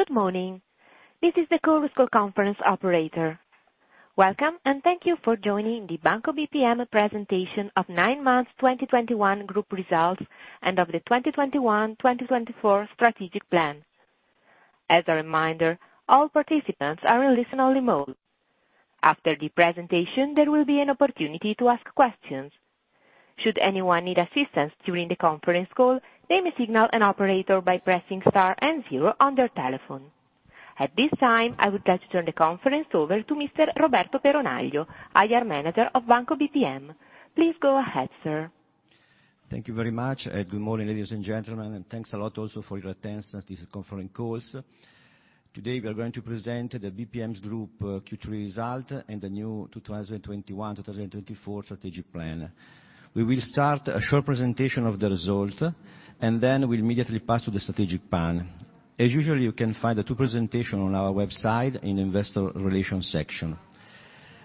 Good morning. This is the conference call operator. Welcome, and thank you for joining the Banco BPM Presentation of Nine Months 2021 Group Results and of the 2021-2024 Strategic Plan. As a reminder, all participants are in listen only mode. After the presentation, there will be an opportunity to ask questions. Should anyone need assistance during the conference call, they may signal an operator by pressing star and zero on their telephone. At this time, I would like to turn the conference over to Mr. Roberto Peronaglio, IR Manager of Banco BPM. Please go ahead, sir. Thank you very much, and good morning, ladies and gentlemen. Thanks a lot also for your attendance at this conference call, sir. Today we are going to present the Banco BPM Group's Q3 results and the new 2021-2024 strategic plan. We will start with a short presentation of the results, and then we'll immediately pass to the strategic plan. As usual, you can find the two presentations on our website in the Investor Relations section.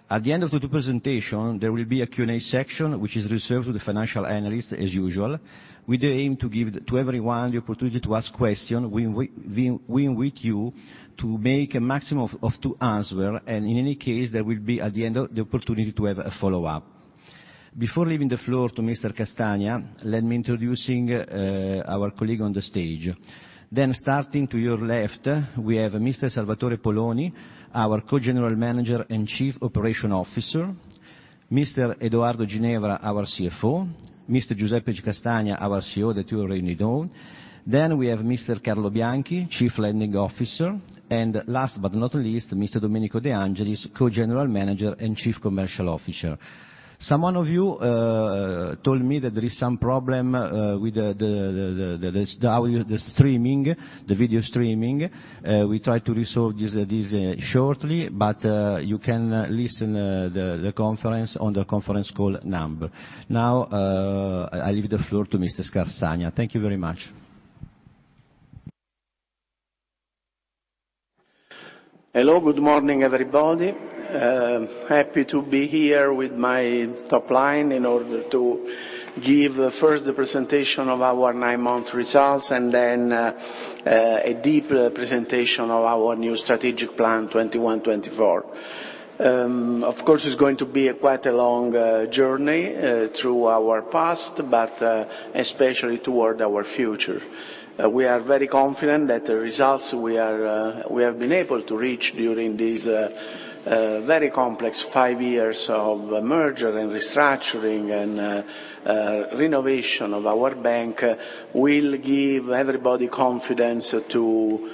At the end of the two presentations, there will be a Q&A section which is reserved to the financial analysts as usual. With the aim to give to everyone the opportunity to ask questions, we invite you to make a maximum of two answers, and in any case there will be at the end the opportunity to have a follow-up. Before leaving the floor to Mr. Castagna, let me introducing our colleague on the stage. Starting to your left, we have Mr. Salvatore Poloni, our co-general manager and chief operation officer, Mr. Edoardo Ginevra, our CFO, Mr. Giuseppe Castagna, our CEO, that you already know. We have Mr. Carlo Bianchi, chief lending officer, and last but not least, Mr. Domenico De Angelis, co-general manager and chief commercial officer. Some of you told me that there is some problem with the audio, the streaming, the video streaming. We try to resolve this shortly, but you can listen the conference on the conference call number. Now, I leave the floor to Mr. Castagna. Thank you very much. Hello. Good morning, everybody. Happy to be here with my top line in order to give first the presentation of our nine-month results and then a deeper presentation of our new strategic plan, 2021-2024. Of course, it's going to be quite a long journey through our past, but especially toward our future. We are very confident that the results we have been able to reach during these very complex five years of merger and restructuring and renovation of our bank will give everybody confidence to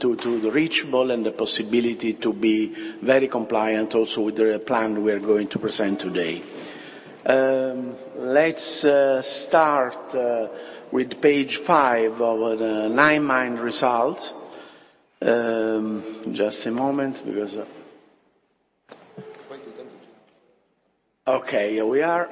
the reachable and the possibility to be very compliant also with the plan we are going to present today. Let's start with page five of the nine-month result. Just a moment because... Wait a second. Okay, we are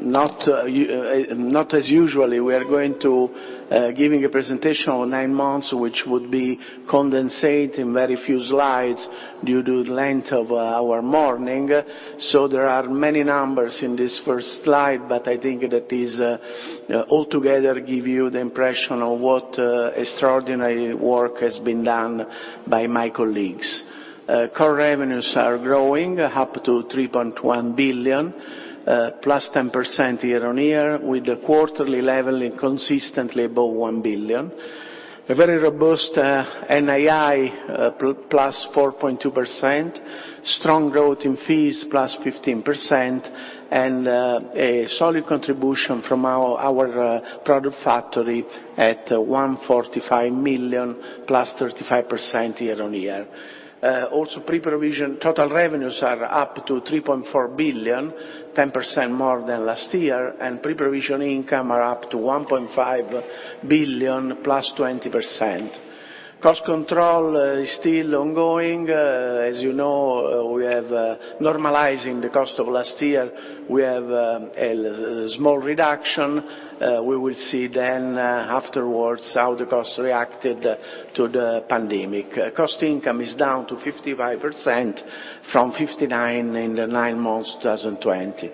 not as usual. We are going to give a presentation on nine months, which would be condensed in very few slides due to length of our morning. There are many numbers in this first slide, but I think that all together give you the impression of what extraordinary work has been done by my colleagues. Core revenues are growing up to 3.1 billion +10% year-on-year, with a quarterly level consistently above 1 billion. A very robust NII plus 4.2%, strong growth in fees +15%, and a solid contribution from our product factory at 145 million +35% year-on-year. Also, pre-provision total revenues are up to 3.4 billion, 10% more than last year, and pre-provision income are up to 1.5 billion plus 20%. Cost control is still ongoing. As you know, we have normalizing the cost of last year, we have a small reduction. We will see then afterwards how the cost reacted to the pandemic. Cost income is down to 55% from 59% in the nine months 2020.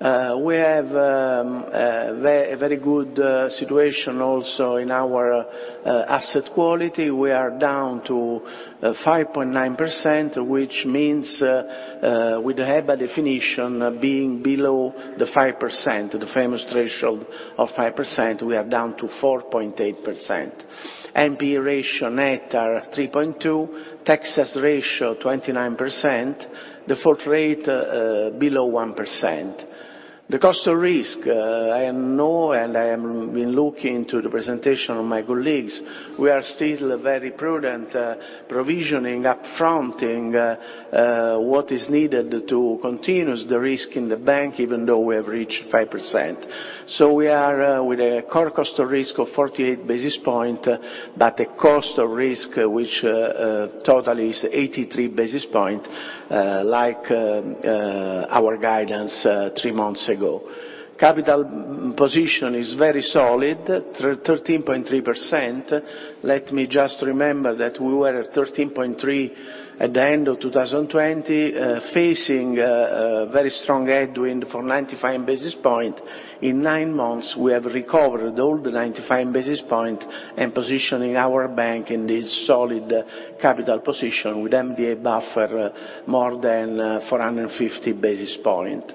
We have a very good situation also in our asset quality. We are down to 5.9%, which means with the EBA definition being below the 5%, the famous threshold of 5%, we are down to 4.8%. NP ratio net are 3.2. Texas ratio 29%. Default rate below 1%. The cost of risk, I know and I am looking at the presentation of my colleagues, we are still very prudent, provisioning, up-fronting, what is needed to contain the risk in the bank even though we have reached 5%. We are with a core cost of risk of 48 basis points, but a cost of risk which total is 83 basis points, like our guidance three months ago. Capital position is very solid, 13.3%. Let me just remember that we were at 13.3% at the end of 2020, facing a very strong headwind from 95 basis points. In nine months, we have recovered all the 95 basis points and positioned our bank in this solid capital position with MDA buffer more than 450 basis points.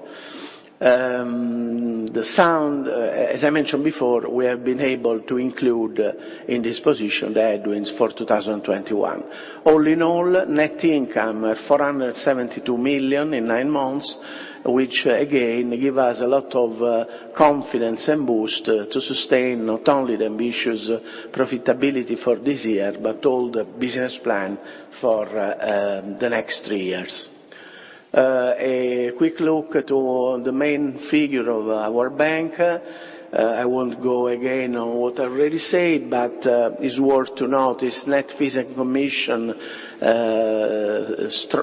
The standpoint, as I mentioned before, we have been able to include in this position the headwinds for 2021. All in all, net income 472 million in nine months, which again gives us a lot of confidence and boost to sustain not only the ambitious profitability for this year, but all the business plan for the next three years. A quick look at all the main figures of our bank. I won't go again on what I already said, but it's worth to notice net fees and commissions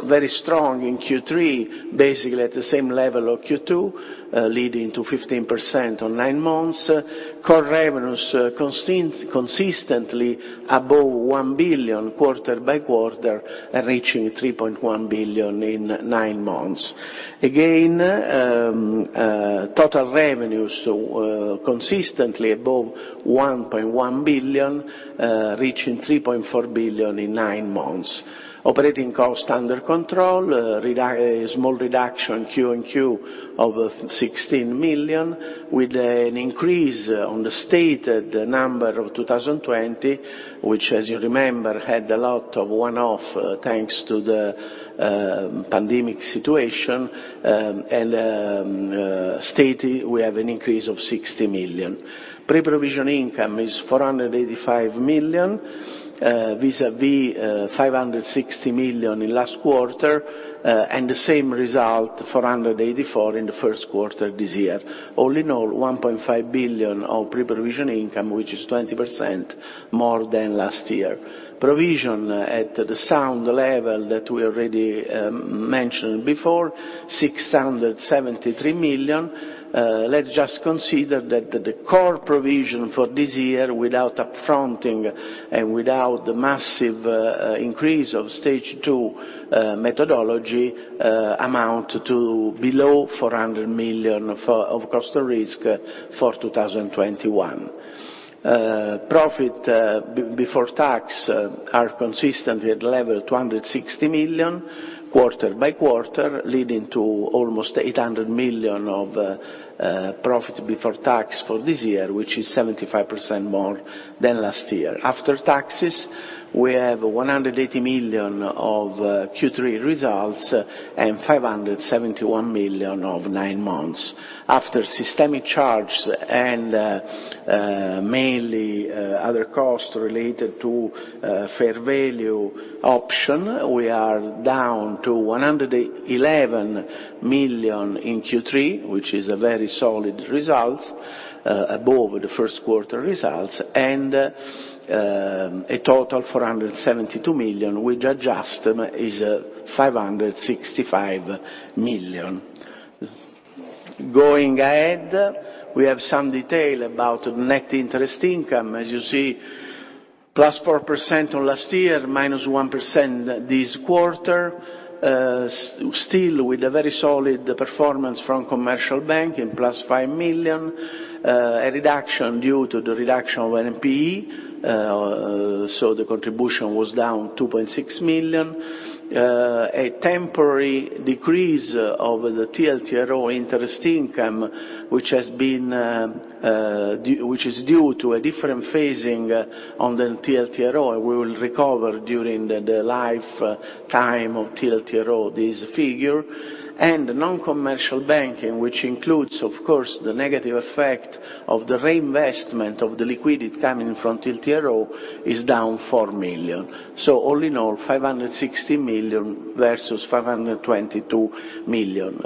very strong in Q3, basically at the same level of Q2, leading to 15% on nine months. Core revenues consistently above 1 billion quarter by quarter, reaching 3.1 billion in nine months. Again, total revenues consistently above 1.1 billion, reaching 3.4 billion in nine months. Operating cost under control, a small reduction Q-and-Q of 16 million, with an increase on the stated number of 2020, which as you remember, had a lot of one-off thanks to the pandemic situation, and stated we have an increase of 60 million. Pre-provision income is 485 million vis-à-vis 560 million in last quarter, and the same result, 484 million, in the first quarter this year. All in all, 1.5 billion of pre-provision income, which is 20% more than last year. Provision at the same level that we already mentioned before, 673 million. Let's just consider that the core provision for this year without up-fronting and without the massive increase of stage two methodology amount to below 400 million of cost of risk for 2021. Profit before tax are consistently at level 260 million quarter by quarter, leading to almost 800 million of profit before tax for this year, which is 75% more than last year. After taxes, we have 180 million of Q3 results and 571 million of nine months. After systemic charge and mainly other costs related to fair value option, we are down to 111 million in Q3, which is a very solid results above the first quarter results, and a total 472 million, which adjusted is 565 million. Going ahead, we have some detail about net interest income. As you see, +4% on last year, -1% this quarter, still with a very solid performance from commercial bank and +5 million, a reduction due to the reduction of NPE, so the contribution was down 2.6 million. A temporary decrease of the TLTRO interest income, which has been due, which is due to a different phasing on the TLTRO, and we will recover during the lifetime of TLTRO, this figure. Non-commercial banking, which includes, of course, the negative effect of the reinvestment of the liquidity coming from TLTRO, is down 4 million. All in all, 560 million versus 522 million.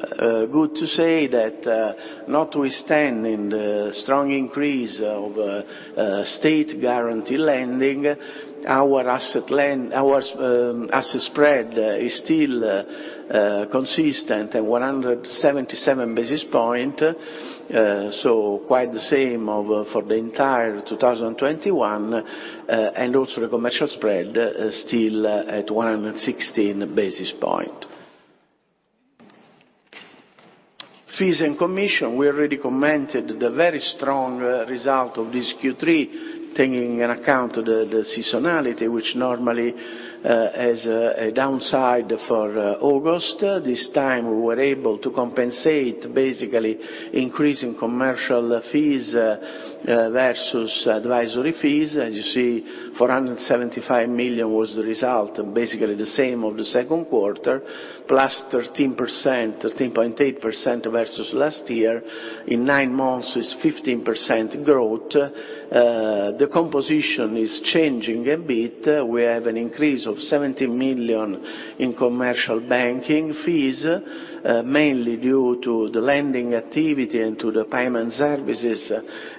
Good to say that, notwithstanding the strong increase of state guarantee lending, our asset lend... Our asset spread is still consistent at 177 basis points, so quite the same as for the entire 2021, and also the commercial spread still at 116 basis points. Fees and commissions, we already commented on the very strong result of this Q3, taking into account the seasonality, which normally has a downside for August. This time, we were able to compensate basically by increasing commercial fees versus advisory fees. As you see, 475 million was the result, basically the same as the second quarter, plus 13.8% versus last year. In nine months, it's 15% growth. The composition is changing a bit. We have an increase of 17 million in commercial banking fees, mainly due to the lending activity and to the payment services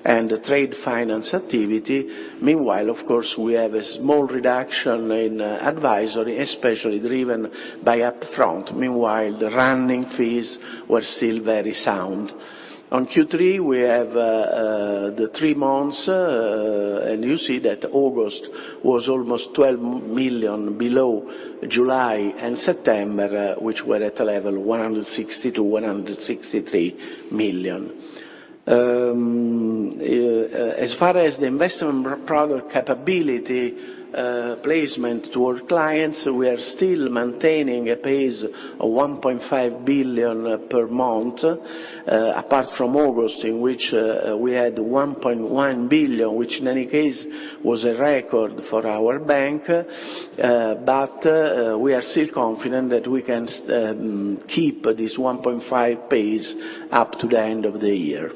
and trade finance activity. Meanwhile, of course, we have a small reduction in advisory, especially driven by upfront. Meanwhile, the running fees were still very sound. On Q3, we have the three months, and you see that August was almost 12 million below July and September, which were at a level 162, 163 million. As far as the investment product capability, placement to our clients, we are still maintaining a pace of 1.5 billion per month, apart from August, in which we had 1.1 billion, which in any case was a record for our bank. But we are still confident that we can keep this 1.5 pace up to the end of the year.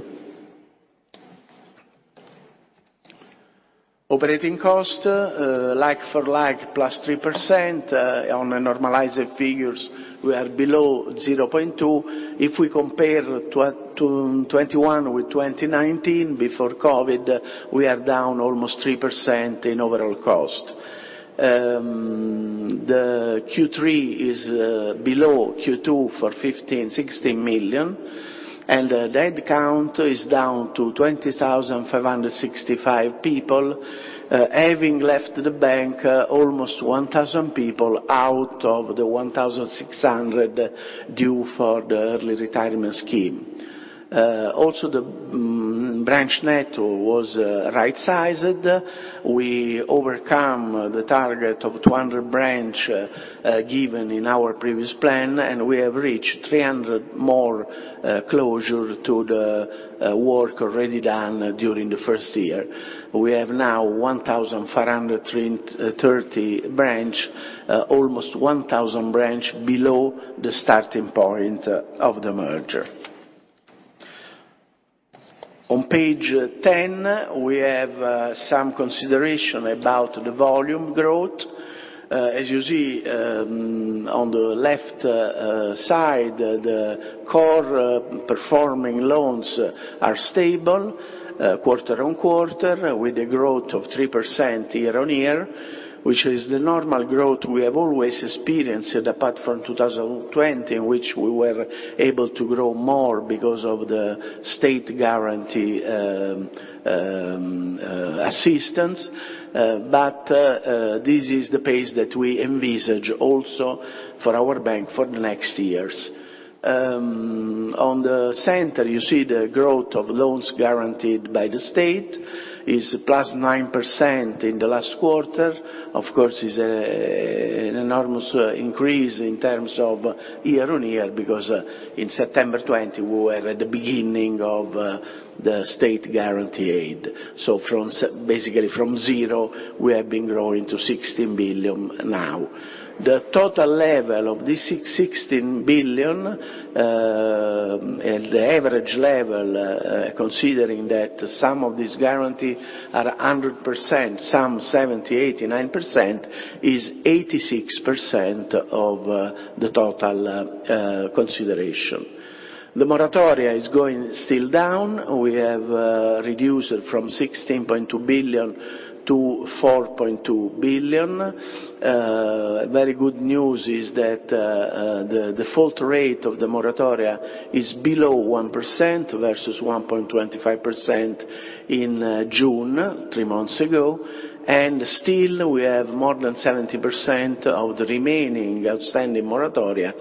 Operating cost, like for like +3%. On the normalized figures, we are below 0.2. If we compare 2021 with 2019, before COVID, we are down almost 3% in overall cost. The Q3 is below Q2 for 15 million-16 million, and the head count is down to 20,565 people, having left the bank, almost 1,000 people out of the 1,600 due for the early retirement scheme. Also the branch net was right-sized. We overcome the target of 200 branches given in our previous plan, and we have reached 300 more closures to the work already done during the first year. We have now 1,530 branches, almost 1,000 branches below the starting point of the merger. On page 10, we have some consideration about the volume growth. As you see, on the left side, the core performing loans are stable quarter-on-quarter, with a growth of 3% year-on-year, which is the normal growth we have always experienced apart from 2020, in which we were able to grow more because of the state guarantee assistance. This is the pace that we envisage also for our bank for the next years. On the center, you see the growth of loans guaranteed by the state. It's plus 9% in the last quarter. Of course, it's an enormous increase in terms of year-on-year, because in September 2020, we were at the beginning of the state guarantee aid. So basically from zero, we have been growing to 16 billion now. The total level of this 16 billion, and the average level, considering that some of these guarantee are 100%, some 70%, 89%, is 86% of the total consideration. The moratoria is going still down. We have reduced from 16.2 billion to 4.2 billion. Very good news is that the default rate of the moratoria is below 1% versus 1.25% in June, three months ago. Still we have more than 70% of the remaining outstanding moratoria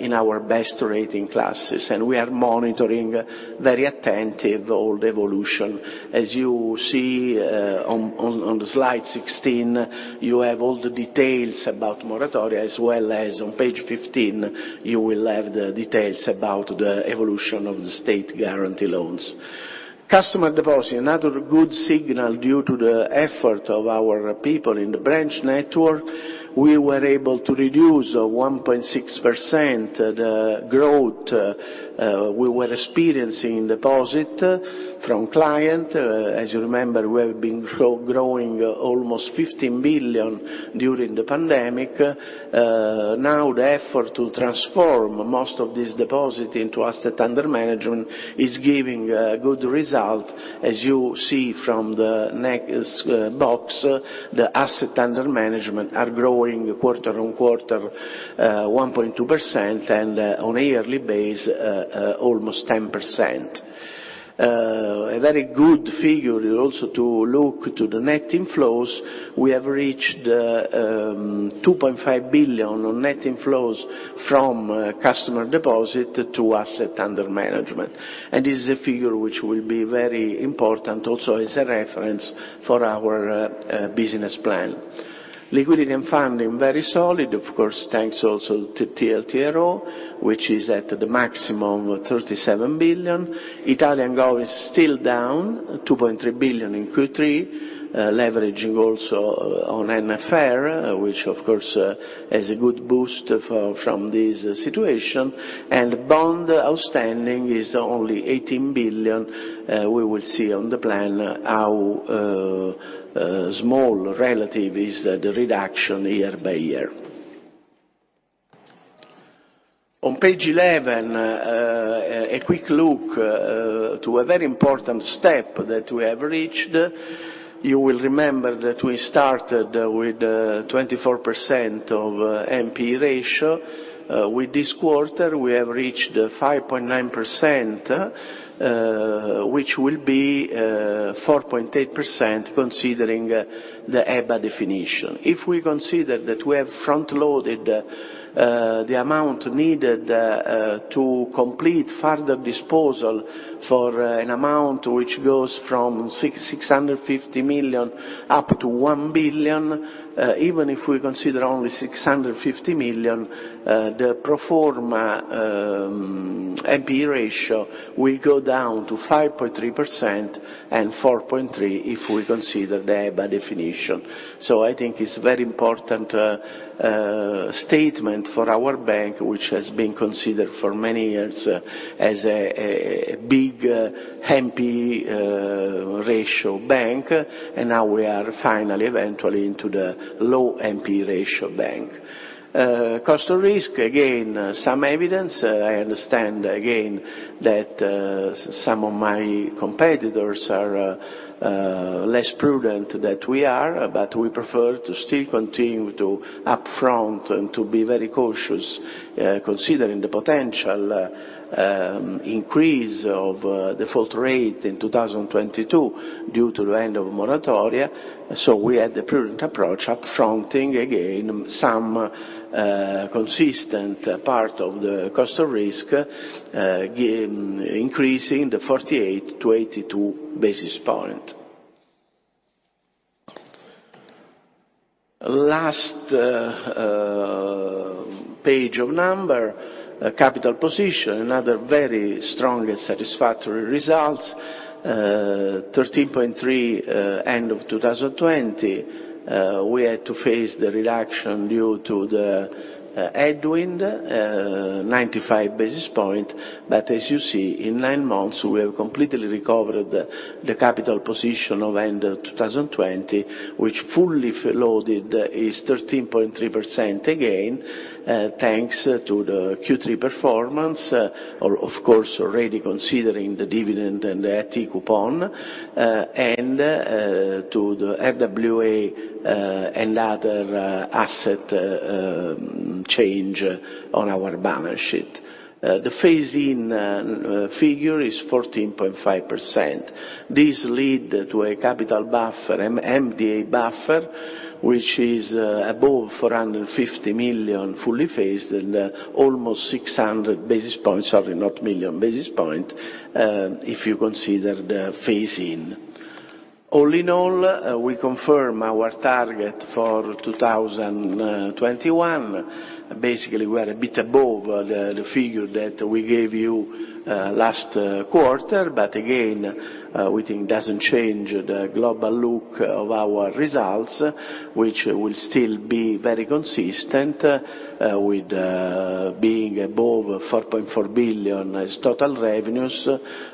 in our best rating classes. We are monitoring very attentive all the evolution. As you see, on the slide 16, you have all the details about moratoria, as well as on page 15, you will have the details about the evolution of the state guarantee loans. Customer deposits, another good signal due to the effort of our people in the branch network. We were able to reduce 1.6% the growth we were experiencing in deposits from clients. As you remember, we have been growing almost 15 billion during the pandemic. Now the effort to transform most of this deposit into assets under management is giving good results. As you see from the next box, the assets under management are growing quarter on quarter 1.2%, and on a yearly basis almost 10%. A very good figure also to look at the net inflows. We have reached 2.5 billion on net inflows from customer deposits to assets under management. This is a figure which will be very important also as a reference for our business plan. Liquidity and funding, very solid, of course, thanks also to TLTRO, which is at the maximum of 37 billion. Italian GO is still down, 2.3 billion in Q3, leveraging also on NFR, which of course has a good boost from this situation. Bond outstanding is only 18 billion. We will see on the plan how small relative is the reduction year by year. On page 11, a quick look to a very important step that we have reached. You will remember that we started with 24% of NPE ratio. With this quarter, we have reached 5.9%, which will be 4.8% considering the EBA definition. If we consider that we have front-loaded the amount needed to complete further disposal for an amount which goes from 650 million to 1 billion, even if we consider only 650 million, the pro forma NPE ratio will go down to 5.3% and 4.3% if we consider the EBA definition. I think it's very important statement for our bank, which has been considered for many years as a big NPE ratio bank, and now we are finally eventually into the low NPE ratio bank. Cost of risk, again, some evidence. I understand again that some of my competitors are less prudent than we are, but we prefer to still continue to upfront and to be very cautious considering the potential increase of default rate in 2022 due to the end of moratoria. We had the prudent approach upfronting again some consistent part of the cost of risk, increasing the 48 basis points-82 basis points. Last page on capital position, another very strong and satisfactory result. 13.3% end of 2020. We had to face the reduction due to the headwind, 95 basis points. As you see, in nine months, we have completely recovered the capital position of end 2020, which fully loaded is 13.3% again, thanks to the Q3 performance, of course, already considering the dividend and the AT1 coupon, and to the RWA and other asset changes on our balance sheet. The phase-in figure is 14.5%. This leads to a capital buffer, MDA buffer, which is above 450 million fully phased and almost 600 basis points, sorry, not million, basis point, if you consider the phase-in. All in all, we confirm our target for 2021. Basically, we're a bit above the figure that we gave you last quarter. Again, we think doesn't change the global look of our results, which will still be very consistent with being above 4.4 billion as total revenues,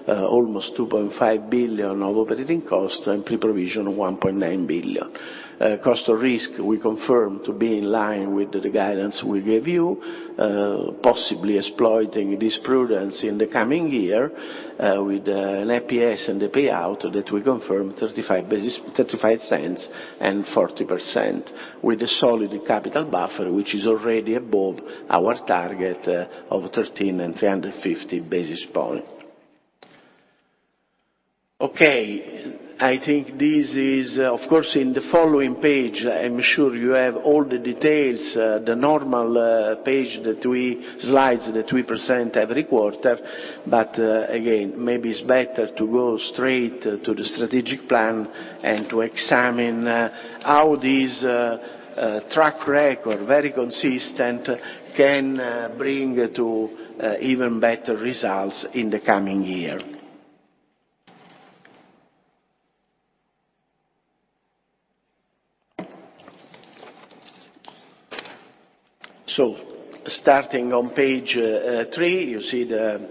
almost 2.5 billion of operating costs and pre-provision 1.9 billion. Cost of risk, we confirm to be in line with the guidance we gave you, possibly exploiting this prudence in the coming year, with an EPS and a payout that we confirm 0.35 and 40% with a solid capital buffer, which is already above our target of 13 and 350 basis points. Okay. I think this is, of course, in the following page. I'm sure you have all the details, the normal slides that we present every quarter. Again, maybe it's better to go straight to the strategic plan and to examine how this track record, very consistent, can bring to even better results in the coming year. Starting on page three, you see the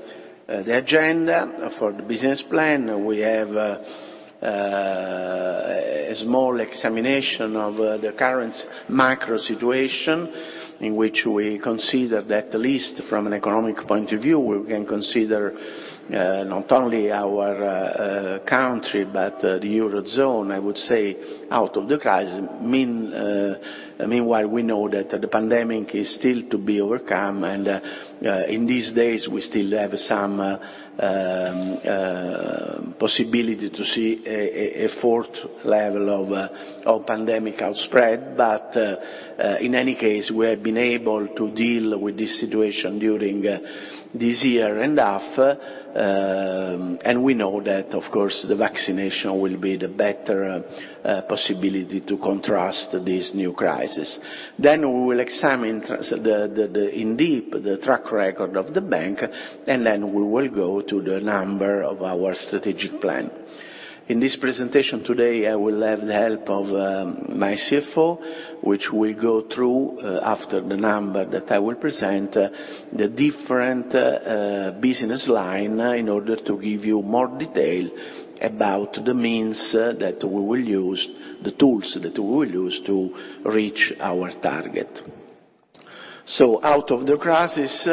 agenda for the business plan. We have a small examination of the current macro situation in which we consider that at least from an economic point of view, we can consider not only our country, but the Eurozone, I would say, out of the crisis. Meanwhile, we know that the pandemic is still to be overcome. In these days, we still have some possibility to see a fourth wave of the pandemic outbreak. In any case, we have been able to deal with this situation during this year and a half. We know that, of course, the vaccination will be the better possibility to contrast this new crisis. We will examine in depth the track record of the bank, and we will go to the numbers of our strategic plan. In this presentation today, I will have the help of my CFO, which we go through after the number that I will present, the different business line in order to give you more detail about the means that we will use, the tools that we will use to reach our target. Out of the crisis,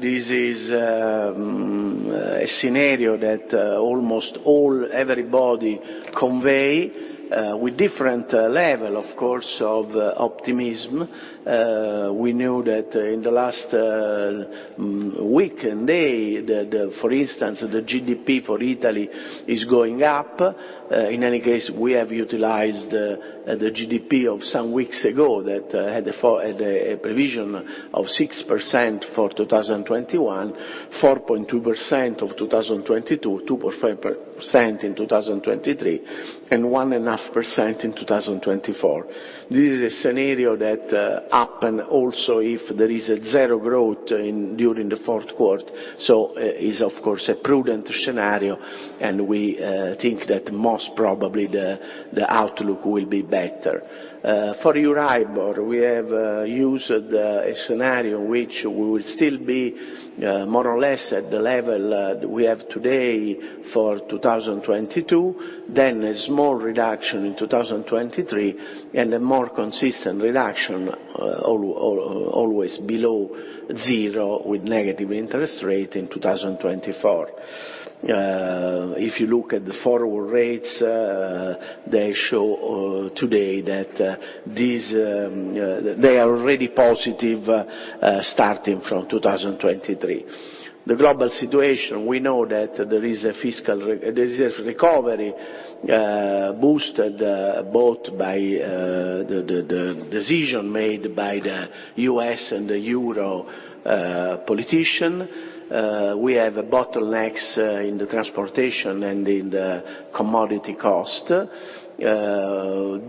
this is a scenario that almost all everybody convey with different level, of course, of optimism. We knew that in the last week and day that, for instance, the GDP for Italy is going up. In any case, we have utilized the GDP of some weeks ago that had the provision of 6% for 2021, 4.2% for 2022, 2.5% in 2023, and 1.5% in 2024. This is a scenario that happens also if there is zero growth during the fourth quarter. It's of course a prudent scenario, and we think that most probably the outlook will be better. For Euribor, we have used a scenario which will still be more or less at the level we have today for 2022, then a small reduction in 2023, and a more consistent reduction always below zero with negative interest rate in 2024. If you look at the forward rates, they show today that they are already positive starting from 2023. The global situation, we know that there is a recovery boosted both by the decisions made by the U.S. and the European politicians. We have bottlenecks in the transportation and in the commodity cost.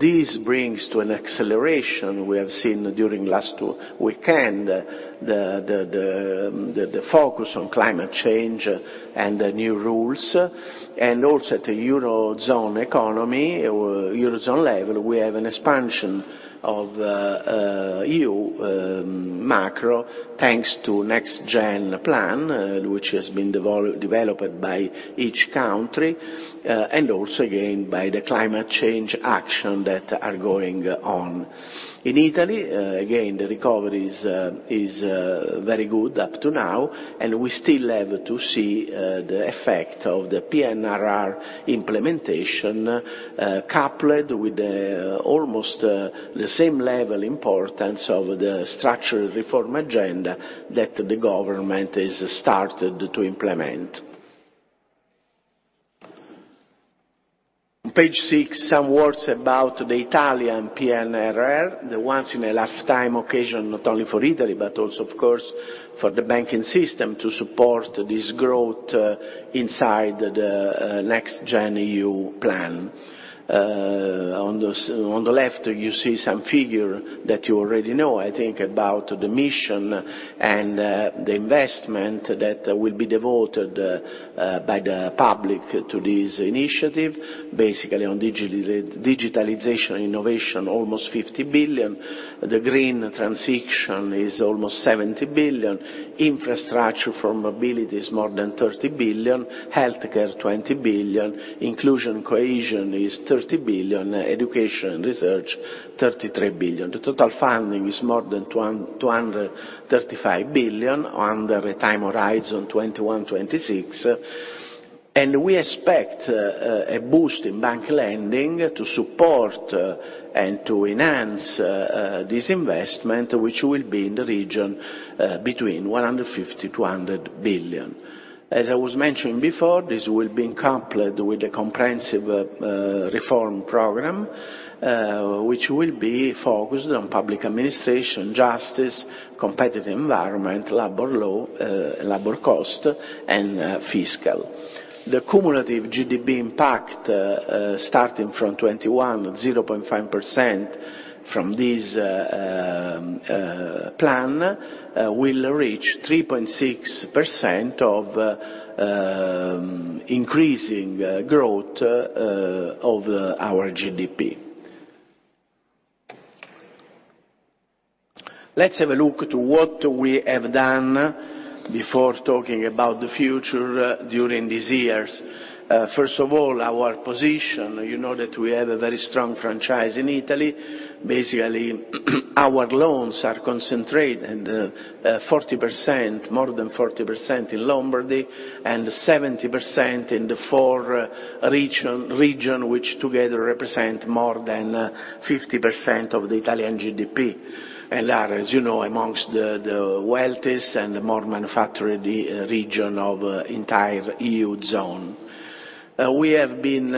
This brings to an acceleration we have seen during last weekend, the focus on climate change and the new rules, and also at the Eurozone economy or Eurozone level, we have an expansion of EU macro, thanks to NextGenerationEU, which has been developed by each country, and also again, by the climate change action that are going on. In Italy, the recovery is very good up to now, and we still have to see the effect of the PNRR implementation, coupled with almost the same level importance of the structural reform agenda that the government has started to implement. On page six, some words about the Italian PNRR, the once-in-a-lifetime occasion, not only for Italy, but also, of course, for the banking system to support this growth inside the NextGen EU plan. On the left, you see some figure that you already know, I think, about the mission and the investment that will be devoted by the public to this initiative. Basically, on digitalization innovation, almost 50 billion. The green transition is almost 70 billion. Infrastructure for mobility is more than 30 billion. Healthcare, 20 billion. Inclusion cohesion is 30 billion. Education and research, 33 billion. The total funding is more than 125 billion under a time horizon 2021-2026. We expect a boost in bank lending to support and to enhance this investment, which will be in the region between 150 billion-200 billion. As I was mentioning before, this will be coupled with a comprehensive reform program, which will be focused on public administration, justice, competitive environment, labor law, labor cost, and fiscal. The cumulative GDP impact starting from 2021, 0.5% from this plan, will reach 3.6% of increasing growth of our GDP. Let's have a look to what we have done before talking about the future during these years. First of all, our position, you know that we have a very strong franchise in Italy. Basically, our loans are concentrated, 40%, more than 40% in Lombardy, and 70% in the four regions, which together represent more than 50% of the Italian GDP. They are, as you know, amongst the wealthiest and the more manufacturing regions of the entire eurozone. We have been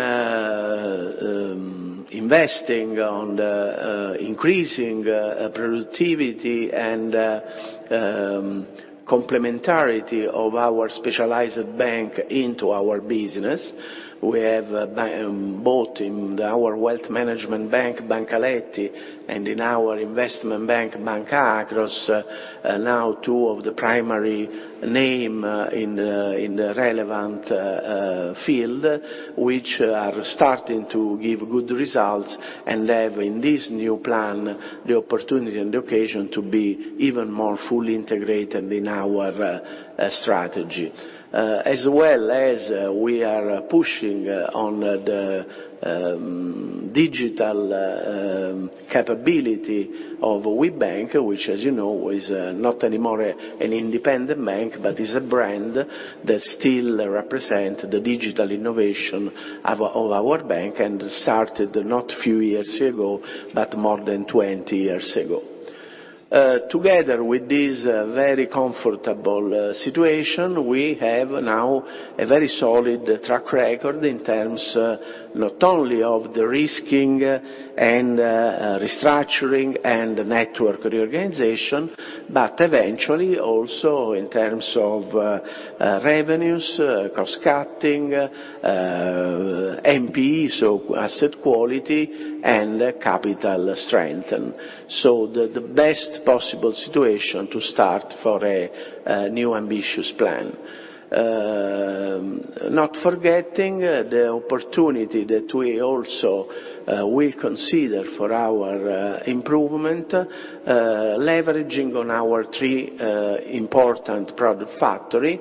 investing on the increasing productivity and complementarity of our specialized bank into our business. We have bought in our wealth management bank, Banca Aletti, and in our investment bank, Banca Akros, now two of the primary names in the relevant field, which are starting to give good results and have in this new plan the opportunity and occasion to be even more fully integrated in our strategy. As well as we are pushing on the digital capability of Webank, which as you know, is not anymore an independent bank, but is a brand that still represent the digital innovation of our bank and started not few years ago, but more than 20 years ago. Together with this very comfortable situation, we have now a very solid track record in terms not only of the de-risking and restructuring and network reorganization, but eventually also in terms of revenues, cost cutting, NPLs, so asset quality and capital strengthening. The best possible situation to start for a new ambitious plan. Not forgetting the opportunity that we also will consider for our improvement, leveraging on our three important product factory,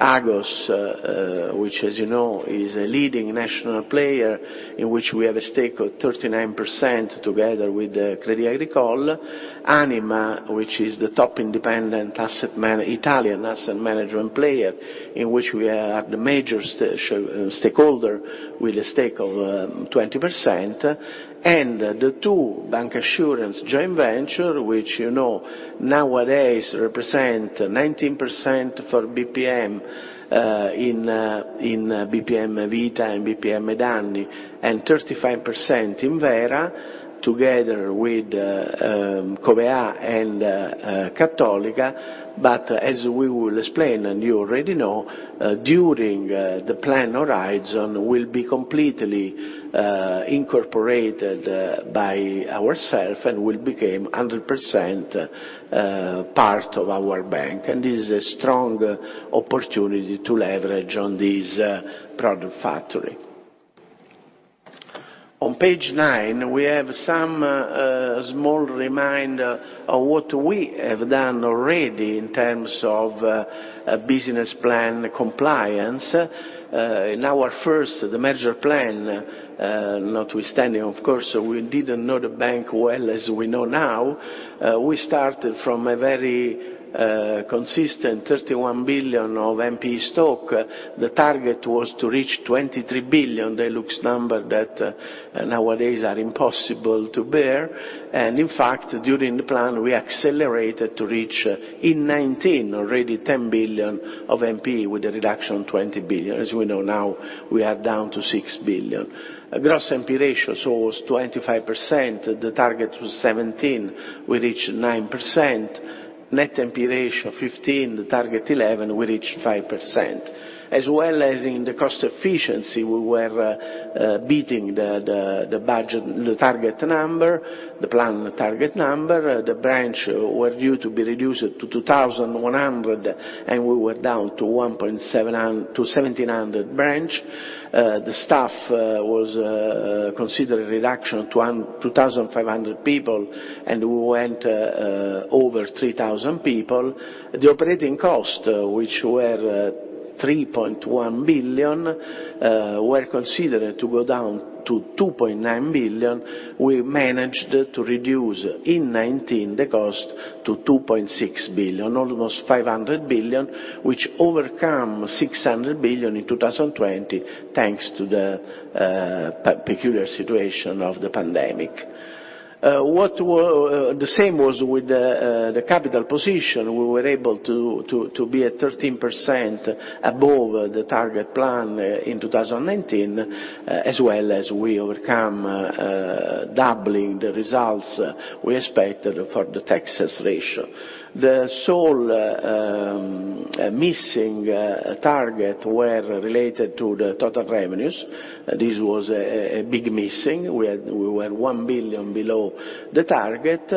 Agos, which as you know, is a leading national player, in which we have a stake of 39% together with Crédit Agricole. Anima, which is the top independent Italian asset management player, in which we are the major stakeholder with a stake of 20%. The two bancassurance joint venture, which, you know, nowadays represent 19% for BPM in BPM Vita and BPM Danni, and 35% in Vera, together with Covéa and Cattolica. As we will explain, and you already know, during the plan horizon will be completely incorporated by ourself and will became 100% part of our bank. This is a strong opportunity to leverage on this product factory. On page nine, we have some small remind of what we have done already in terms of business plan compliance. In our first major plan, notwithstanding of course, we didn't know the bank well as we know now. We started from a very consistent 31 billion of NPE stock. The target was to reach 23 billion. These look like numbers that nowadays are impossible to bear. In fact, during the plan, we accelerated to reach in 2019 already 10 billion of NPE with a reduction of 20 billion. As we know now, we are down to 6 billion. Gross NPE ratio, so it was 25%, the target was 17%, we reached 9%. Net NPE ratio 15%, the target 11%, we reached 5%. As well as in the cost efficiency, we were beating the budget, the target number, the plan target number. The branches were due to be reduced to 2,100, and we were down to 1,700 branches. The staff was considered a reduction to 2,500 people, and we went over 3,000 people. The operating costs, which were 3.1 billion, were considered to go down to 2.9 billion. We managed to reduce in 2019 the costs to 2.6 billion, almost 500 million, which became over 600 million in 2020, thanks to the peculiar situation of the pandemic. The same was with the capital position. We were able to be at 13% above the target plan in 2019, as well as we overcome doubling the results we expected for the Texas ratio. The sole missing target were related to the total revenues. This was a big missing. We were 1 billion below the target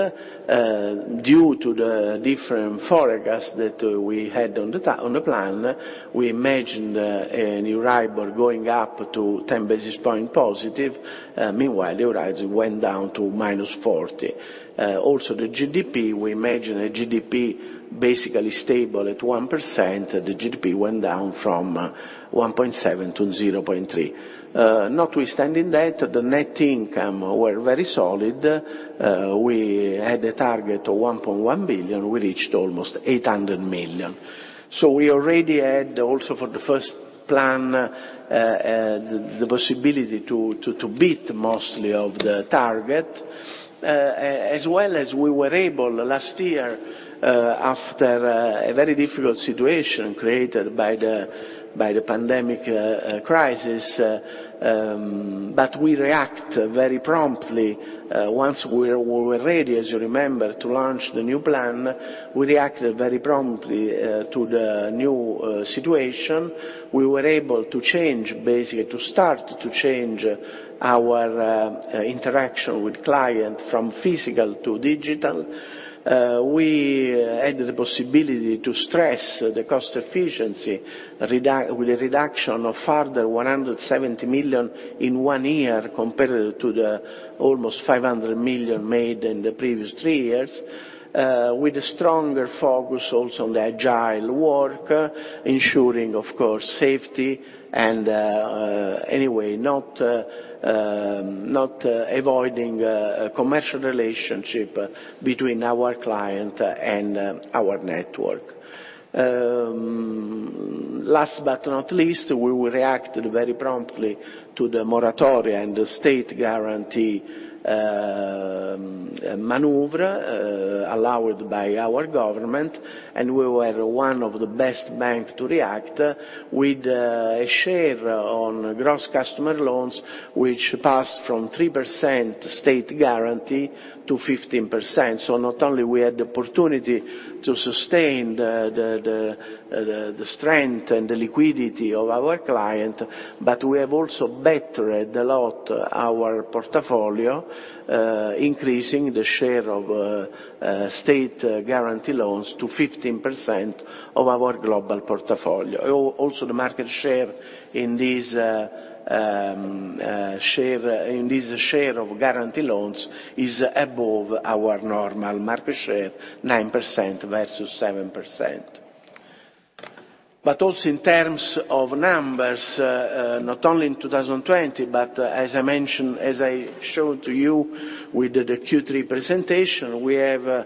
due to the different forecasts that we had on the plan. We imagined a new Euribor going up to 10 basis points positive. Meanwhile, Euribor went down to minus 40. Also the GDP, we imagined a GDP basically stable at 1%. The GDP went down from 1.7% to 0.3%. Notwithstanding that, the net income were very solid. We had a target of 1.1 billion. We reached almost 800 million. We already had also for the first plan the possibility to beat mostly of the target, as well as we were able last year after a very difficult situation created by the pandemic crisis, but we react very promptly. Once we were ready, as you remember, to launch the new plan, we reacted very promptly to the new situation. We were able to change, basically to start to change our interaction with client from physical to digital. We had the possibility to stress the cost efficiency with a reduction of further 170 million in one year compared to the almost 500 million made in the previous three years, with a stronger focus also on the agile work, ensuring, of course, safety and, anyway, not avoiding a commercial relationship between our client and our network. Last but not least, we will react very promptly to the moratoria and the state guarantee maneuver allowed by our government, and we were one of the best banks to react with a share on gross customer loans, which passed from 3% state guarantee to 15%. not only we had the opportunity to sustain the strength and the liquidity of our client, but we have also bettered a lot our portfolio, increasing the share of state guarantee loans to 15% of our global portfolio. Also, the market share in this share of guarantee loans is above our normal market share, 9% versus 7%. also in terms of numbers, not only in 2020, but as I mentioned, as I showed to you with the Q3 presentation, we have a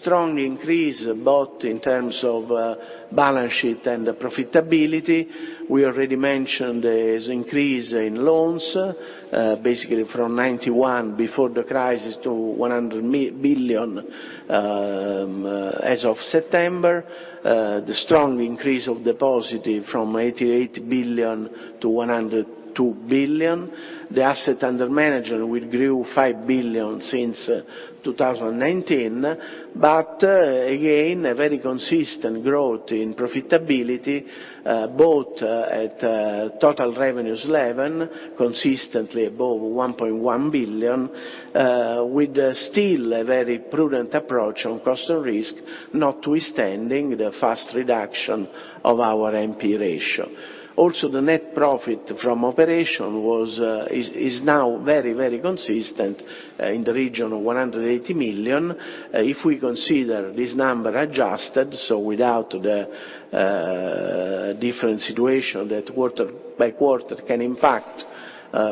strong increase both in terms of balance sheet and profitability. We already mentioned this increase in loans, basically from 91 billion before the crisis to 100 billion as of September. The strong increase of deposit from 88 billion to 102 billion. The asset under management will grew 5 billion since 2019. Again, a very consistent growth in profitability, both at total revenues level, consistently above 1.1 billion, with still a very prudent approach on cost of risk, notwithstanding the fast reduction of our NPE ratio. Also, the net profit from operation is now very, very consistent in the region of 180 million. If we consider this number adjusted, so without the different situation that quarter by quarter can impact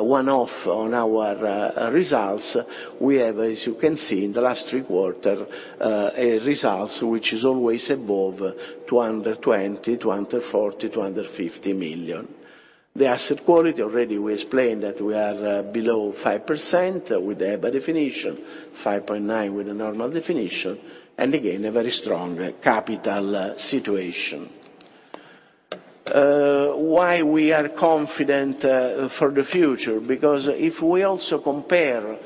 one-off on our results, we have, as you can see in the last three quarters, a result which is always above 220 million, 240 million, 250 million. The asset quality, already we explained that we are below 5% with the EBA definition, 5.9% with the normal definition, and again, a very strong capital situation. Why we are confident for the future? Because if we also compare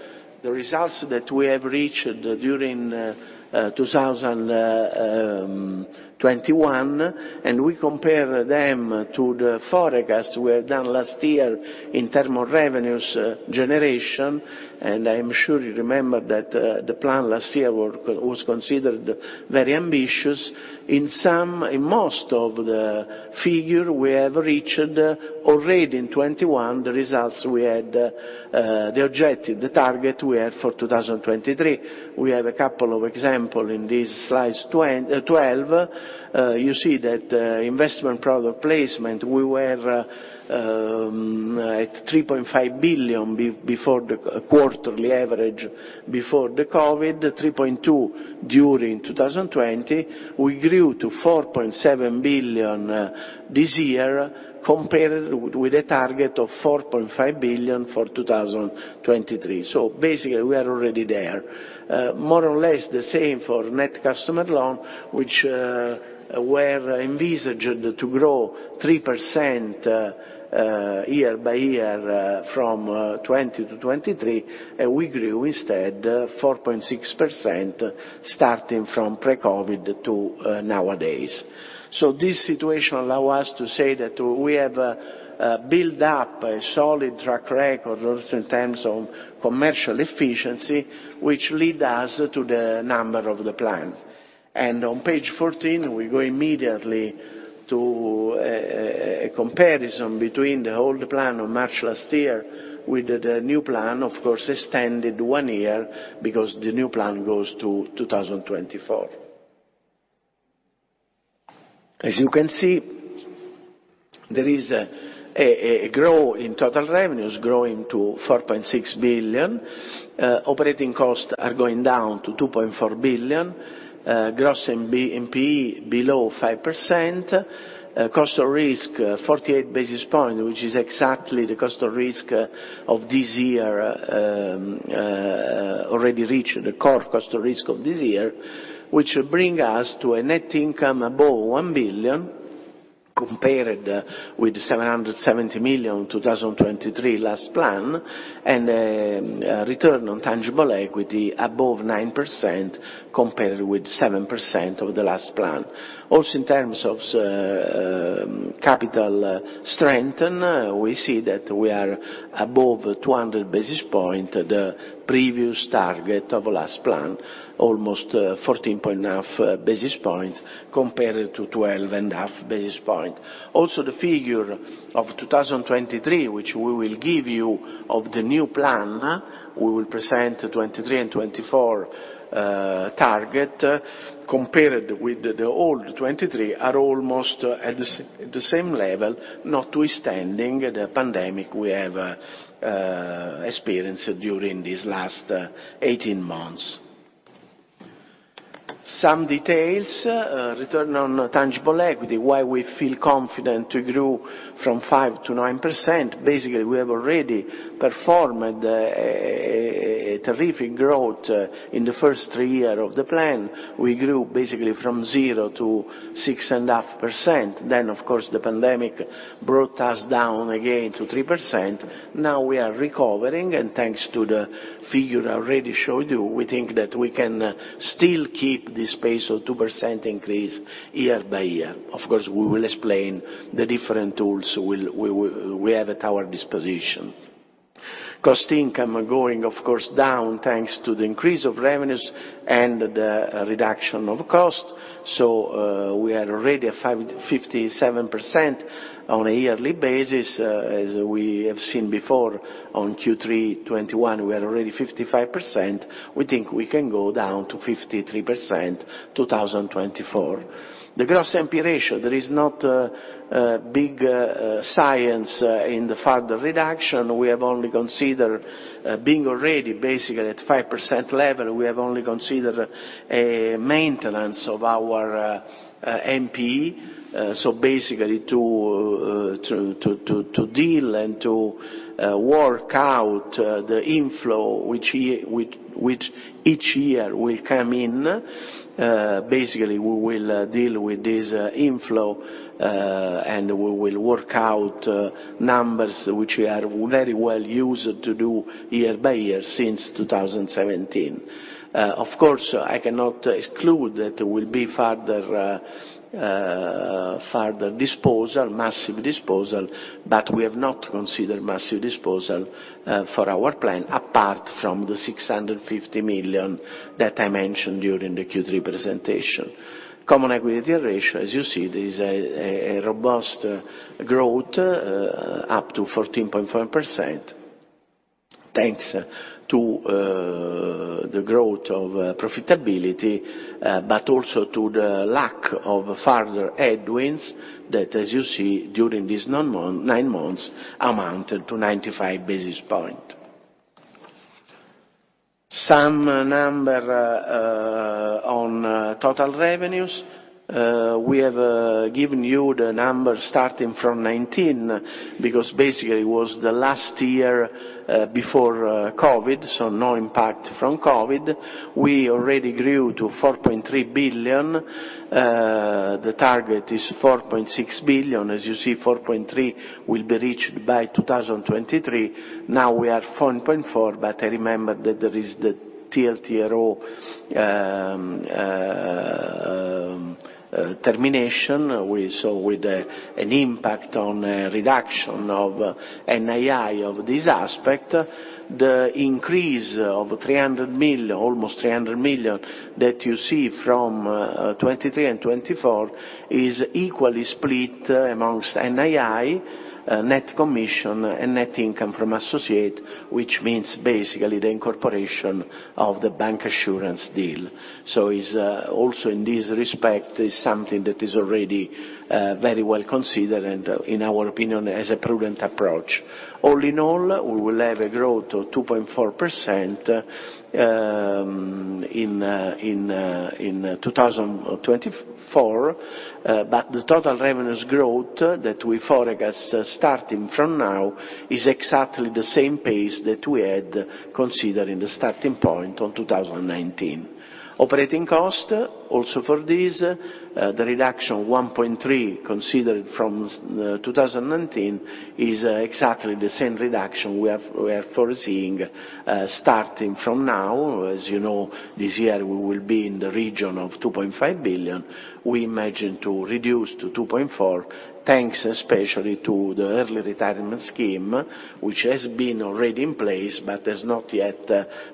the results that we have reached during 2021, and we compare them to the forecast we have done last year in terms of revenues generation, and I am sure you remember that the plan last year was considered very ambitious, in most of the figures we have reached already in 2021 the results we had, the objective, the target we had for 2023. We have a couple of examples in this slide 12. You see that investment product placement, we were at 3.5 billion before the quarterly average before the COVID, 3.2 billion during 2020. We grew to 4.7 billion this year compared with a target of 4.5 billion for 2023. Basically we are already there. More or less the same for net customer loan, which were envisaged to grow 3% year by year from 2020 to 2023. We grew 4.6% starting from pre-COVID to nowadays. This situation allows us to say that we have built up a solid track record in terms of commercial efficiency, which leads us to the number of the plan. On page 14, we go immediately to a comparison between the old plan of March last year with the new plan, of course, extended one year because the new plan goes to 2024. As you can see, there is a growth in total revenues growing to 4.6 billion. Operating costs are going down to 2.4 billion. Gross NPE below 5%. Cost of risk 48 basis points, which is exactly the cost of risk of this year already reached the core cost of risk of this year, which brings us to a net income above 1 billion compared with 770 million 2023 last plan and a return on tangible equity above 9% compared with 7% of the last plan. In terms of capital strength, we see that we are above 200 basis points, the previous target of last plan, almost 14.5 basis points compared to 12.5 basis points. The figure of 2023, which we will give you of the new plan, we will present 2023 and 2024 target compared with the old 2023 are almost at the same level, notwithstanding the pandemic we have experienced during these last 18 months. Some details, return on tangible equity, why we feel confident to grow from 5%-9%. Basically, we have already performed a terrific growth in the first three years of the plan. We grew basically from zero to 6.5%. Then of course, the pandemic brought us down again to 3%. Now we are recovering, and thanks to the figure I already showed you, we think that we can still keep this pace of 2% increase year by year. Of course, we will explain the different tools we have at our disposition. Cost income going, of course, down thanks to the increase of revenues and the reduction of costs. We are already at 57% on a yearly basis, as we have seen before on Q3 2021, we are already 55%. We think we can go down to 53%, 2024. The gross NPE ratio, there is not a big science in the further reduction. We have only considered, being already basically at 5% level, we have only considered a maintenance of our NPE. Basically to deal and to work out the inflow which each year will come in, basically we will deal with this inflow and we will work out numbers which we are very well used to do year by year since 2017. Of course, I cannot exclude that there will be further disposal, massive disposal, but we have not considered massive disposal for our plan, apart from the 650 million that I mentioned during the Q3 presentation. Common equity ratio, as you see, there is a robust growth up to 14.4%, thanks to the growth of profitability, but also to the lack of further headwinds that, as you see, during these nine months, amounted to 95 basis points. Some numbers on total revenues. We have given you the numbers starting from 2019, because basically it was the last year before COVID, so no impact from COVID. We already grew to 4.3 billion. The target is 4.6 billion. As you see, 4.3 will be reached by 2023. Now we are 4.4, but I remember that there is the TLTRO termination. We saw with an impact on a reduction of NII of this aspect, the increase of almost 300 million that you see from 2023 and 2024 is equally split amongst NII, net commissions, and net income from associate, which means basically the incorporation of the bancassurance deal. Is also in this respect something that is already very well considered and in our opinion has a prudent approach. All in all, we will have a growth of 2.4% in 2024, but the total revenues growth that we forecast starting from now is exactly the same pace that we had considered in the starting point in 2019. Operating cost, also for this, the reduction of 1.3 considered from 2019 is exactly the same reduction we are foreseeing starting from now. As you know, this year we will be in the region of 2.5 billion. We imagine to reduce to 2.4 billion, thanks especially to the early retirement scheme, which has been already in place, but has not yet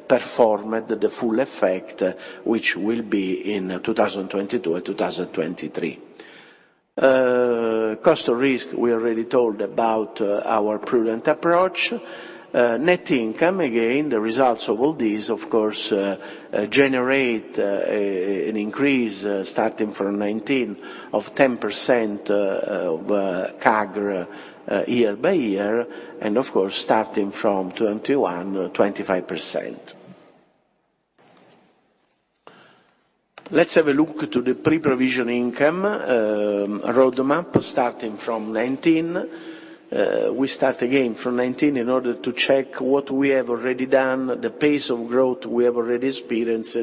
performed the full effect, which will be in 2022 and 2023. Cost of risk, we already told about our prudent approach. Net income, again, the results of all this, of course, generate an increase starting from 2019 of 10% CAGR year by year, and of course, starting from 2021, 25%. Let's have a look to the pre-provision income roadmap starting from 2019. We start again from 2019 in order to check what we have already done, the pace of growth we have already experienced,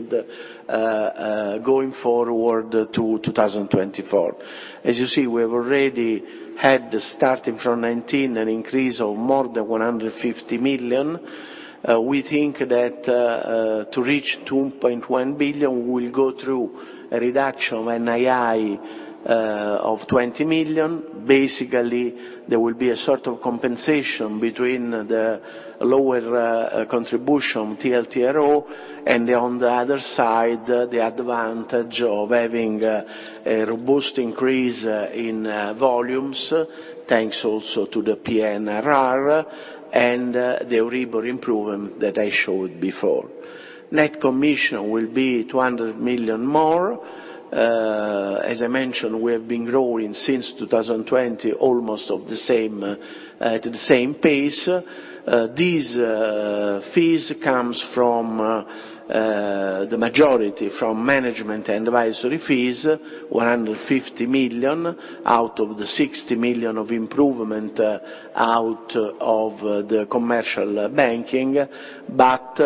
going forward to 2024. As you see, we have already had, starting from 2019, an increase of more than 150 million. We think that to reach 2.1 billion, we will go through a reduction of NII of 20 million. Basically, there will be a sort of compensation between the lower contribution TLTRO, and on the other side, the advantage of having a robust increase in volumes, thanks also to the PNRR and the Euribor improvement that I showed before. Net commission will be 200 million more. As I mentioned, we have been growing since 2020 almost at the same pace. These fees come from the majority from management and advisory fees, 150 million out of the 60 million of improvement out of the commercial banking. Out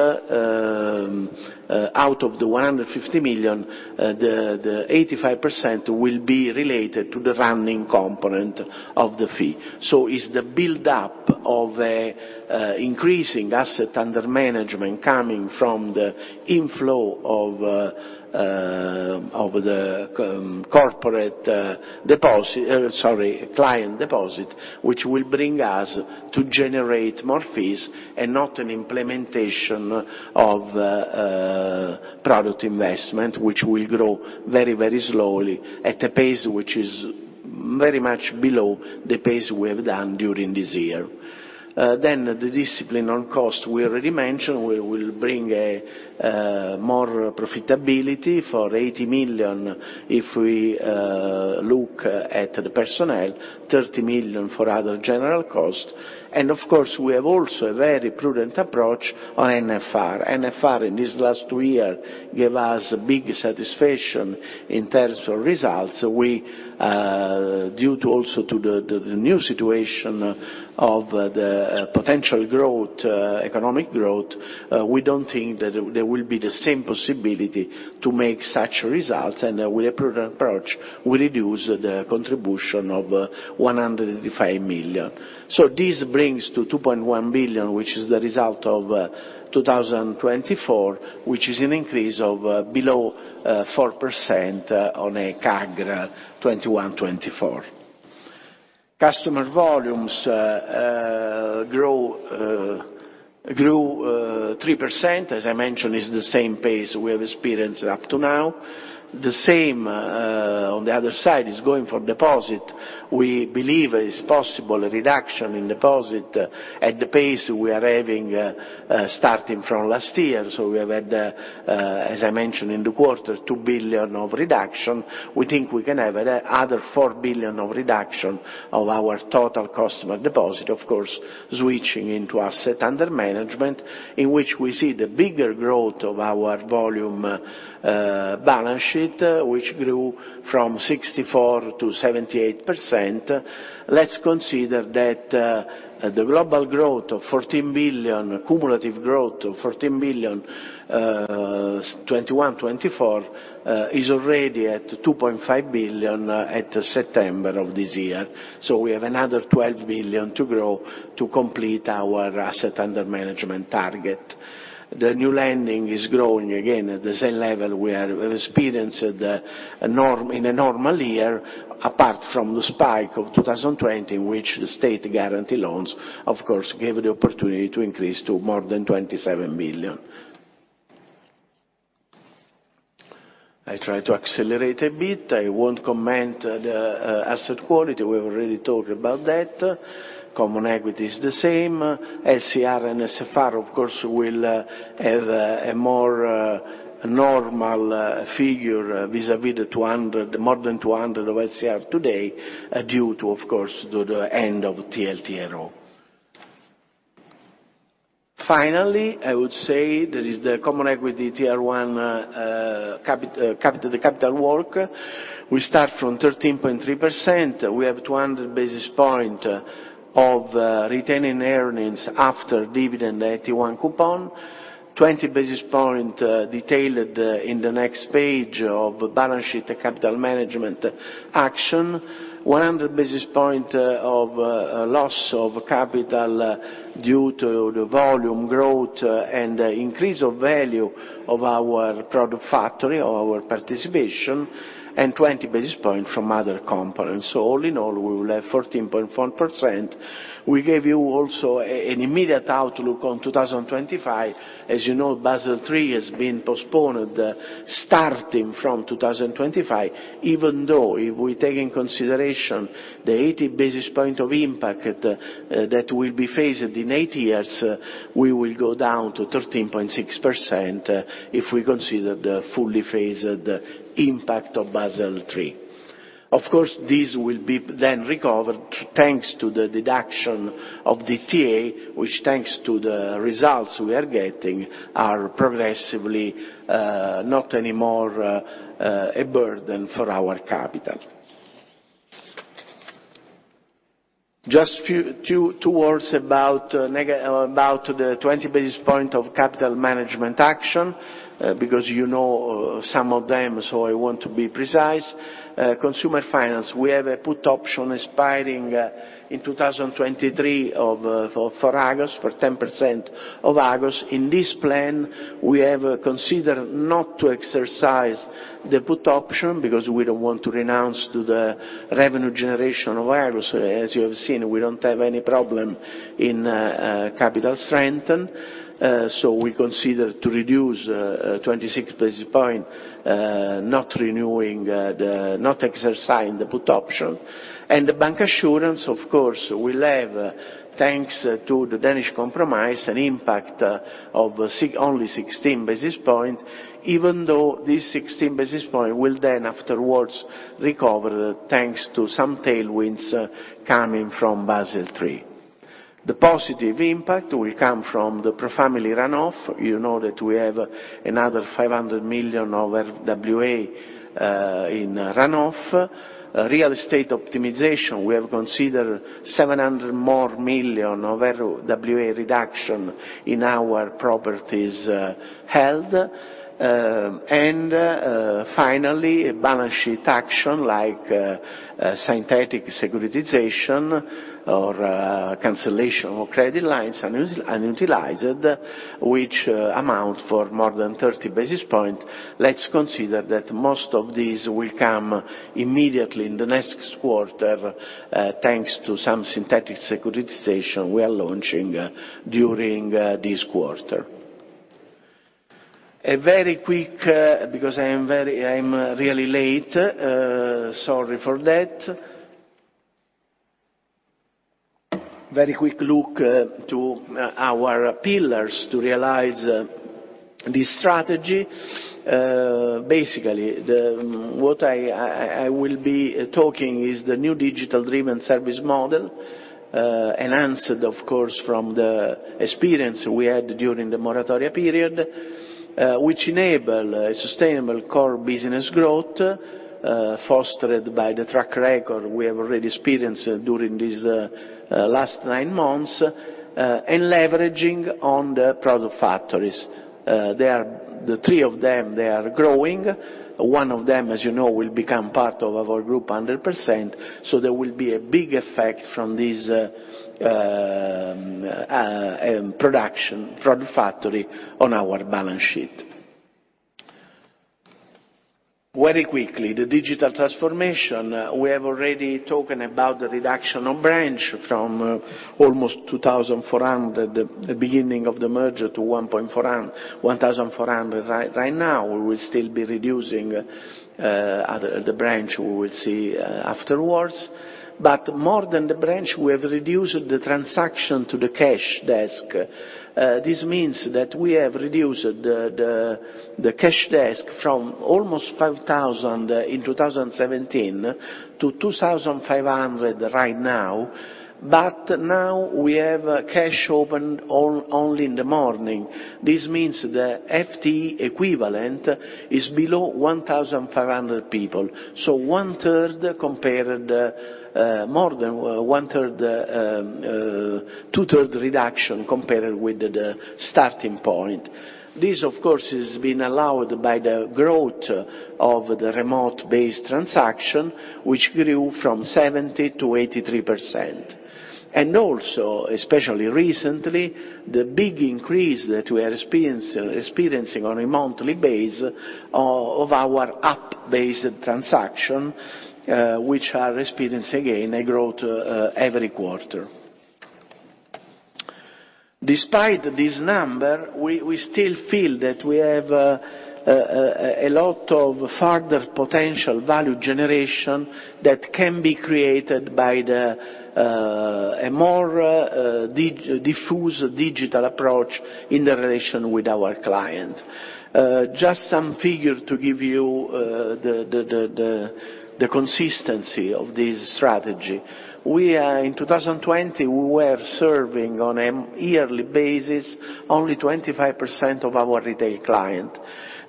of the 150 million, the 85% will be related to the running component of the fee. It's the build up of an increasing asset under management coming from the inflow of client deposit, which will bring us to generate more fees and not an implementation of product investment, which will grow very, very slowly at a pace which is very much below the pace we have done during this year. The discipline on cost, we already mentioned, we will bring more profitability for 80 million if we look at the personnel, 30 million for other general costs. Of course, we have also a very prudent approach on NFR. NFR in this last year gave us big satisfaction in terms of results. We, due to the new situation of the potential growth, economic growth, we don't think that there will be the same possibility to make such results. With a prudent approach, we reduce the contribution of 185 million. This brings to 2.1 billion, which is the result of 2024, which is an increase of below 4% on a CAGR 2021-2024. Customer volumes grew 3%. As I mentioned, it's the same pace we have experienced up to now. The same, on the other side is going for deposit. We believe it's possible a reduction in deposit at the pace we are having, starting from last year. We have had, as I mentioned in the quarter, 2 billion of reduction. We think we can have other 4 billion of reduction of our total customer deposit, of course, switching into asset under management, in which we see the bigger growth of our volume, balance sheet, which grew from 64%-78%. Let's consider that, the global growth of 14 billion, cumulative growth of 14 billion, 2021-2024, is already at 2.5 billion at September of this year. We have another 12 billion to grow to complete our asset under management target. The new lending is growing again at the same level we've experienced in a normal year, apart from the spike of 2020, which the state guarantee loans, of course, gave the opportunity to increase to more than 27 billion. I try to accelerate a bit. I won't comment the asset quality. We've already talked about that. Common equity is the same. LCR and NSFR, of course, will have a more normal figure vis-à-vis the 200, more than 200 of LCR today due to the end of TLTRO. Finally, I would say there is the common equity tier one capital. We start from 13.3%. We have 200 basis points of retaining earnings after dividend AT1 coupon, 20 basis points detailed in the next page of balance sheet capital management action, 100 basis points of loss of capital due to the volume growth and increase of value of our product factory, our participation, and 20 basis points from other components. All in all, we will have 14.4%. We gave you also an immediate outlook on 2025. As you know, Basel III has been postponed starting from 2025. Even though if we take into consideration the 80 basis points of impact that will be phased in eight years, we will go down to 13.6% if we consider the fully phased impact of Basel III. Of course, this will be then recovered thanks to the deduction of the TA, which thanks to the results we are getting, are progressively not anymore a burden for our capital. Just two words about the 20 basis points of capital management action, because you know some of them, so I want to be precise. Consumer finance, we have a put option expiring in 2023 for Agos, for 10% of Agos. In this plan, we have considered not to exercise the put option because we don't want to renounce to the revenue generation of Agos. As you have seen, we don't have any problem in capital strengthening. So we consider to reduce 26 basis points not renewing the, not exercising the put option. The bancassurance, of course, will have, thanks to the Danish Compromise, an impact of only 16 basis points, even though this 16 basis points will then afterwards recover thanks to some tailwinds coming from Basel III. The positive impact will come from the ProFamily run-off. You know that we have another 500 million of RWA in run-off. Real estate optimization, we have considered 700 more million of RWA reduction in our properties held. And finally, balance sheet action like synthetic securitization or cancellation of credit lines unutilized, which amount for more than 30 basis points. Let's consider that most of these will come immediately in the next quarter, thanks to some synthetic securitization we are launching during this quarter. A very quick, because I am really late, sorry for that. Very quick look to our pillars to realize this strategy. Basically, what I will be talking is the new digital-driven service model, enhanced of course from the experience we had during the moratoria period, which enable a sustainable core business growth, fostered by the track record we have already experienced during these last nine months, and leveraging on the product factories. The three of them, they are growing. One of them, as you know, will become part of our group 100%, so there will be a big effect from this, product factory on our balance sheet. Very quickly, the digital transformation. We have already spoken about the reduction of branch from almost 2,400 at the beginning of the merger to 1,400 right now. We will still be reducing the branch. We will see afterwards. More than the branch, we have reduced the transaction to the cash desk. This means that we have reduced the cash desk from almost 5,000 in 2017 to 2,500 right now. Now we have cash open only in the morning. This means the FTE equivalent is below 1,500 people. One-third compared, more than one-third, two-thirds reduction compared with the starting point. This, of course, has been allowed by the growth of the remote-based transaction, which grew from 70% to 83%. Also, especially recently, the big increase that we are experiencing on a monthly basis of our app-based transactions, which are experiencing again a growth every quarter. Despite this number, we still feel that we have a lot of further potential value generation that can be created by a more diffuse digital approach in the relationship with our clients. Just some figures to give you the consistency of this strategy. In 2020, we were serving on a yearly basis only 25% of our retail clients.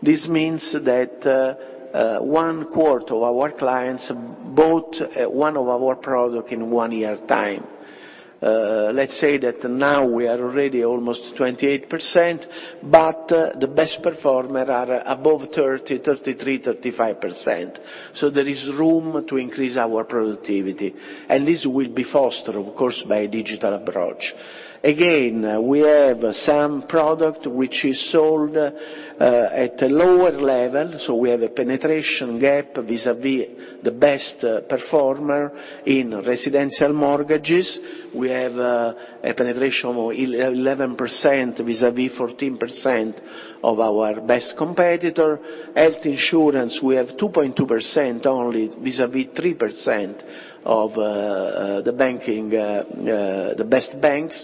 This means that one quarter of our clients bought one of our products in one year's time. Let's say that now we are already almost 28%, but the best performers are above 30, 33, 35%. There is room to increase our productivity, and this will be fostered, of course, by digital approach. Again, we have some product which is sold at a lower level, so we have a penetration gap vis-à-vis the best performer in residential mortgages. We have a penetration of 11% vis-à-vis 14% of our best competitor. Health insurance, we have 2.2% only vis-à-vis 3% of the banking, the best banks.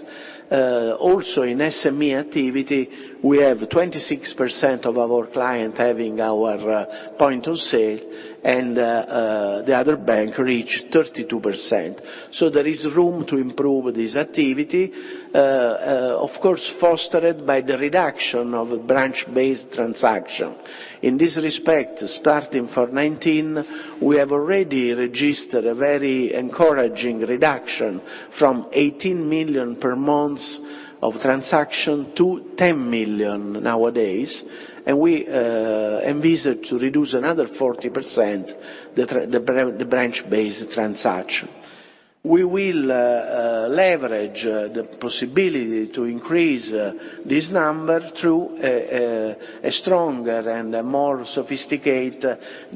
Also in SME activity, we have 26% of our client having our point of sale and the other bank reach 32%. There is room to improve this activity, of course, fostered by the reduction of branch-based transaction. In this respect, starting from 2019, we have already registered a very encouraging reduction from 18 million per month of transactions to 10 million nowadays, and we envisage to reduce another 40% the branch-based transactions. We will leverage the possibility to increase this number through a stronger and a more sophisticated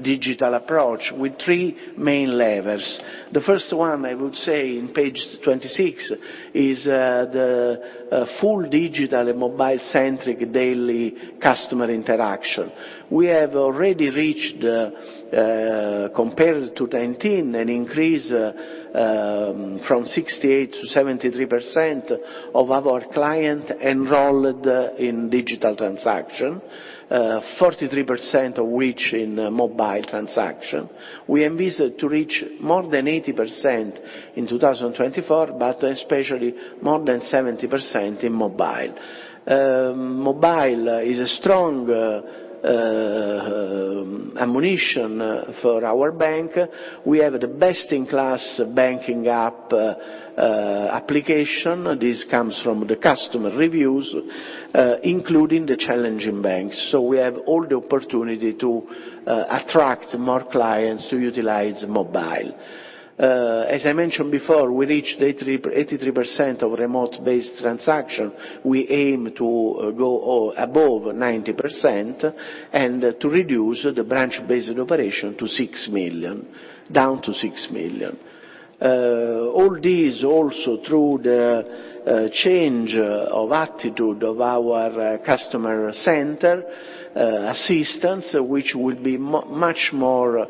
digital approach with three main levers. The first one, I would say in page 26, is the full digital and mobile-centric daily customer interaction. We have already reached, compared to 2019, an increase from 68% to 73% of our clients enrolled in digital transactions, 43% of which in mobile transactions. We envisage to reach more than 80% in 2024, but especially more than 70% in mobile. Mobile is a strong ammunition for our bank. We have the best in class banking app, application. This comes from the customer reviews, including the challenger banks. We have all the opportunity to attract more clients to utilize mobile. As I mentioned before, we reached 83% of remote-based transaction. We aim to go above 90% and to reduce the branch-based operation to 6 million, down to 6 million. All this also through the change of attitude of our customer center assistance, which will be much more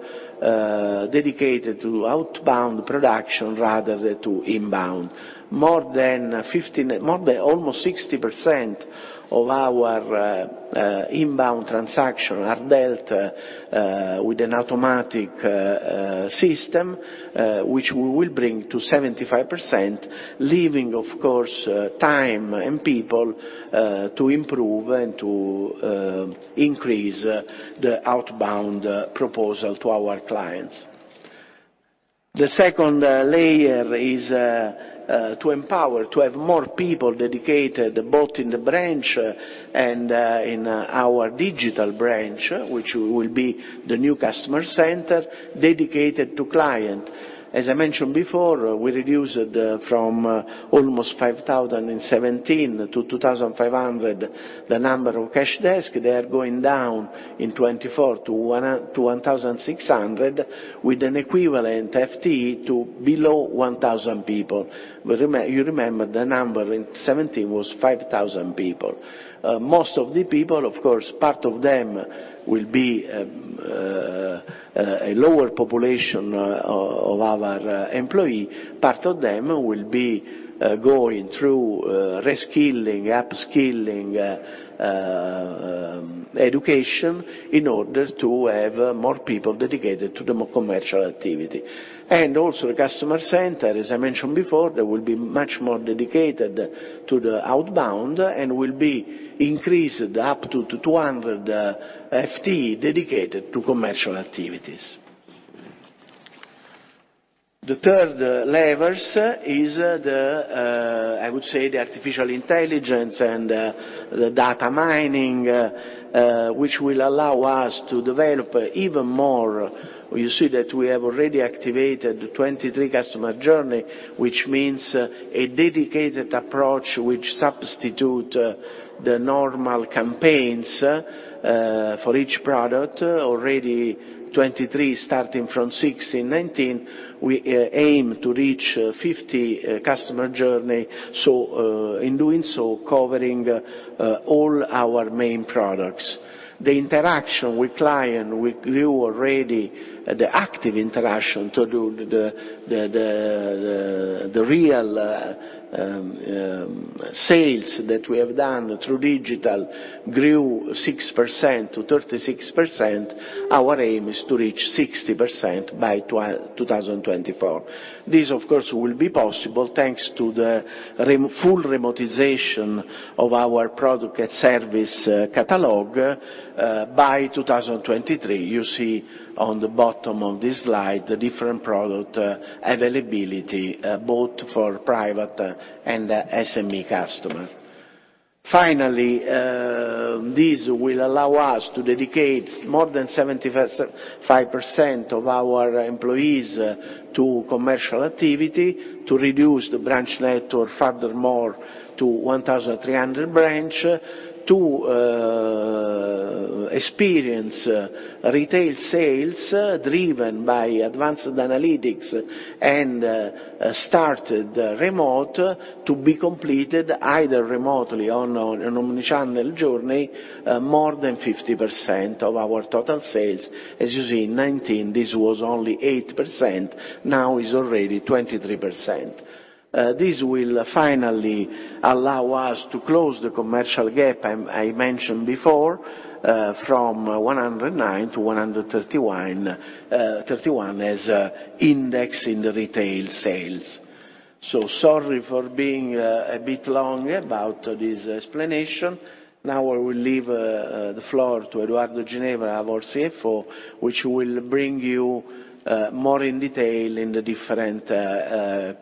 dedicated to outbound production rather than to inbound. More than almost 60% of our inbound transaction are dealt with an automatic system, which we will bring to 75%, leaving, of course, time and people to improve and to increase the outbound proposal to our clients. The second layer is to empower, to have more people dedicated, both in the branch and in our digital branch, which will be the new customer center dedicated to client. As I mentioned before, we reduced from almost 5,000 in 2017 to 2,500 the number of cash desk. They are going down in 2024 to 1,600, with an equivalent FTE to below 1,000 people. You remember the number in 2017 was 5,000 people. Most of the people, of course, part of them will be a lower population of our employee. Part of them will be going through reskilling, upskilling, education in order to have more people dedicated to the commercial activity. Also the customer center, as I mentioned before, they will be much more dedicated to the outbound and will be increased up to 200 FTE dedicated to commercial activities. The third level is the, I would say, the artificial intelligence and, the data mining, which will allow us to develop even more. You see that we have already activated 23 customer journey, which means a dedicated approach which substitute the normal campaigns, for each product. Already 23, starting from six in 2019, we aim to reach 50 customer journey, so, in doing so, covering, all our main products. The interaction with client, with you already, the active interaction to do the real sales that we have done through digital grew 6% to 36%. Our aim is to reach 60% by 2024. This, of course, will be possible thanks to the full remotization of our product and service catalog by 2023. You see on the bottom of this slide the different product availability both for private and SME customer. Finally, this will allow us to dedicate more than 75% of our employees to commercial activity, to reduce the branch network furthermore to 1,300 branches, to increase retail sales driven by advanced analytics and start remotely to be completed either remotely on an omni-channel journey, more than 50% of our total sales. As you see, in 2019, this was only 8%, now is already 23%. This will finally allow us to close the commercial gap I mentioned before, from 109 to 131 as index in the retail sales. Sorry for being a bit long about this explanation. Now I will leave the floor to Edoardo Ginevra, our CFO, which will bring you more in detail in the different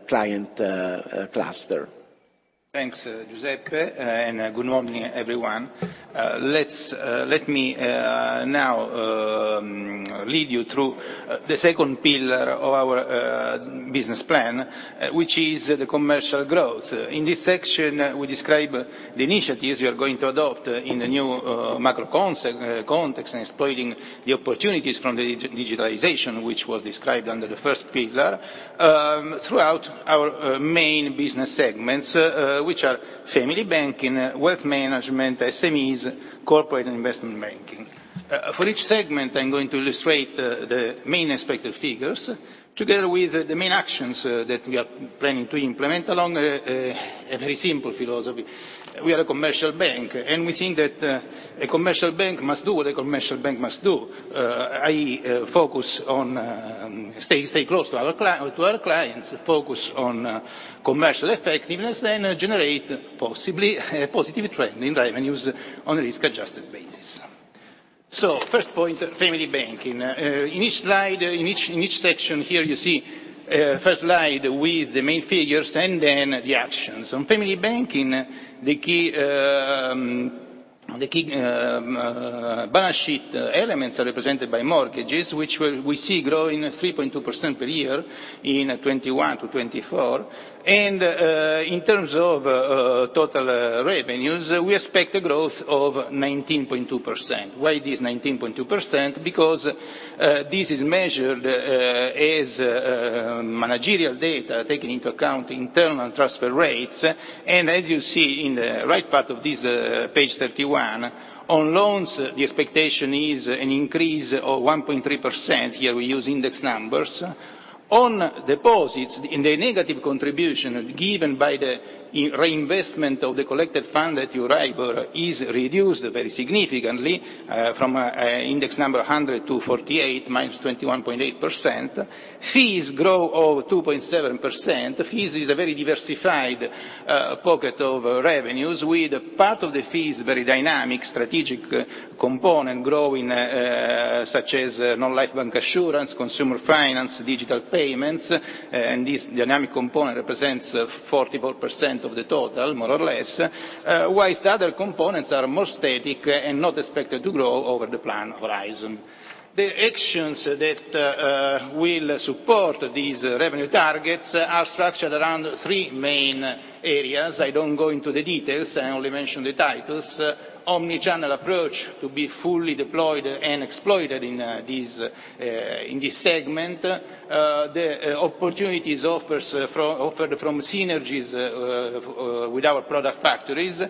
client cluster. Thanks, Giuseppe, and good morning, everyone. Let me now lead you through the second pillar of our business plan, which is the commercial growth. In this section, we describe the initiatives we are going to adopt in the new macroeconomic context and exploiting the opportunities from the digitalization, which was described under the first pillar, throughout our main business segments, which are family banking, wealth management, SMEs, corporate and investment banking. For each segment, I'm going to illustrate the main expected figures together with the main actions that we are planning to implement along a very simple philosophy. We are a commercial bank, and we think that a commercial bank must do what a commercial bank must do. i.e., focus on, stay close to our clients, focus on commercial effectiveness, and generate possibly a positive trend in revenues on a risk-adjusted basis. First point, family banking. In each section here, you see, first slide with the main figures and then the actions. On family banking, the key balance sheet elements are represented by mortgages, which we see growing at 3.2% per year in 2021 to 2024. In terms of total revenues, we expect a growth of 19.2%. Why this 19.2%? Because this is measured as managerial data taking into account internal transfer rates. As you see in the right part of this, page 31, on loans, the expectation is an increase of 1.3%. Here, we use index numbers. On deposits, the negative contribution given by the reinvestment of the collected fund at Euribor is reduced very significantly, from index number 100 to 48, -21.8%. Fees grow over 2.7%. Fees is a very diversified pocket of revenues, with part of the fees very dynamic strategic component growing, such as non-life bancassurance, consumer finance, digital payments. This dynamic component represents 44% of the total, more or less, whilst the other components are more static and not expected to grow over the plan horizon. The actions that will support these revenue targets are structured around three main areas. I don't go into the details. I only mention the titles. Omnichannel approach to be fully deployed and exploited in this segment. The opportunities offered from synergies with our product factories.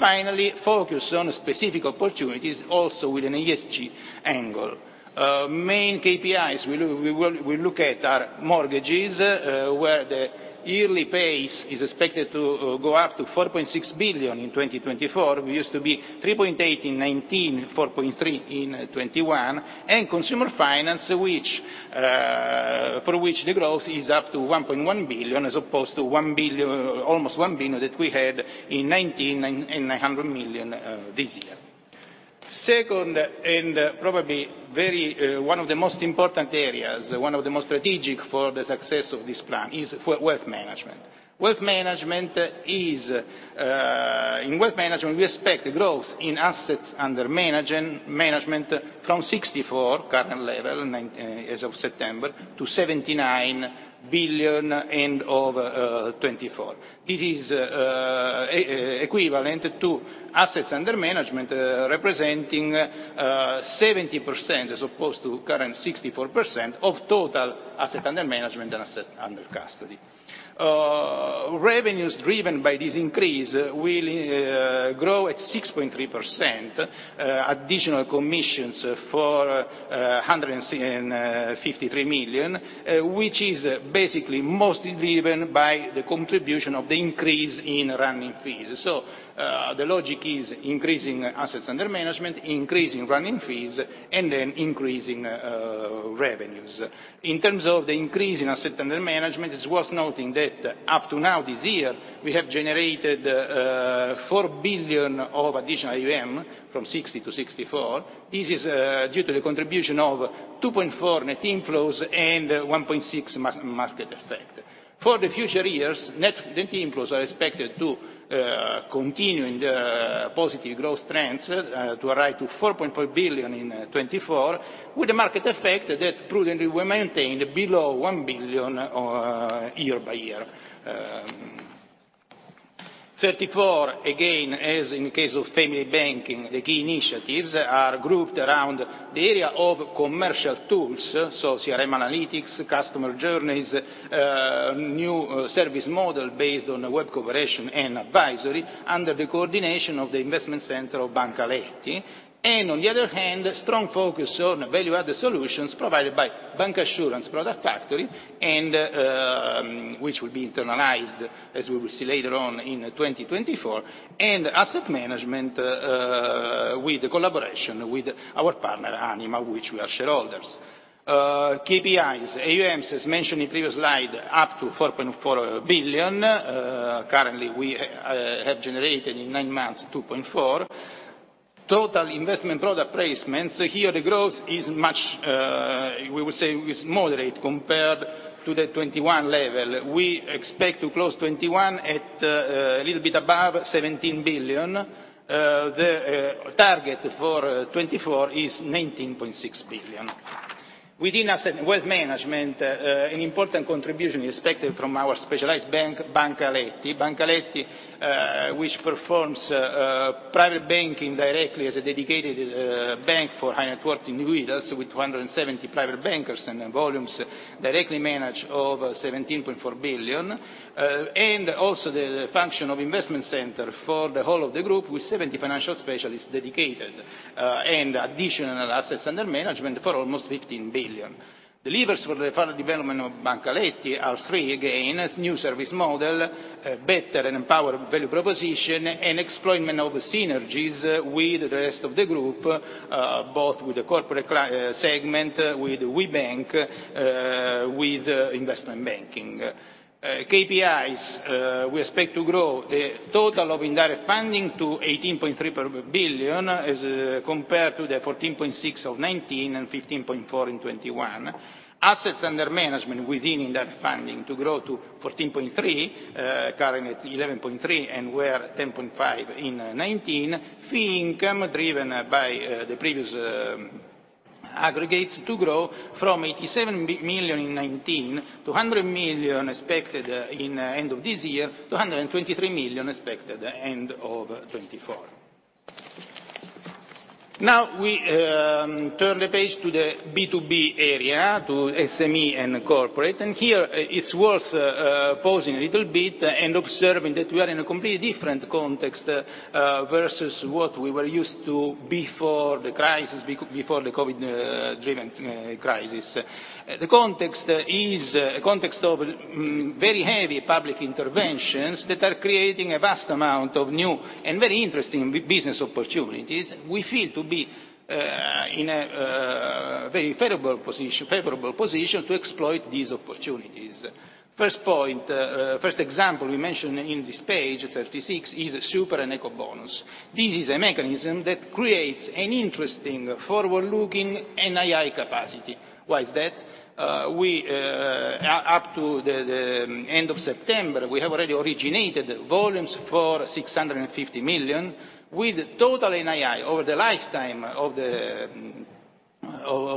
Finally, focus on specific opportunities also with an ESG angle. Main KPIs we look at are mortgages, where the yearly pace is expected to go up to 4.6 billion in 2024. We used to be 3.8 billion in 2019, 4.3 billion in 2021. Consumer finance, which for which the growth is up to 1.1 billion, as opposed to almost 1 billion that we had in 2019 and 100 million this year. Second, and probably very, one of the most important areas, one of the most strategic for the success of this plan is for wealth management. Wealth management is, in wealth management, we expect growth in assets under management from 64, current level as of September, to 79 billion end of 2024. This is equivalent to assets under management representing 70% as opposed to current 64% of total assets under management and assets under custody. Revenues driven by this increase will grow at 6.3%, additional commissions for 163 million, which is basically mostly driven by the contribution of the increase in running fees. The logic is increasing assets under management, increasing running fees, and then increasing revenues. In terms of the increase in asset under management, it's worth noting that up to now this year, we have generated 4 billion of additional AUM from 60 billion to 64 billion. This is due to the contribution of 2.4 net inflows and 1.6 market effect. For the future years, net inflows are expected to continue in the positive growth trends to arrive to 4.4 billion in 2024, with a market effect that prudently will maintain below 1 billion year by year. 34, again, as in case of family banking, the key initiatives are grouped around the area of commercial tools, so CRM analytics, customer journeys, new service model based on web cooperation and advisory under the coordination of the investment center of Banca Aletti. On the other hand, strong focus on value-added solutions provided by bancassurance product factory and, which will be internalized, as we will see later on in 2024, and asset management, with collaboration with our partner, Anima, which we are shareholders. KPIs, AUMs, as mentioned in previous slide, up to 4.4 billion. Currently, we have generated in nine months, 2.4. Total investment product placements, here the growth is much, we will say is moderate compared to the 2021 level. We expect to close 2021 at, a little bit above 17 billion. The target for 2024 is 19.6 billion. Within asset wealth management, an important contribution expected from our specialized bank, Banca Aletti. Banca Aletti, which performs private banking directly as a dedicated bank for high net worth individuals with 170 private bankers and volumes directly managed over 17.4 billion. It also functions as the investment center for the whole of the group with 70 financial specialists dedicated and additional assets under management for almost 15 billion. The levers for the further development of Banca Aletti are three again, new service model, better and empowered value proposition, and exploitation of synergies with the rest of the group, both with the corporate client segment, with Webank, with investment banking. KPIs, we expect to grow the total of indirect funding to 18.3 billion as compared to the 14.6 billion of 2019 and 15.4 billion in 2021. Assets under management within indirect funding to grow to 14.3 billion, currently at 11.3 billion and were 10.5 billion in 2019. Fee income driven by the previous aggregates to grow from 87 million in 2019 to 100 million expected in end of this year, to 123 million expected end of 2024. Now we turn the page to the B2B area, to SME and corporate. Here, it's worth pausing a little bit and observing that we are in a completely different context versus what we were used to before the crisis before the COVID-driven crisis. The context is a context of very heavy public interventions that are creating a vast amount of new and very interesting business opportunities. We feel to be in a very favorable position to exploit these opportunities. First point, first example we mentioned in this page 36, is Superbonus and Ecobonus. This is a mechanism that creates an interesting forward-looking NII capacity. Why is that? We up to the end of September have already originated volumes for 650 million, with total NII over the lifetime of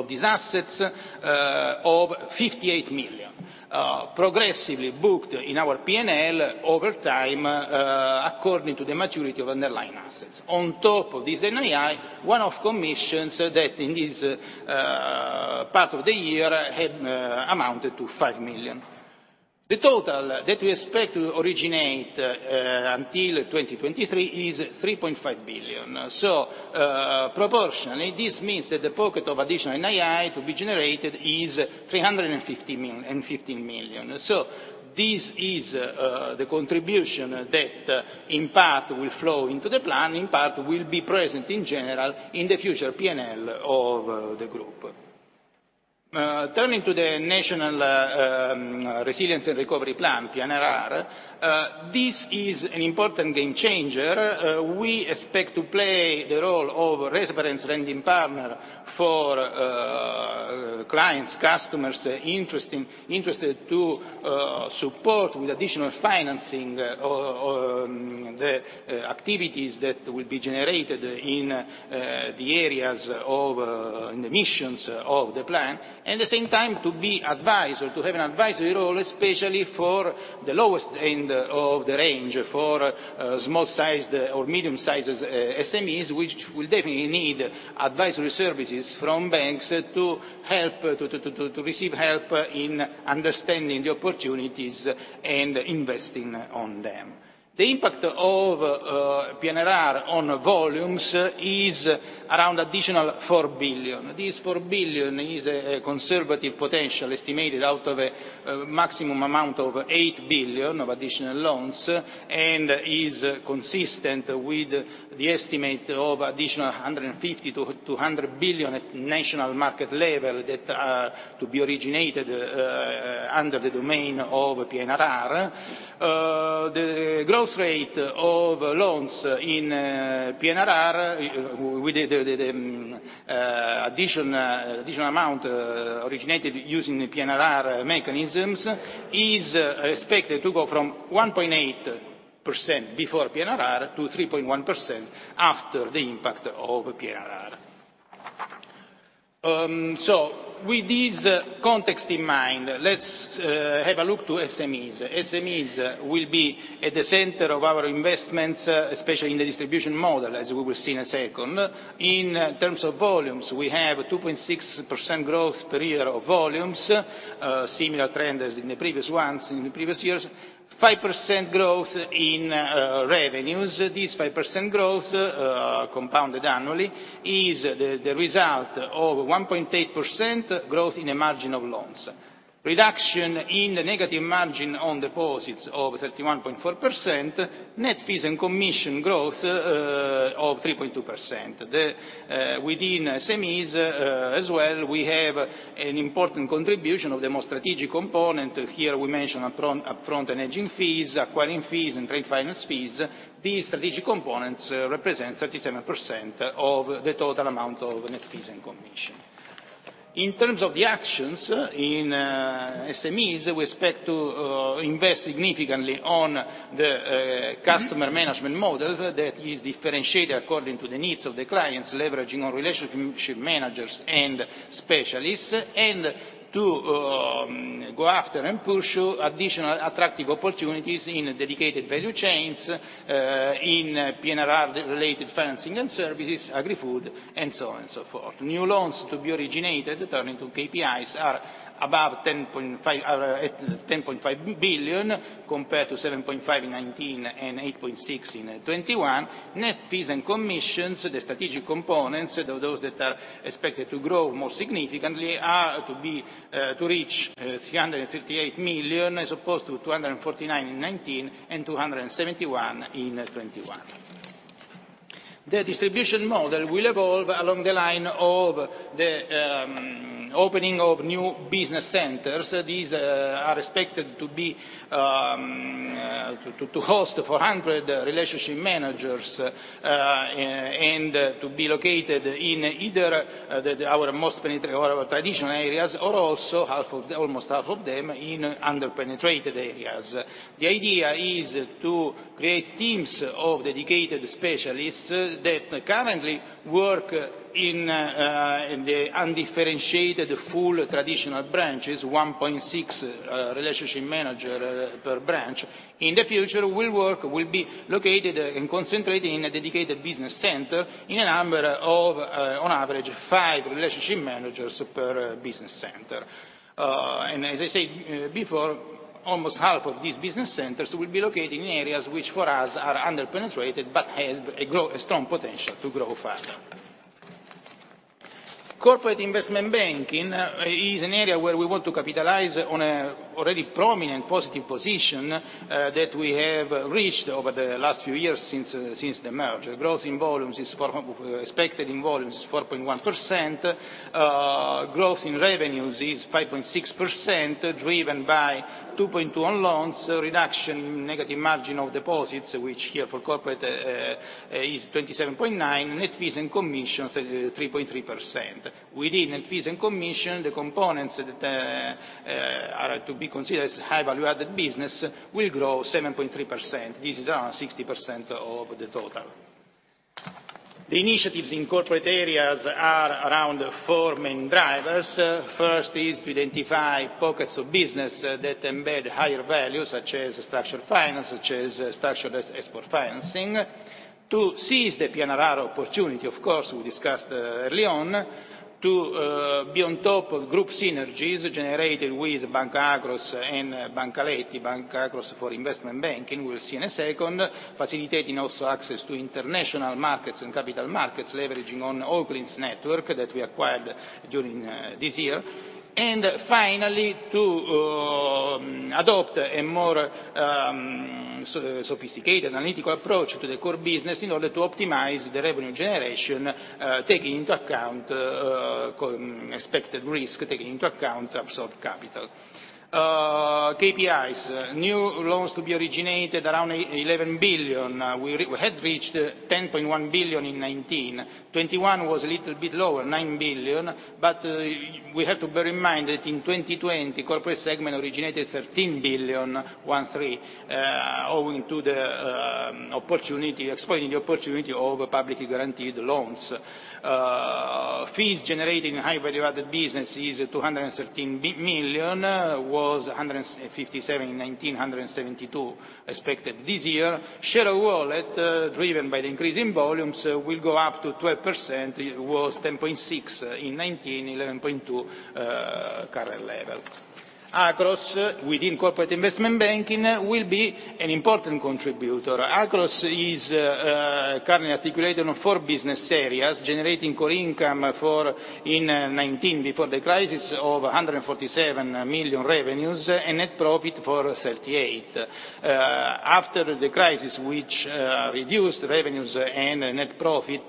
these assets of 58 million, progressively booked in our PNL over time according to the maturity of underlying assets. On top of this NII, one-off commissions that in this part of the year had amounted to 5 million. The total that we expect to originate until 2023 is 3.5 billion. Proportionally, this means that the pocket of additional NII to be generated is 365 million. This is the contribution that in part will flow into the plan, in part will be present in general in the future PNL of the group. Turning to the National Recovery and Resilience Plan, PNRR, this is an important game changer. We expect to play the role of reference lending partner for clients, customers interested to support with additional financing the activities that will be generated in the areas of in the missions of the plan. At the same time, to be advisor, to have an advisory role, especially for the lowest end of the range, for small-sized or medium-sized SMEs, which will definitely need advisory services from banks to help to receive help in understanding the opportunities and investing in them. The impact of PNRR on volumes is around additional 4 billion. This 4 billion is a conservative potential estimated out of a maximum amount of 8 billion of additional loans, and is consistent with the estimate of additional 150 billion-200 billion at national market level that are to be originated under the domain of PNRR. The growth rate of loans in PNRR with the additional amount originated using the PNRR mechanisms is expected to go from 1.8% before PNRR to 3.1% after the impact of PNRR. With this context in mind, let's have a look to SMEs. SMEs will be at the center of our investments, especially in the distribution model, as we will see in a second. In terms of volumes, we have 2.6% growth per year of volumes, similar trend as in the previous ones, in the previous years. 5% growth in revenues. This 5% growth, compounded annually, is the result of 1.8% growth in the margin of loans. Reduction in the negative margin on deposits of 31.4%. Net fees and commission growth of 3.2%. Within SMEs, as well, we have an important contribution of the more strategic component. Here we mention upfront and aging fees, acquiring fees, and trade finance fees. These strategic components represent 37% of the total amount of net fees and commission. In terms of the actions in SMEs, we expect to invest significantly on the customer management models that is differentiated according to the needs of the clients, leveraging on relationship managers and specialists, and to go after and pursue additional attractive opportunities in dedicated value chains, in PNRR related financing and services, agrifood, and so on and so forth. New loans to be originated, turning to KPIs, are at 10.5 billion, compared to 7.5 billion in 2019 and 8.6 billion in 2021. Net fees and commissions, the strategic components of those that are expected to grow more significantly, are to reach 338 million, as opposed to 249 million in 2019 and 271 million in 2021. The distribution model will evolve along the line of the opening of new business centers. These are expected to host 400 relationship managers and to be located in either our most penetrated or our traditional areas or also almost half of them in under-penetrated areas. The idea is to create teams of dedicated specialists that currently work in the undifferentiated full traditional branches, 1.6 relationship managers per branch. In the future, they will be located and concentrated in a dedicated business center, on average, five relationship managers per business center. As I said before, almost half of these business centers will be located in areas which, for us, are under-penetrated but have a strong potential to grow further. Corporate investment banking is an area where we want to capitalize on an already prominent positive position that we have reached over the last few years since the merger. Growth in volumes is expected 4.1%. Growth in revenues is 5.6%, driven by 2.2 on loans, reduction in negative margin of deposits, which here for corporate is 27.9. Net fees and commissions 3.3%. Within fees and commissions, the components that are to be considered as high value-added business will grow 7.3%. This is 60% of the total. The initiatives in corporate areas are around four main drivers. First is to identify pockets of business that embed higher value, such as structured finance, such as structured export financing. To seize the PNRR opportunity, of course, we discussed early on. To be on top of group synergies generated with Banca Akros and Banca Aletti. Banca Akros for investment banking, we will see in a second, facilitating also access to international markets and capital markets, leveraging on Oaklins network that we acquired during this year. Finally, to adopt a more sophisticated analytical approach to the core business in order to optimize the revenue generation, taking into account expected risk, taking into account absorbed capital. KPIs, new loans to be originated around 11 billion. We had reached 10.1 billion in 2019. 2021 was a little bit lower, 9 billion. But we have to bear in mind that in 2020, corporate segment originated 13 billion, 13, owing to the opportunity, exploiting the opportunity of publicly guaranteed loans. Fees generated in high value-added business is 213 million, was 157 in 2019, 172 expected this year. Share of wallet, driven by the increase in volumes, will go up to 12%. It was 10.6% in 2019, 11.2%, current level. Akros within corporate & investment banking will be an important contributor. Akros is currently articulated on four business areas, generating core income in 2019, before the crisis, of 147 million revenues and net profit of 38 million. After the crisis, which reduced revenues and net profit,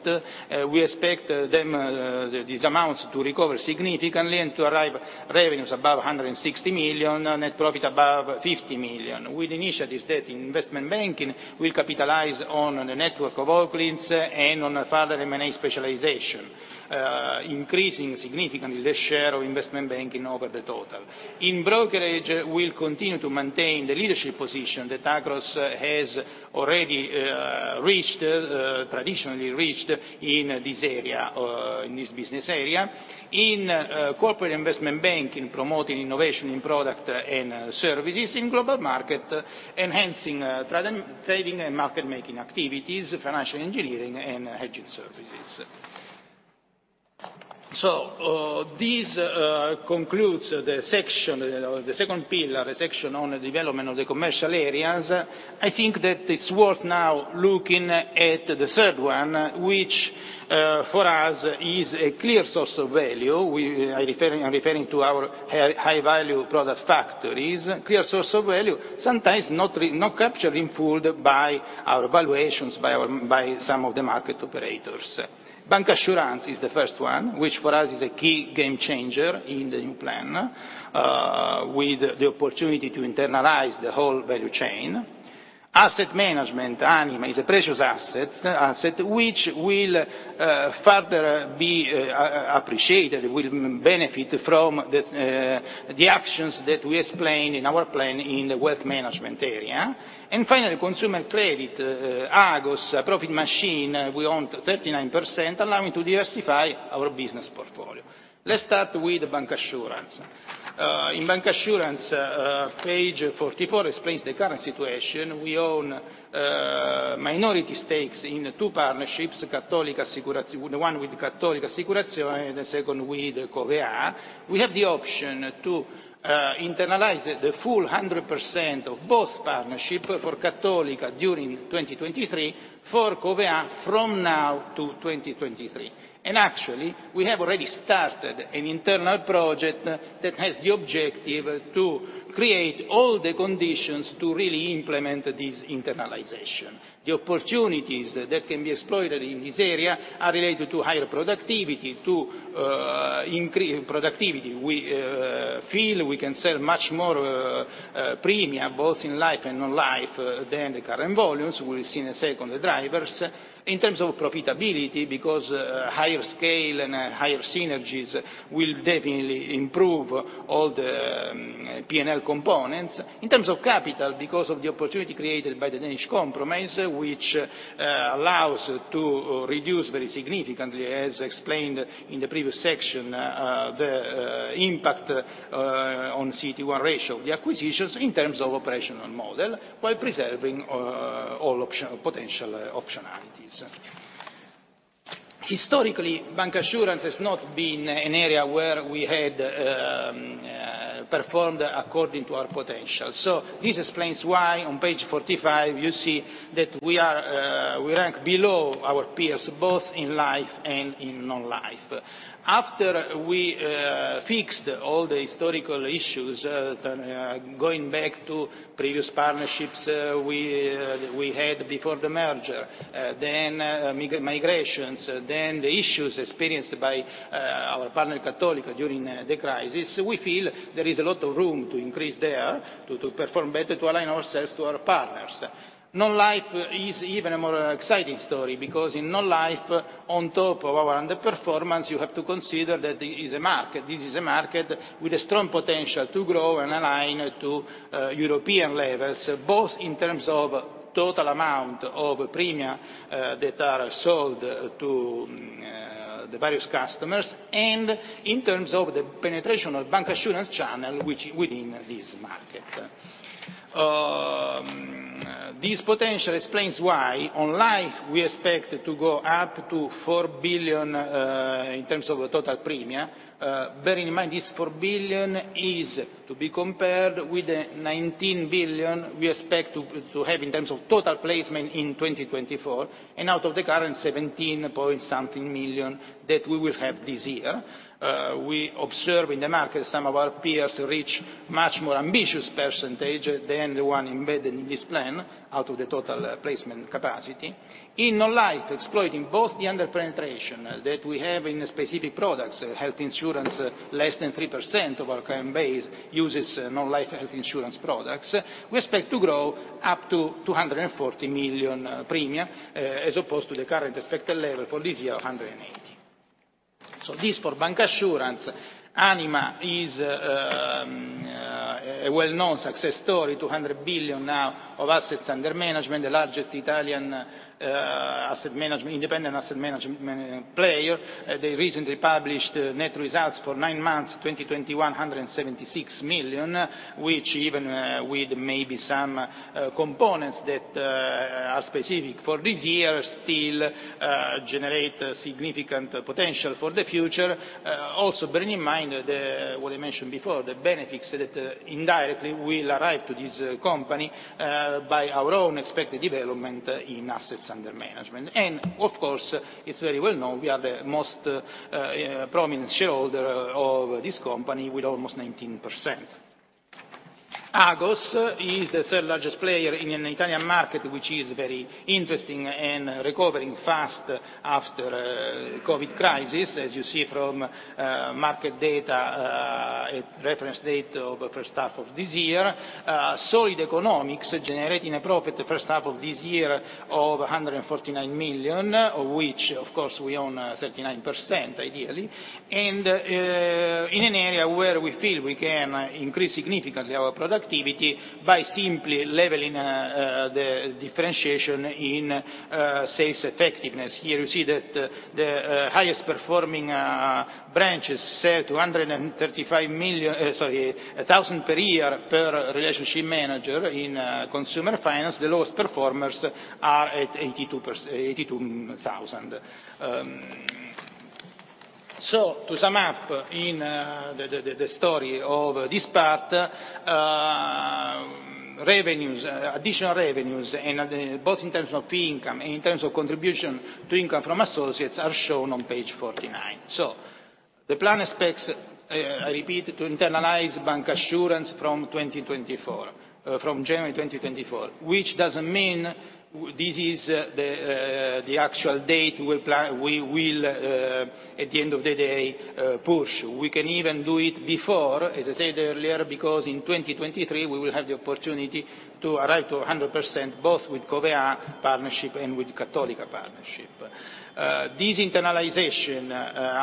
we expect these amounts to recover significantly, revenues above 160 million, net profit above 50 million. Initiatives that investment banking will capitalize on the network of Oaklins and on further M&A specialization, increasing significantly the share of investment banking over the total. In brokerage, we'll continue to maintain the leadership position that Akros has already traditionally reached in this area, in this business area. In corporate investment banking, promoting innovation in product and services. In global market, enhancing trading and market making activities, financial engineering and hedging services. This concludes the section, or the second pillar, the section on the development of the commercial areas. I think that it's worth now looking at the third one, which for us is a clear source of value. I'm referring to our high value product factories. Clear source of value, sometimes not captured in full by our valuations by some of the market operators. Bancassurance is the first one, which for us is a key game changer in the new plan, with the opportunity to internalize the whole value chain. Asset management, Anima, is a precious asset, which will further be appreciated, will benefit from the actions that we explained in our plan in the wealth management area. Finally, consumer credit, Agos, a profit machine we own 39%, allowing to diversify our business portfolio. Let's start with bancassurance. In bancassurance, page 44 explains the current situation. We own minority stakes in two partnerships, one with Cattolica Assicurazioni and the second with Covéa. We have the option to internalize the full 100% of both partnerships for Cattolica during 2023, for Covéa from now to 2023. Actually, we have already started an internal project that has the objective to create all the conditions to really implement this internalization. The opportunities that can be exploited in this area are related to higher productivity, to increase productivity. We feel we can sell much more premiums, both in life and non-life, than the current volumes. We will see in a second the drivers. In terms of profitability, because higher scale and higher synergies will definitely improve all the P&L components. In terms of capital, because of the opportunity created by the Danish Compromise, which allows to reduce very significantly, as explained in the previous section, the impact on CET1 ratio, the acquisitions in terms of operational model, while preserving all potential optionalities. Historically, bancassurance has not been an area where we had performed according to our potential. This explains why on page 45 you see that we rank below our peers, both in life and in non-life. After we fixed all the historical issues going back to previous partnerships we had before the merger, then migrations, then the issues experienced by our partner, Cattolica, during the crisis, we feel there is a lot of room to increase there, to perform better, to align ourselves to our partners. Non-life is even a more exciting story, because in non-life, on top of our underperformance, you have to consider that it is a market. This is a market with a strong potential to grow and align to European levels, both in terms of total amount of premia that are sold to the various customers, and in terms of the penetration of bancassurance channel which within this market. This potential explains why in life we expect to go up to 4 billion in terms of total premia. Bearing in mind this 4 billion is to be compared with the 19 billion we expect to have in terms of total placement in 2024 and out of the current EUR 17-point-something million that we will have this year. We observe in the market some of our peers reach much more ambitious percentage than the one embedded in this plan out of the total placement capacity. In non-life, exploiting both the under-penetration that we have in specific products, health insurance, less than 3% of our current base uses non-life health insurance products, we expect to grow up to 240 million premiums, as opposed to the current expected level for this year of 180 million. This for bancassurance. Anima is a well-known success story, 200 billion now of assets under management, the largest Italian independent asset management player. They recently published net results for nine months, 2021, 176 million, which even with maybe some components that are specific for this year, still generate significant potential for the future. Also bearing in mind the, what I mentioned before, the benefits that indirectly will arrive to this company, by our own expected development in assets under management. Of course, it's very well known we are the most, prominent shareholder of this company with almost 19%. Agos is the third-largest player in an Italian market, which is very interesting and recovering fast after, COVID crisis. As you see from, market data, reference date of first half of this year, solid economics generating a profit the first half of this year of 149 million, of which of course we own 39%, ideally. In an area where we feel we can increase significantly our productivity by simply leveling, the differentiation in, sales effectiveness. Here you see that the highest performing branches sell 235 thousand per year per relationship manager. In consumer finance, the lowest performers are at 82 thousand. To sum up in the story of this part, revenues, additional revenues, and both in terms of fee income, in terms of contribution to income from associates are shown on page 49. The plan expects, I repeat, to internalize bancassurance from 2024, from January 2024, which doesn't mean this is the actual date we will, at the end of the day, push. We can even do it before, as I said earlier, because in 2023, we will have the opportunity to arrive to 100%, both with Covéa partnership and with Cattolica partnership. This internalization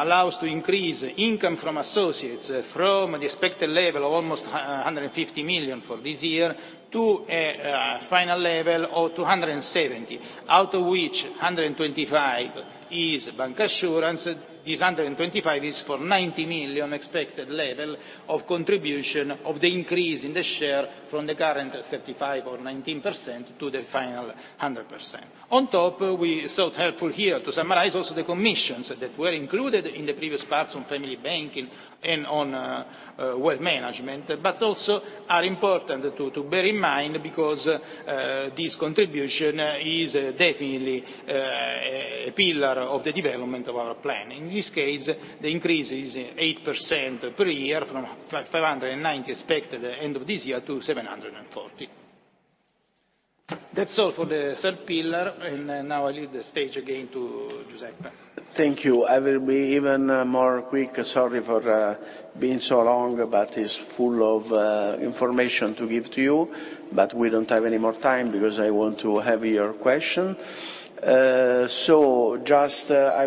allows to increase income from associates from the expected level of almost 150 million for this year to a final level of 270, out of which 125 is bancassurance. This 125 is for 90 million expected level of contribution of the increase in the share from the current 35% or 19% to the final 100%. On top, we thought helpful here to summarize also the commissions that were included in the previous parts on family banking and on wealth management, but also are important to bear in mind because this contribution is definitely a pillar of the development of our plan. In this case, the increase is 8% per year from 590 expected at the end of this year to 740. That's all for the third pillar, and now I leave the stage again to Giuseppe. Thank you. I will be even more quick. Sorry for being so long, but it's full of information to give to you. We don't have any more time because I want to have your question. I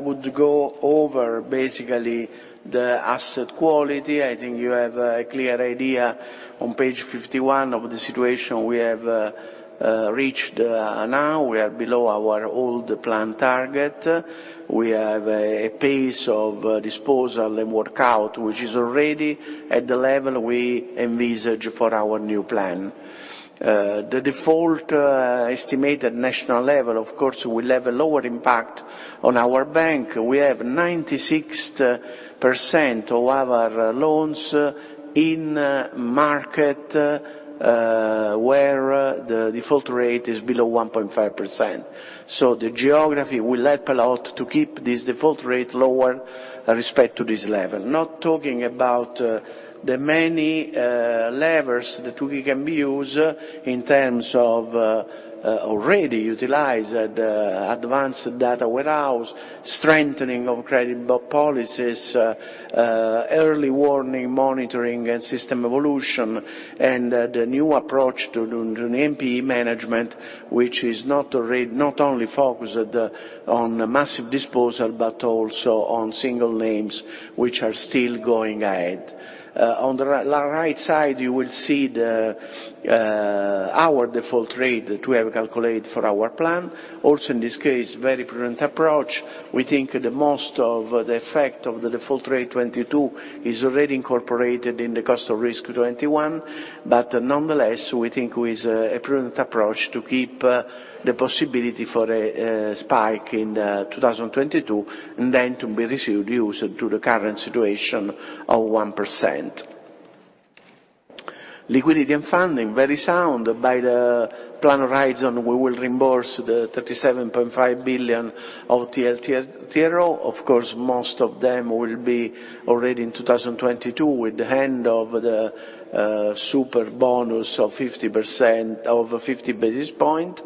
would go over basically the asset quality. I think you have a clear idea on page 51 of the situation we have reached now. We are below our old plan target. We have a pace of disposal and workout, which is already at the level we envisage for our new plan. The default estimated national level, of course, will have a lower impact on our bank. We have 96% of our loans in market where the default rate is below 1.5%. The geography will help a lot to keep this default rate lower with respect to this level. Not talking about the many levers that we can use in terms of already utilized advanced data warehouse, strengthening of credit policies, early warning, monitoring, and system evolution, and the new approach to the NPE management, which is not only focused on massive disposal, but also on single names which are still going ahead. On the right side, you will see our default rate that we have calculated for our plan. Also in this case, very prudent approach. We think the most of the effect of the default rate 2022 is already incorporated in the cost of risk 2021. Nonetheless, we think with a prudent approach to keep the possibility for a spike in 2022, and then to be reduced to the current situation of 1%. Liquidity and funding, very sound. By the plan horizon, we will reimburse the 37.5 billion of TLTRO. Of course, most of them will be already in 2022 with the end of the Superbonus of 50%, of 50 basis points.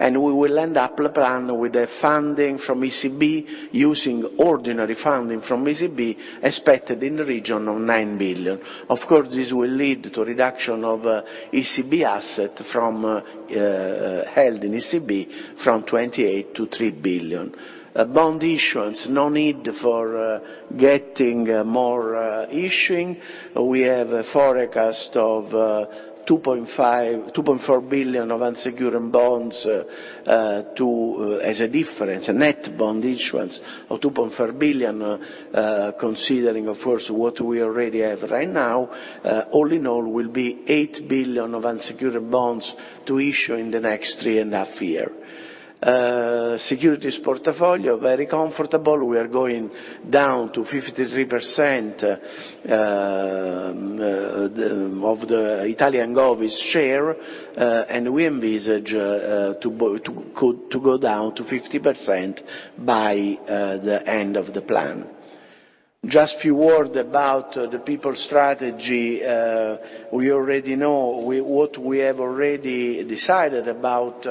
We will end up the plan with a funding from ECB using ordinary funding from ECB expected in the region of 9 billion. Of course, this will lead to reduction of ECB asset from held in ECB from 28 billion to 3 billion. Bond issuance, no need for getting more issuing. We have a forecast of 2.4 billion of unsecured bonds to, as a difference, a net bond issuance of 2.4 billion, considering of course, what we already have right now. All in all, will be 8 billion of unsecured bonds to issue in the next three and a half years. Securities portfolio, very comfortable. We are going down to 53% of the Italian government's share, and we envisage to go down to 50% by the end of the plan. Just a few words about the people strategy. We already know what we have already decided about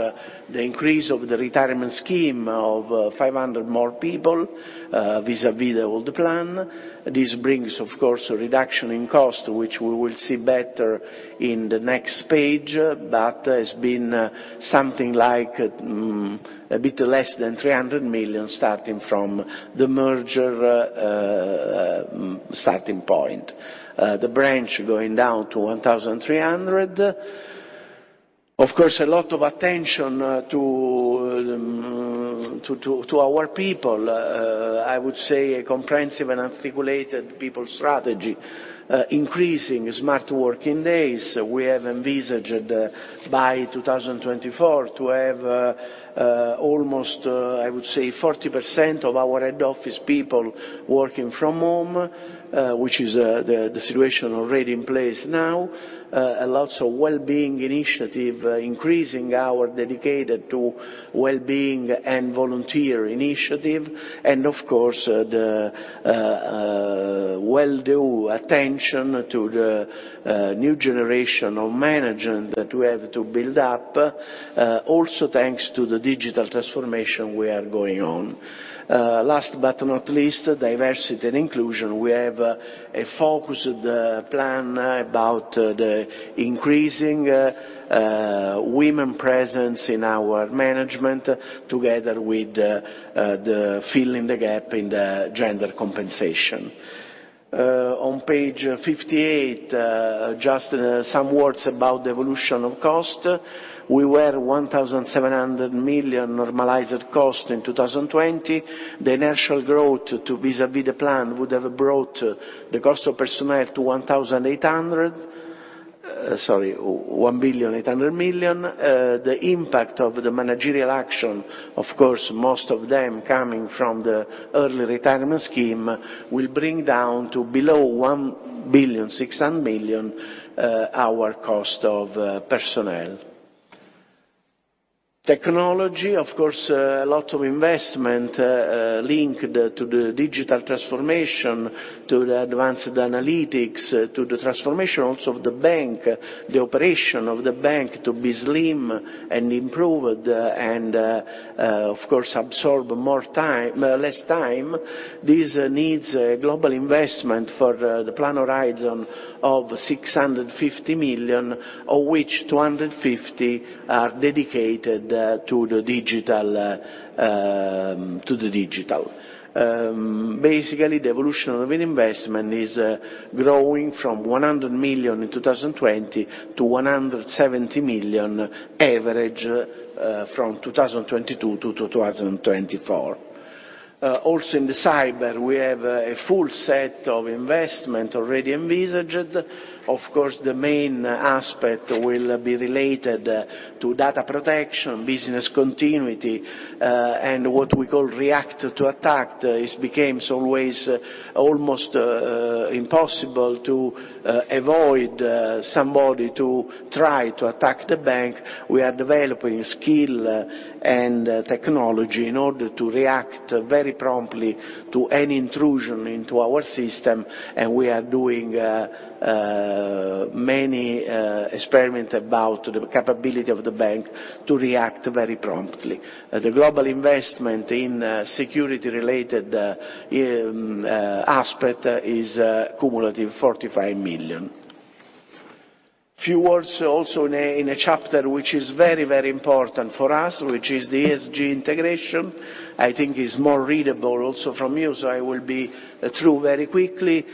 the increase of the retirement scheme of 500 more people vis-à-vis the old plan. This brings, of course, a reduction in cost, which we will see better in the next page, but has been something like a bit less than 300 million starting from the merger starting point. The branch going down to 1,300. Of course, a lot of attention to our people. I would say a comprehensive and articulated people strategy, increasing smart working days. We have envisaged by 2024 to have almost 40% of our head office people working from home, which is the situation already in place now. Lots of wellbeing initiatives, increasing our dedication to wellbeing and volunteer initiatives. Of course, the well-deserved attention to the new generation of management that we have to build up, also thanks to the digital transformation we are undergoing. Last but not least, diversity and inclusion. We have a focused plan about the increasing women's presence in our management together with filling the gap in the gender compensation. On page 58, just some words about the evolution of cost. We were 1,700 million normalized cost in 2020. The natural growth vis-à-vis the plan would have brought the cost of personnel to 1.8 billion. The impact of the managerial action, of course, most of them coming from the early retirement scheme, will bring down to below 1.6 billion Our cost of personnel. Technology, of course, a lot of investment linked to the digital transformation, to the advanced analytics, to the transformation also of the bank, the operation of the bank to be slim and improved and, of course, absorb more time, less time. This needs a global investment for the plan horizon of 650 million, of which 250 million are dedicated to the digital. Basically, the evolution of investment is growing from 100 million in 2020 to 170 million average from 2022 to 2024. Also in the cyber, we have a full set of investment already envisaged. Of course, the main aspect will be related to data protection, business continuity, and what we call react to attack. It becomes always almost impossible to avoid somebody to try to attack the bank. We are developing skill and technology in order to react very promptly to any intrusion into our system, and we are doing many experiments about the capability of the bank to react very promptly. The global investment in security-related aspect is cumulative 45 million. A few words also in a chapter which is very, very important for us, which is the ESG integration. I think it's more readable also from you, so I will be through very quickly.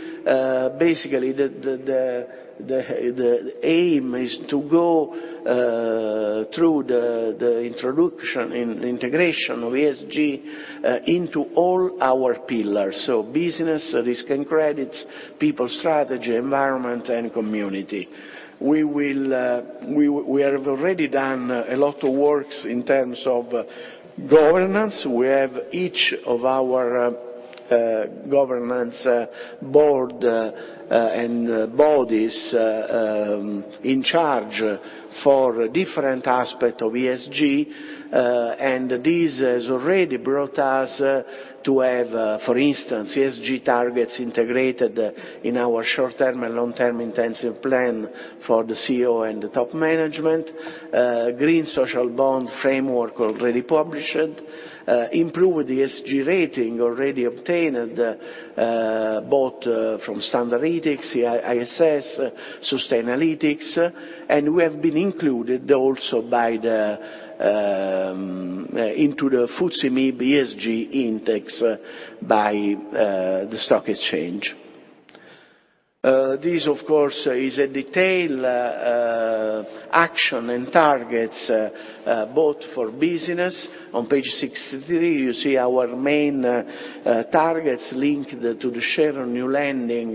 Basically, the aim is to go through the introduction and integration of ESG into all our pillars, so business, risk and credits, people strategy, environment, and community. We have already done a lot of works in terms of governance. We have each of our governance board and bodies in charge for different aspects of ESG, and this has already brought us to have, for instance, ESG targets integrated in our short-term and long-term intensive plan for the CEO and the top management, green social bond framework already published, improved ESG rating already obtained both from Standard Ethics, ISS, Sustainalytics, and we have been included also into the FTSE MIB ESG index by the stock exchange. This, of course, is a detailed action and targets both for business. On page 63, you see our main targets linked to the share of new lending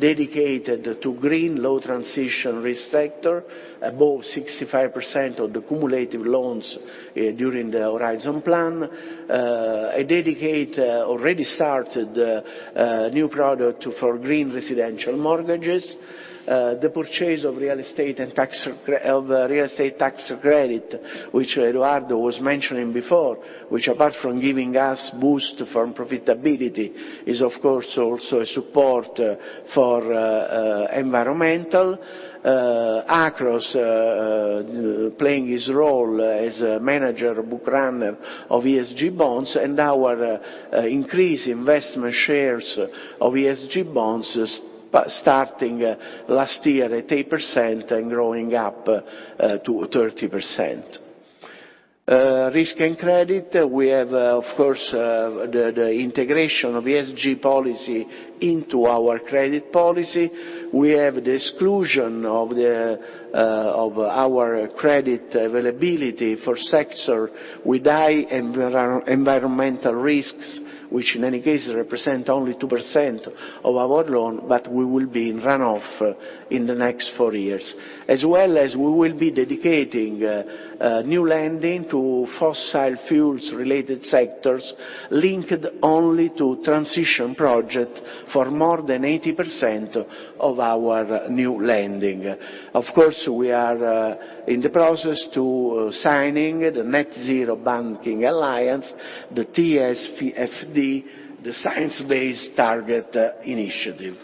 dedicated to green, low transition risk sector, above 65% of the cumulative loans during the Horizon plan, a dedicated, already started new product for green residential mortgages, the purchase of real estate and tax credits, of real estate tax credits, which Edoardo was mentioning before, which apart from giving us boost from profitability is, of course, also a support for environmental, Akros playing its role as a mandated bookrunner of ESG bonds and our increased investment shares of ESG bonds starting last year at 8% and growing up to 30%. Risk and credit, we have, of course, the integration of ESG policy into our credit policy. We have the exclusion of our credit availability for sectors with high environmental risks, which in any case represent only 2% of our loans, but we will be in runoff in the next four years, as well as we will be dedicating new lending to fossil fuels related sectors linked only to transition projects for more than 80% of our new lending. Of course, we are in the process to signing the Net-Zero Banking Alliance, the TCFD, the Science Based Targets initiative.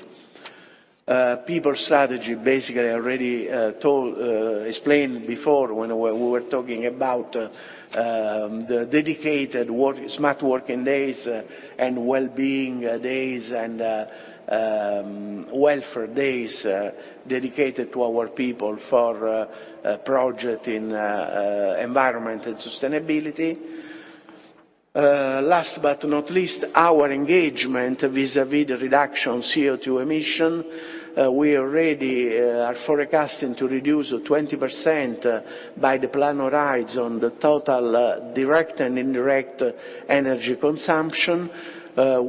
People strategy, basically I already told, explained before when we were talking about the dedicated work, smart working days and well-being days and welfare days dedicated to our people for projects in environment and sustainability. Last but not least, our engagement vis-à-vis the reduction CO2 emissions. We already are forecasting to reduce 20% by the plan horizon the total direct and indirect energy consumption.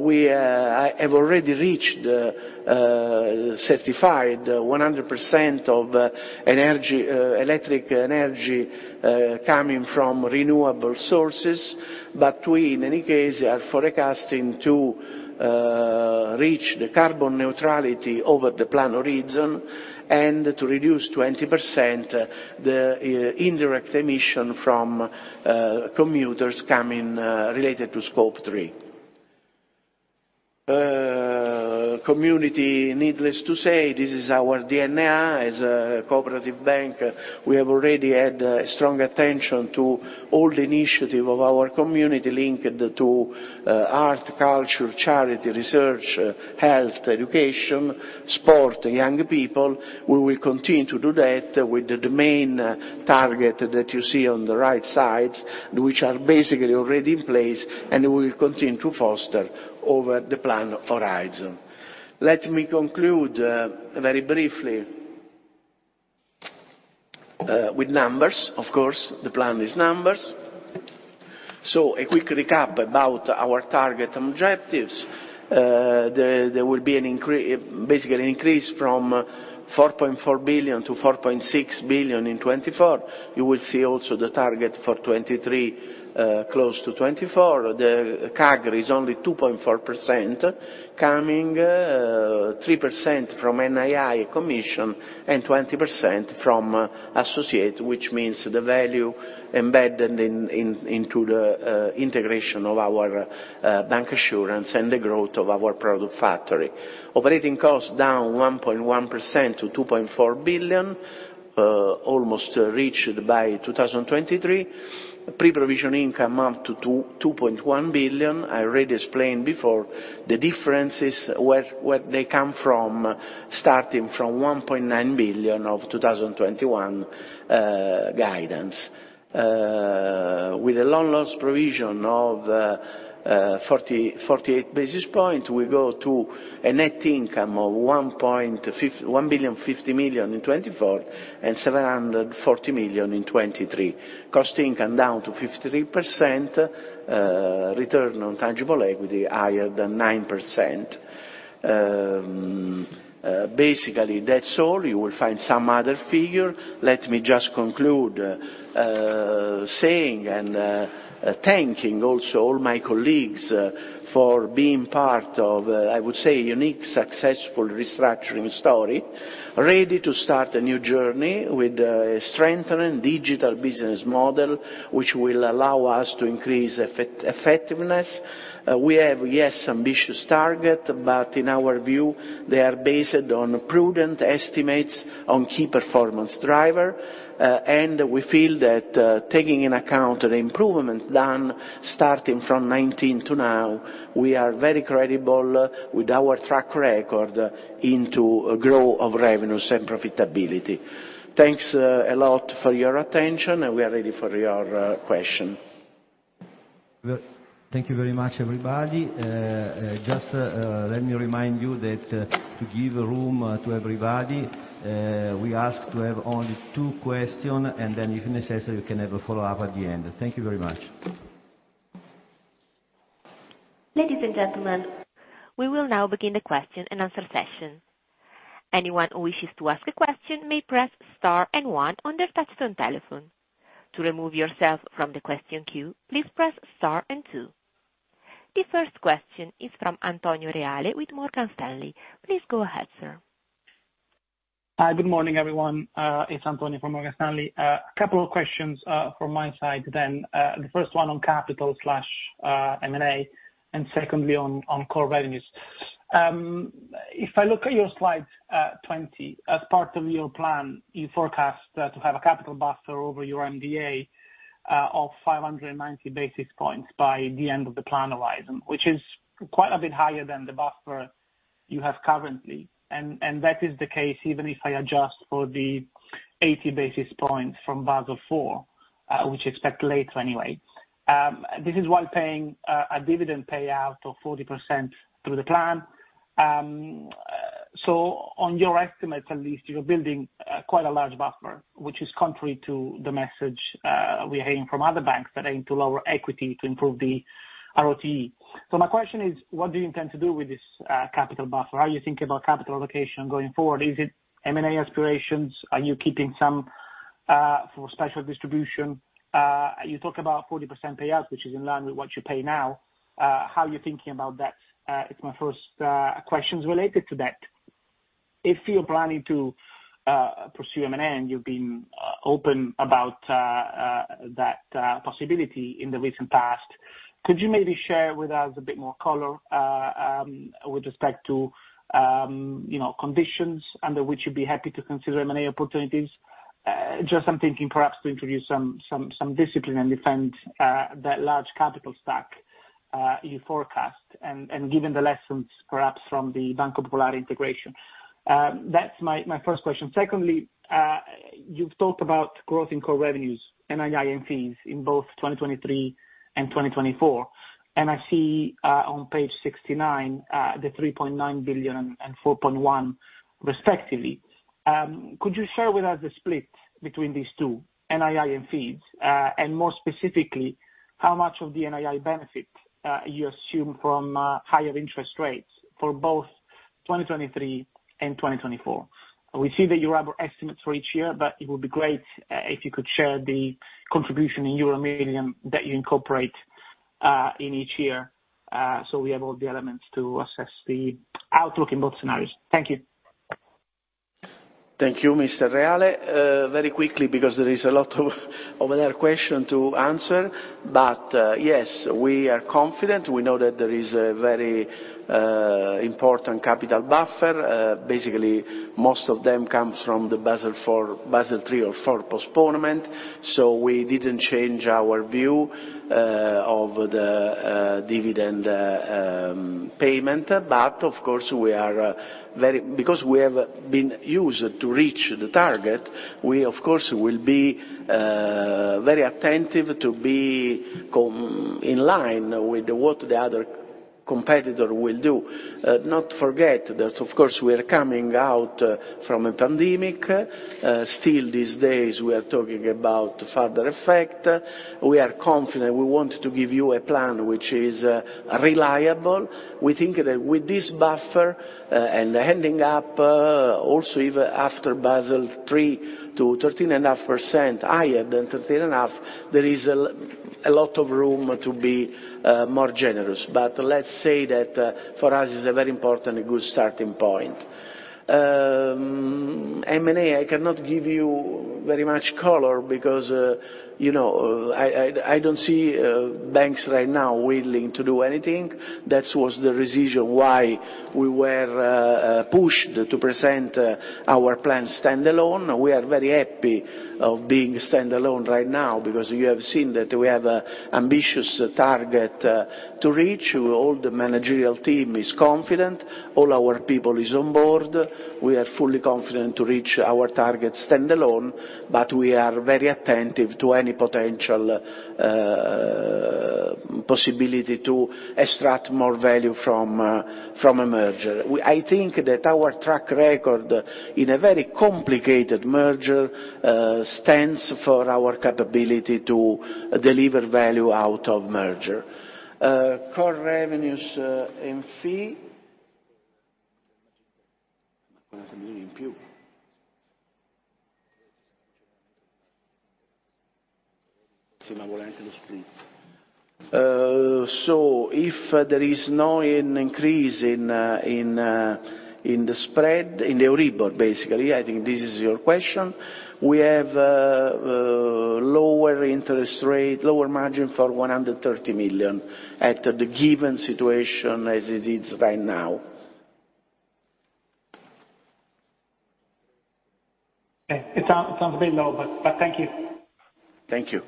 We have already reached certified 100% of energy, electric energy coming from renewable sources, but we in any case are forecasting to reach the carbon neutrality over the plan horizon and to reduce 20% the indirect emission from commuters coming related to Scope 3. Community, needless to say, this is our DNA as a cooperative bank. We have already had a strong attention to all the initiative of our community linked to art, culture, charity, research, health, education, sport, young people. We will continue to do that with the main target that you see on the right sides, which are basically already in place and we will continue to foster over the plan horizon. Let me conclude very briefly with numbers. Of course, the plan is numbers. A quick recap about our target objectives. There will be basically an increase from 4.4 billion to 4.6 billion in 2024. You will see also the target for 2023, close to 2024. The CAGR is only 2.4%, coming 3% from NII commission and 20% from associate, which means the value embedded into the integration of our bancassurance and the growth of our product factory. Operating costs down 1.1% to 2.4 billion, almost reached by 2023. Pre-provision income up to 2.1 billion. I already explained before the differences, where they come from, starting from 1.9 billion of 2021 guidance. With a loan loss provision of 48 basis points, we go to a net income of 1.05 billion in 2024 and 740 million in 2023. Cost income down to 53%. Return on tangible equity higher than 9%. Basically that's all. You will find some other figure. Let me just conclude, saying and thanking also all my colleagues for being part of, I would say, a unique, successful restructuring story, ready to start a new journey with a strengthened digital business model, which will allow us to increase effectiveness. We have, yes, ambitious target, but in our view, they are based on prudent estimates on key performance driver. We feel that, taking into account the improvement done starting from 2019 to now, we are very credible with our track record in the growth of revenues and profitability. Thanks a lot for your attention, and we are ready for your question. Well, thank you very much, everybody. Just, let me remind you that to give room to everybody, we ask to have only two question, and then if necessary, we can have a follow-up at the end. Thank you very much. The first question is from Antonio Reale with Morgan Stanley. Please go ahead, sir. Hi. Good morning, everyone. It's Antonio Reale from Morgan Stanley. A couple of questions from my side then. The first one on capital slash M&A, and secondly on core revenues. If I look at your slide 20, as part of your plan, you forecast to have a capital buffer over your MDA of 590 basis points by the end of the plan horizon, which is quite a bit higher than the buffer you have currently. That is the case even if I adjust for the 80 basis points from Basel IV, which expect later anyway. This is while paying a dividend payout of 40% through the plan. On your estimates at least, you're building quite a large buffer, which is contrary to the message we're hearing from other banks that aim to lower equity to improve the ROTE. My question is, what do you intend to do with this capital buffer? How are you thinking about capital allocation going forward? Is it M&A aspirations? Are you keeping some for special distribution? You talk about 40% payouts, which is in line with what you pay now. How are you thinking about that? It's my first questions related to that. If you're planning to pursue M&A, you've been open about that possibility in the recent past. Could you maybe share with us a bit more color with respect to you know conditions under which you'd be happy to consider M&A opportunities? Just I'm thinking perhaps to introduce some discipline and defend that large capital stack you forecast, and given the lessons perhaps from the Banco Popolare integration. That's my first question. Secondly, you've talked about growth in core revenues, NII and fees in both 2023 and 2024. I see on page 69 the 3.9 billion and 4.1 billion respectively. Could you share with us the split between these two, NII and fees? And more specifically, how much of the NII benefit you assume from higher interest rates for both 2023 and 2024? We see that you have estimates for each year, but it would be great if you could share the contribution in euro million that you incorporate in each year, so we have all the elements to assess the outlook in both scenarios. Thank you. Thank you, Mr. Reale. Very quickly because there is a lot of other questions to answer. Yes, we are confident. We know that there is a very important capital buffer. Basically, most of it comes from the Basel III or IV postponement, so we didn't change our view of the dividend payment. Of course, we are. Because we have been used to reach the target, we of course will be very attentive to be in line with what the other competitors will do. Don't forget that of course we are coming out of a pandemic. Still these days we are talking about further effects. We are confident. We want to give you a plan which is reliable. We think that with this buffer, and ending up, also even after Basel III to 13.5%, higher than 13.5%, there is a lot of room to be, more generous. Let's say that, for us, it's a very important and good starting point. M&A, I cannot give you very much color because, you know, I don't see, banks right now willing to do anything. That was the reason why we were, pushed to present, our plan standalone. We are very happy of being standalone right now because you have seen that we have an ambitious target, to reach. All the managerial team is confident. All our people is on board. We are fully confident to reach our target standalone, but we are very attentive to any potential possibility to extract more value from a merger. I think that our track record in a very complicated merger stands for our capability to deliver value out of merger. Core revenues in fee. If there is no increase in the spread in the Euribor, basically, I think this is your question, we have lower interest rate, lower margin for 130 million at the given situation as it is right now. Okay. It sounds a bit low, but thank you. Thank you.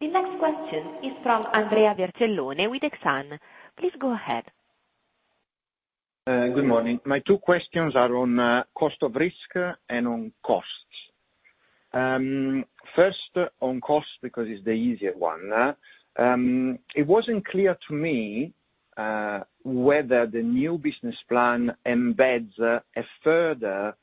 The next question is from Andrea Vercellone with Exane BNP Paribas. Please go ahead. Good morning. My two questions are on cost of risk and on costs. First on cost, because it's the easier one. It wasn't clear to me whether the new business plan embeds a further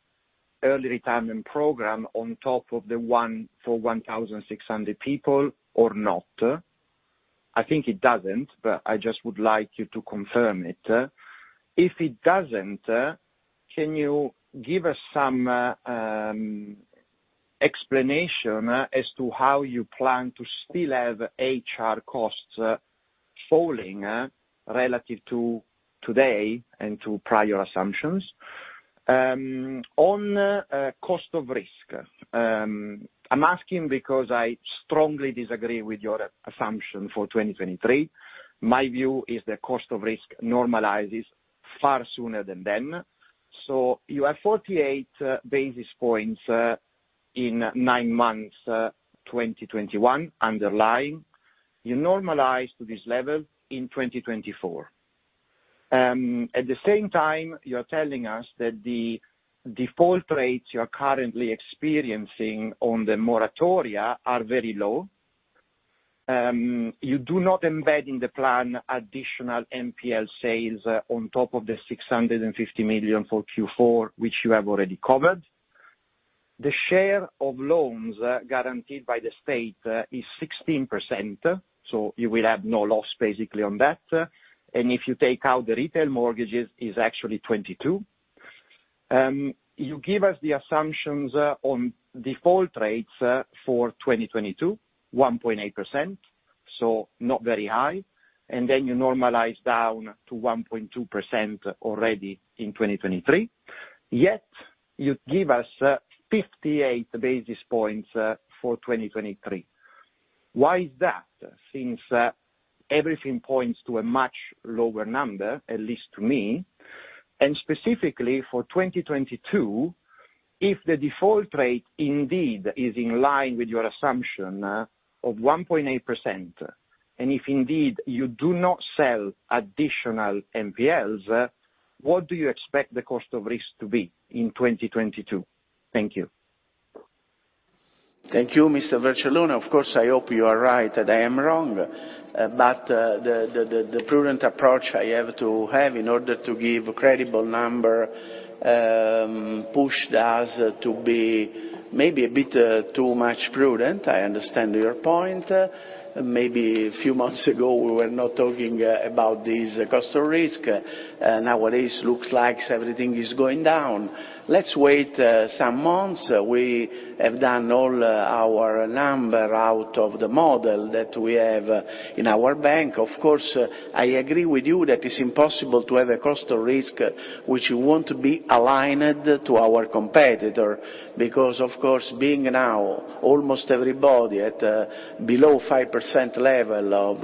early retirement program on top of the one for 1,600 people or not. I think it doesn't, but I just would like you to confirm it. If it doesn't, can you give us some explanation as to how you plan to still have HR costs falling relative to today and to prior assumptions? On cost of risk, I'm asking because I strongly disagree with your assumption for 2023. My view is the cost of risk normalizes far sooner than then. You have 48 basis points in nine months 2021 underlying. You normalize to this level in 2024. At the same time, you're telling us that the default rates you're currently experiencing on the moratoria are very low. You do not embed in the plan additional NPL sales on top of the 650 million for Q4, which you have already covered. The share of loans guaranteed by the state is 16%, so you will have no loss basically on that. If you take out the retail mortgages, it's actually 22%. You give us the assumptions on default rates for 2022, 1.8%, so not very high. Then you normalize down to 1.2% already in 2023. Yet, you give us 58 basis points for 2023. Why is that, since everything points to a much lower number, at least to me? Specifically for 2022, if the default rate indeed is in line with your assumption of 1.8%, and if indeed you do not sell additional NPLs, what do you expect the cost of risk to be in 2022? Thank you. Thank you, Mr. Vercellone. Of course, I hope you are right and I am wrong. But the prudent approach I have to have in order to give credible number pushed us to be maybe a bit too much prudent. I understand your point. Maybe a few months ago, we were not talking about this cost of risk. Nowadays, looks like everything is going down. Let's wait some months. We have done all our number out of the model that we have in our bank. Of course, I agree with you that it's impossible to have a cost of risk which won't be aligned to our competitor because, of course, being now almost everybody at below 5% level of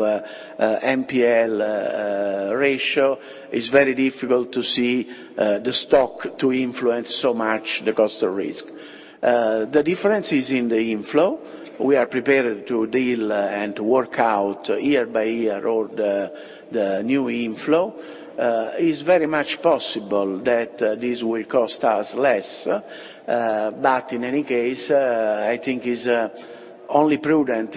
NPL ratio, it's very difficult to see the stock to influence so much the cost of risk. The difference is in the inflow. We are prepared to deal and to work out year by year all the new inflow. It's very much possible that this will cost us less, but in any case, I think it's only prudent,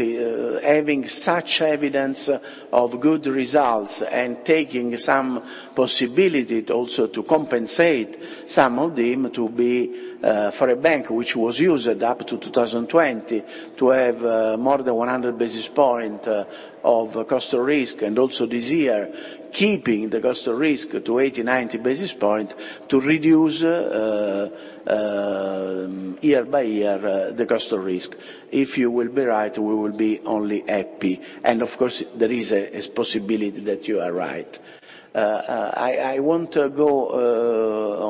having such evidence of good results and taking some possibility also to compensate some of them to be, for a bank which was used up to 2020 to have more than 100 basis points of cost of risk and also this year, keeping the cost of risk to 80 basis points-90 basis points to reduce year by year the cost of risk. If you will be right, we will be only happy. Of course, there is a possibility that you are right. I want to go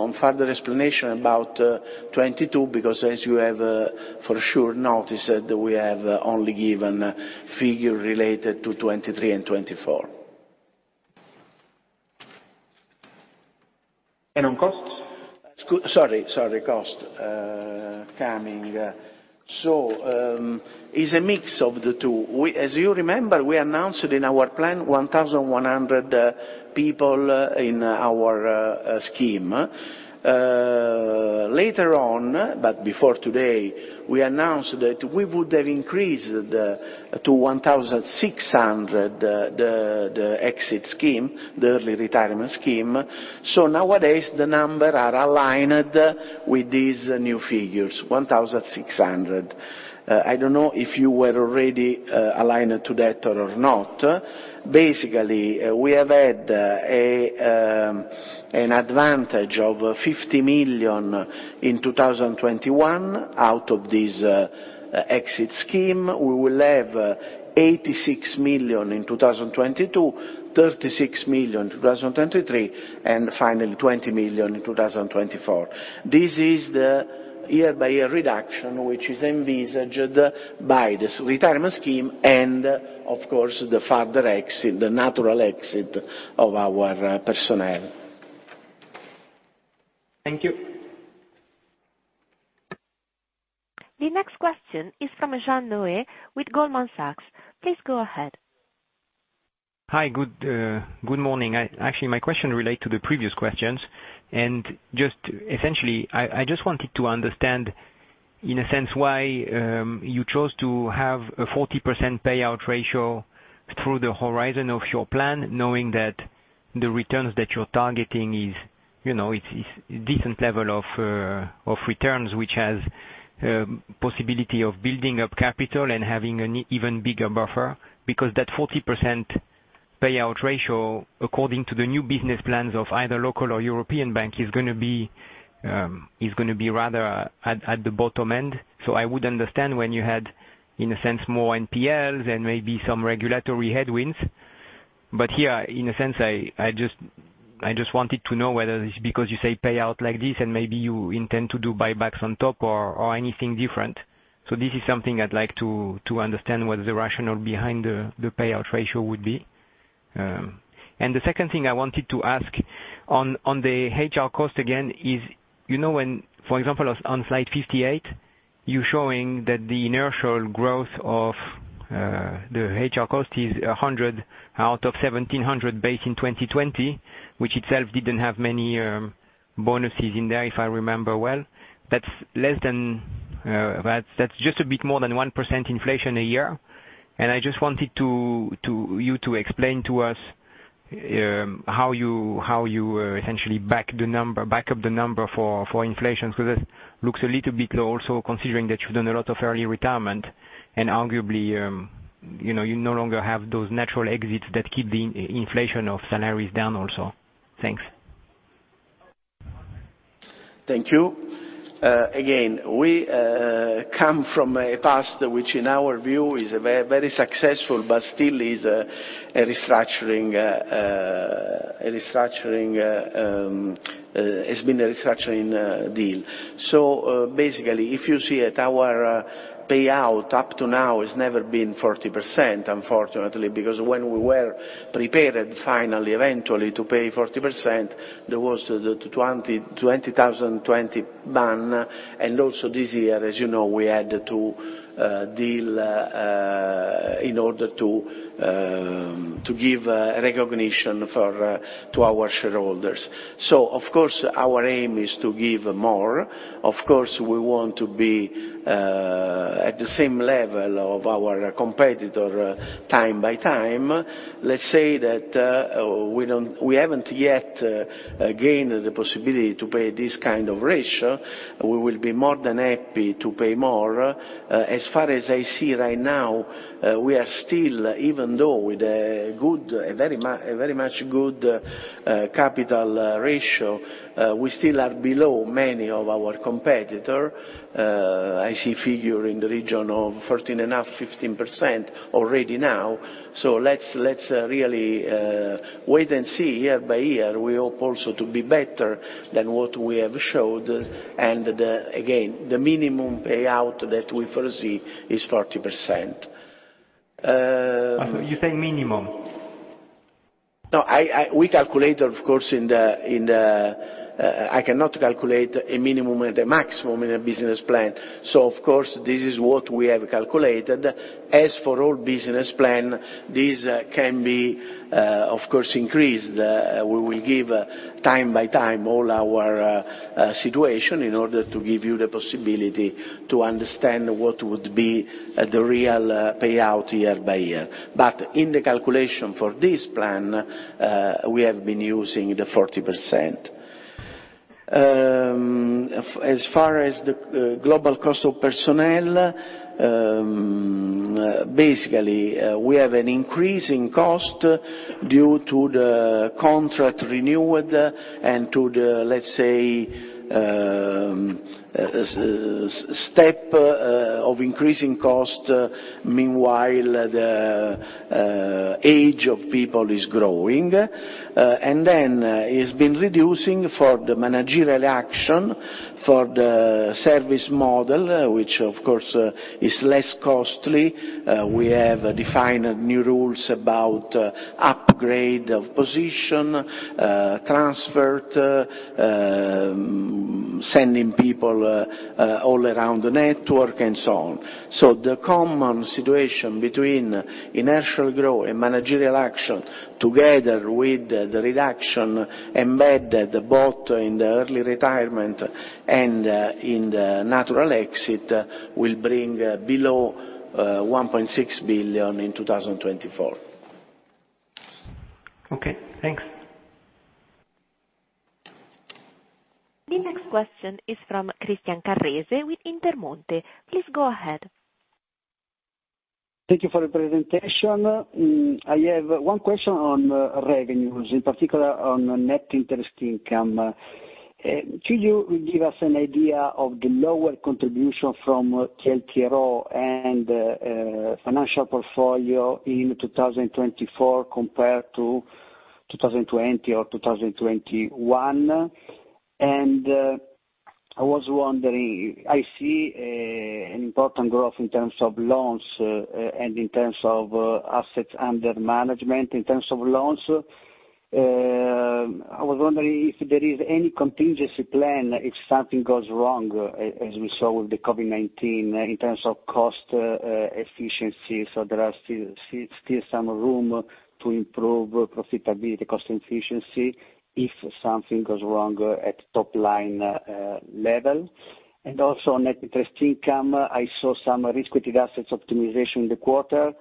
on further explanation about 2022 because as you have for sure noticed that we have only given figure related to 2023 and 2024. On costs? It's a mix of the two. As you remember, we announced in our plan 1,100 people in our scheme. Later on, but before today, we announced that we would have increased to 1,600 the exit scheme, the early retirement scheme. Nowadays, the numbers are aligned with these new figures, 1,600. I don't know if you were already aligned to that or not. Basically, we have had an advantage of 50 million in 2021 out of this exit scheme. We will have 86 million in 2022, 36 million in 2023, and finally, 20 million in 2024. This is the year-by-year reduction, which is envisaged by this retirement scheme and of course, the further exit, the natural exit of our personnel. Thank you. The next question is from Jean-Noël Pivet with Goldman Sachs. Please go ahead. Hi, good morning. Actually my question relate to the previous questions. Just essentially, I just wanted to understand, in a sense, why you chose to have a 40% payout ratio through the horizon of your plan, knowing that the returns that you're targeting is, you know, it's a decent level of returns, which has possibility of building up capital and having an even bigger buffer. Because that 40% payout ratio, according to the new business plans of either local or European bank, is gonna be rather at the bottom end. I would understand when you had, in a sense, more NPLs and maybe some regulatory headwinds. here, in a sense, I just wanted to know whether it's because you say payout like this and maybe you intend to do buybacks on top or anything different. This is something I'd like to understand what the rationale behind the payout ratio would be. And the second thing I wanted to ask on the HR cost again is you know when, for example, on slide 58, you're showing that the inertial growth of the HR cost is 100 out of 1,700 based in 2020, which itself didn't have many bonuses in there, if I remember well. That's just a bit more than 1% inflation a year. I just wanted you to explain to us how you essentially back up the number for inflation, because it looks a little bit low also considering that you've done a lot of early retirement and arguably, you know, you no longer have those natural exits that keep the inflation of salaries down also. Thanks. Thank you. Again, we come from a past which in our view is very, very successful, but still is a restructuring deal. Basically, if you see it, our payout up to now has never been 40%, unfortunately, because when we were prepared finally, eventually to pay 40%, there was the 2020 ban. Also this year, as you know, we had to deal in order to give recognition to our shareholders. Of course, our aim is to give more. Of course, we want to be at the same level of our competitors time by time. Let's say that we haven't yet gained the possibility to pay this kind of ratio. We will be more than happy to pay more. As far as I see right now, we are still, even though with a good, a very much good capital ratio, we still are below many of our competitor. I see figure in the region of 14.5%-15% already now. Let's really wait and see year by year. We hope also to be better than what we have showed. Again, the minimum payout that we foresee is 40%. You think minimum? No, we calculate of course in the. I cannot calculate a minimum and a maximum in a business plan. Of course, this is what we have calculated. As for all business plan, this can be of course increased. We will give time by time all our situation in order to give you the possibility to understand what would be the real payout year by year. In the calculation for this plan, we have been using the 40%. As far as the global cost of personnel, basically, we have an increase in cost due to the contract renewed and to the, let's say, step of increasing cost. Meanwhile, the age of people is growing. It's been reducing for the managerial action, for the service model, which of course is less costly. We have defined new rules about upgrade of position, transferred, sending people, all around the network and so on. The common situation between inertial growth and managerial action, together with the reduction embedded both in the early retirement and in the natural exit, will bring below 1.6 billion in 2024. Okay, thanks. The next question is from Christian Carrese with Intermonte. Please go ahead. Thank you for the presentation. I have one question on revenues, in particular on net interest income. Could you give us an idea of the lower contribution from TLTRO and financial portfolio in 2024 compared to 2020 or 2021? I was wondering, I see an important growth in terms of loans and in terms of assets under management. In terms of loans, I was wondering if there is any contingency plan if something goes wrong, as we saw with the COVID-19, in terms of cost efficiency. There are still some room to improve profitability, cost efficiency, if something goes wrong at top line level. Also net interest income, I saw some risk-weighted assets optimization in the quarter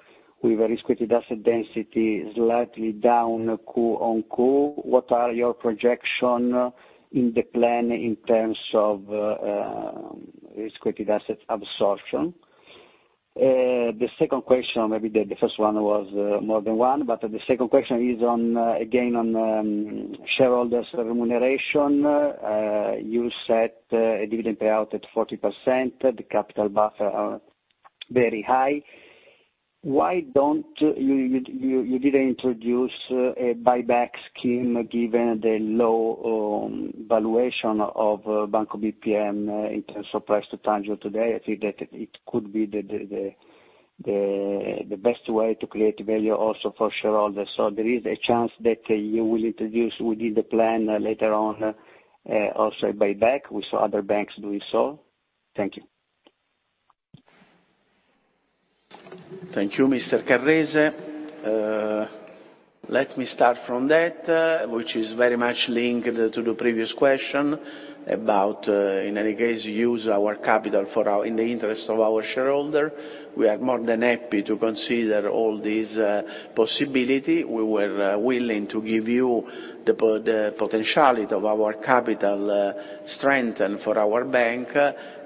with risk-weighted asset density slightly down Q-o-Q. What are your projections in the plan in terms of risk-weighted assets absorption? The second question, maybe the first one was more than one, but the second question is on, again, on shareholders remuneration. You set a dividend payout at 40%. The capital buffers are very high. Why don't you introduce a buyback scheme given the low valuation of Banco BPM in terms of price to tangible today? I think that it could be the best way to create value also for shareholders. There is a chance that you will introduce within the plan later on also a buyback. We saw other banks doing so. Thank you. Thank you, Mr. Carrese. Let me start from that, which is very much linked to the previous question about, in any case, use our capital for our, in the interest of our shareholder. We are more than happy to consider all these possibility. We were willing to give you the potentiality of our capital strength and for our bank.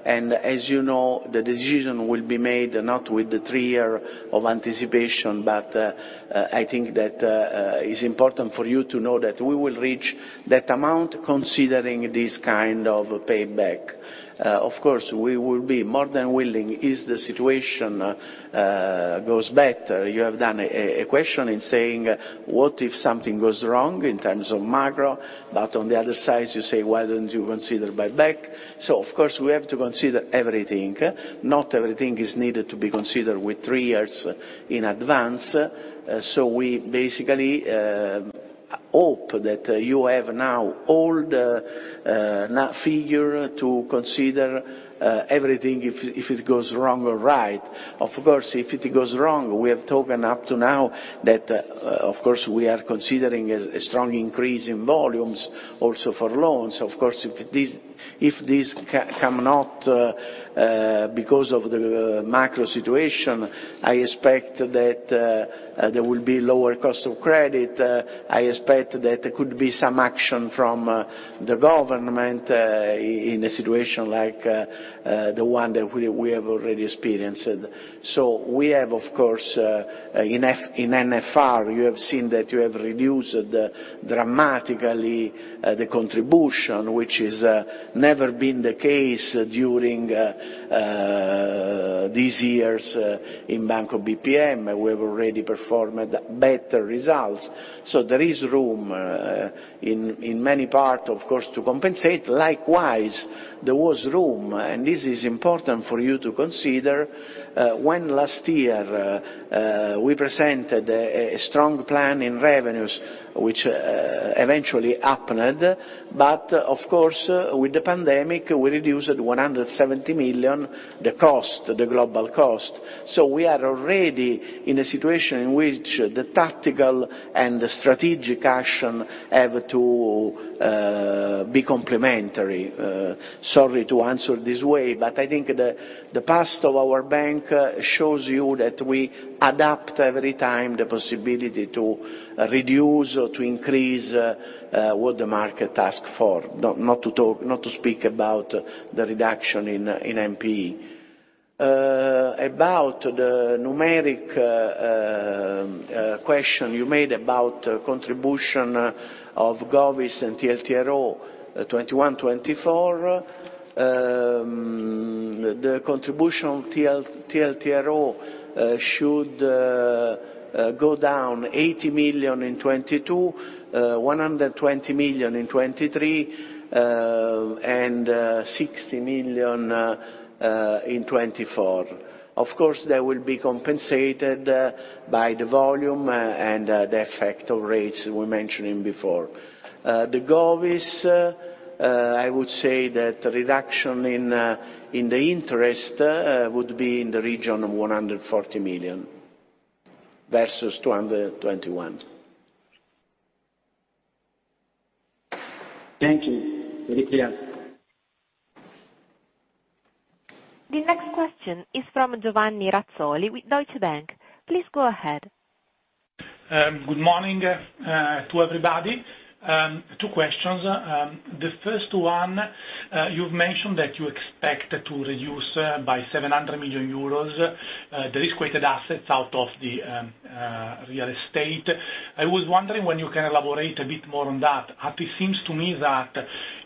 As you know, the decision will be made not with the three year of anticipation, but I think that is important for you to know that we will reach that amount considering this kind of payback. Of course, we will be more than willing if the situation goes better. You have raised a question in saying, what if something goes wrong in terms of macro, but on the other side, you say, "Why don't you consider buyback?" Of course, we have to consider everything. Not everything is needed to be considered with three years in advance. We basically hope that you have now all the figures to consider everything if it goes wrong or right. Of course, if it goes wrong, we have spoken up to now that of course, we are considering a strong increase in volumes also for loans. Of course, if this doesn't come because of the macro situation, I expect that there will be lower cost of credit. I expect that there could be some action from the government, in a situation like the one that we have already experienced. We have, of course, in NFR, you have seen that you have reduced dramatically the contribution, which has never been the case during these years in Banco BPM, we have already performed better results. There is room, in many parts, of course, to compensate. Likewise, there was room, and this is important for you to consider, when last year we presented a strong plan in revenues, which eventually happened. Of course, with the pandemic, we reduced 170 million, the cost, the global cost. We are already in a situation in which the tactical and the strategic action have to be complementary. Sorry to answer this way, but I think the past of our bank shows you that we adapt every time the possibility to reduce or to increase what the market ask for. Not to talk, not to speak about the reduction in NPE. About the numeric question you made about contribution of Govies and TLTRO, 2021-2024. The contribution TLTRO should go down 80 million in 2022, 120 million in 2023, and 60 million in 2024. Of course, that will be compensated by the volume and the effect of rates we mentioned before. The Govies, I would say that reduction in the interest would be in the region of 140 million versus 221 million. Thank you. Very clear. The next question is from Giovanni Razzoli with Deutsche Bank. Please go ahead. Good morning to everybody. Two questions. The first one, you've mentioned that you expect to reduce by 700 million euros the risk-weighted assets out of the real estate. I was wondering how you can elaborate a bit more on that. It seems to me that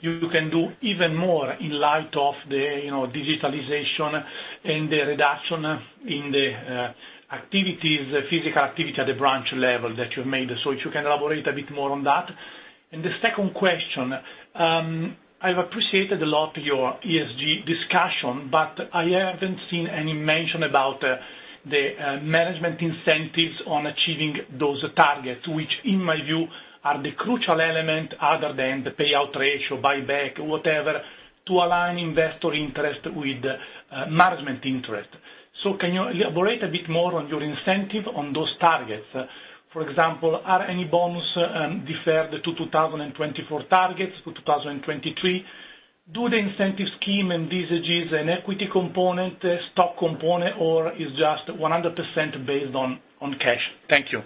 you can do even more in light of the, you know, digitalization and the reduction in the physical activities at the branch level that you made. If you can elaborate a bit more on that. The second question, I've appreciated a lot your ESG discussion, but I haven't seen any mention about the management incentives on achieving those targets, which in my view are the crucial element other than the payout ratio, buyback, whatever, to align investor interest with management interest. Can you elaborate a bit more on your incentive on those targets? For example, are any bonuses deferred to 2024 targets, to 2023? Does the incentive scheme have an equity component, stock component, or is it just 100% based on cash? Thank you.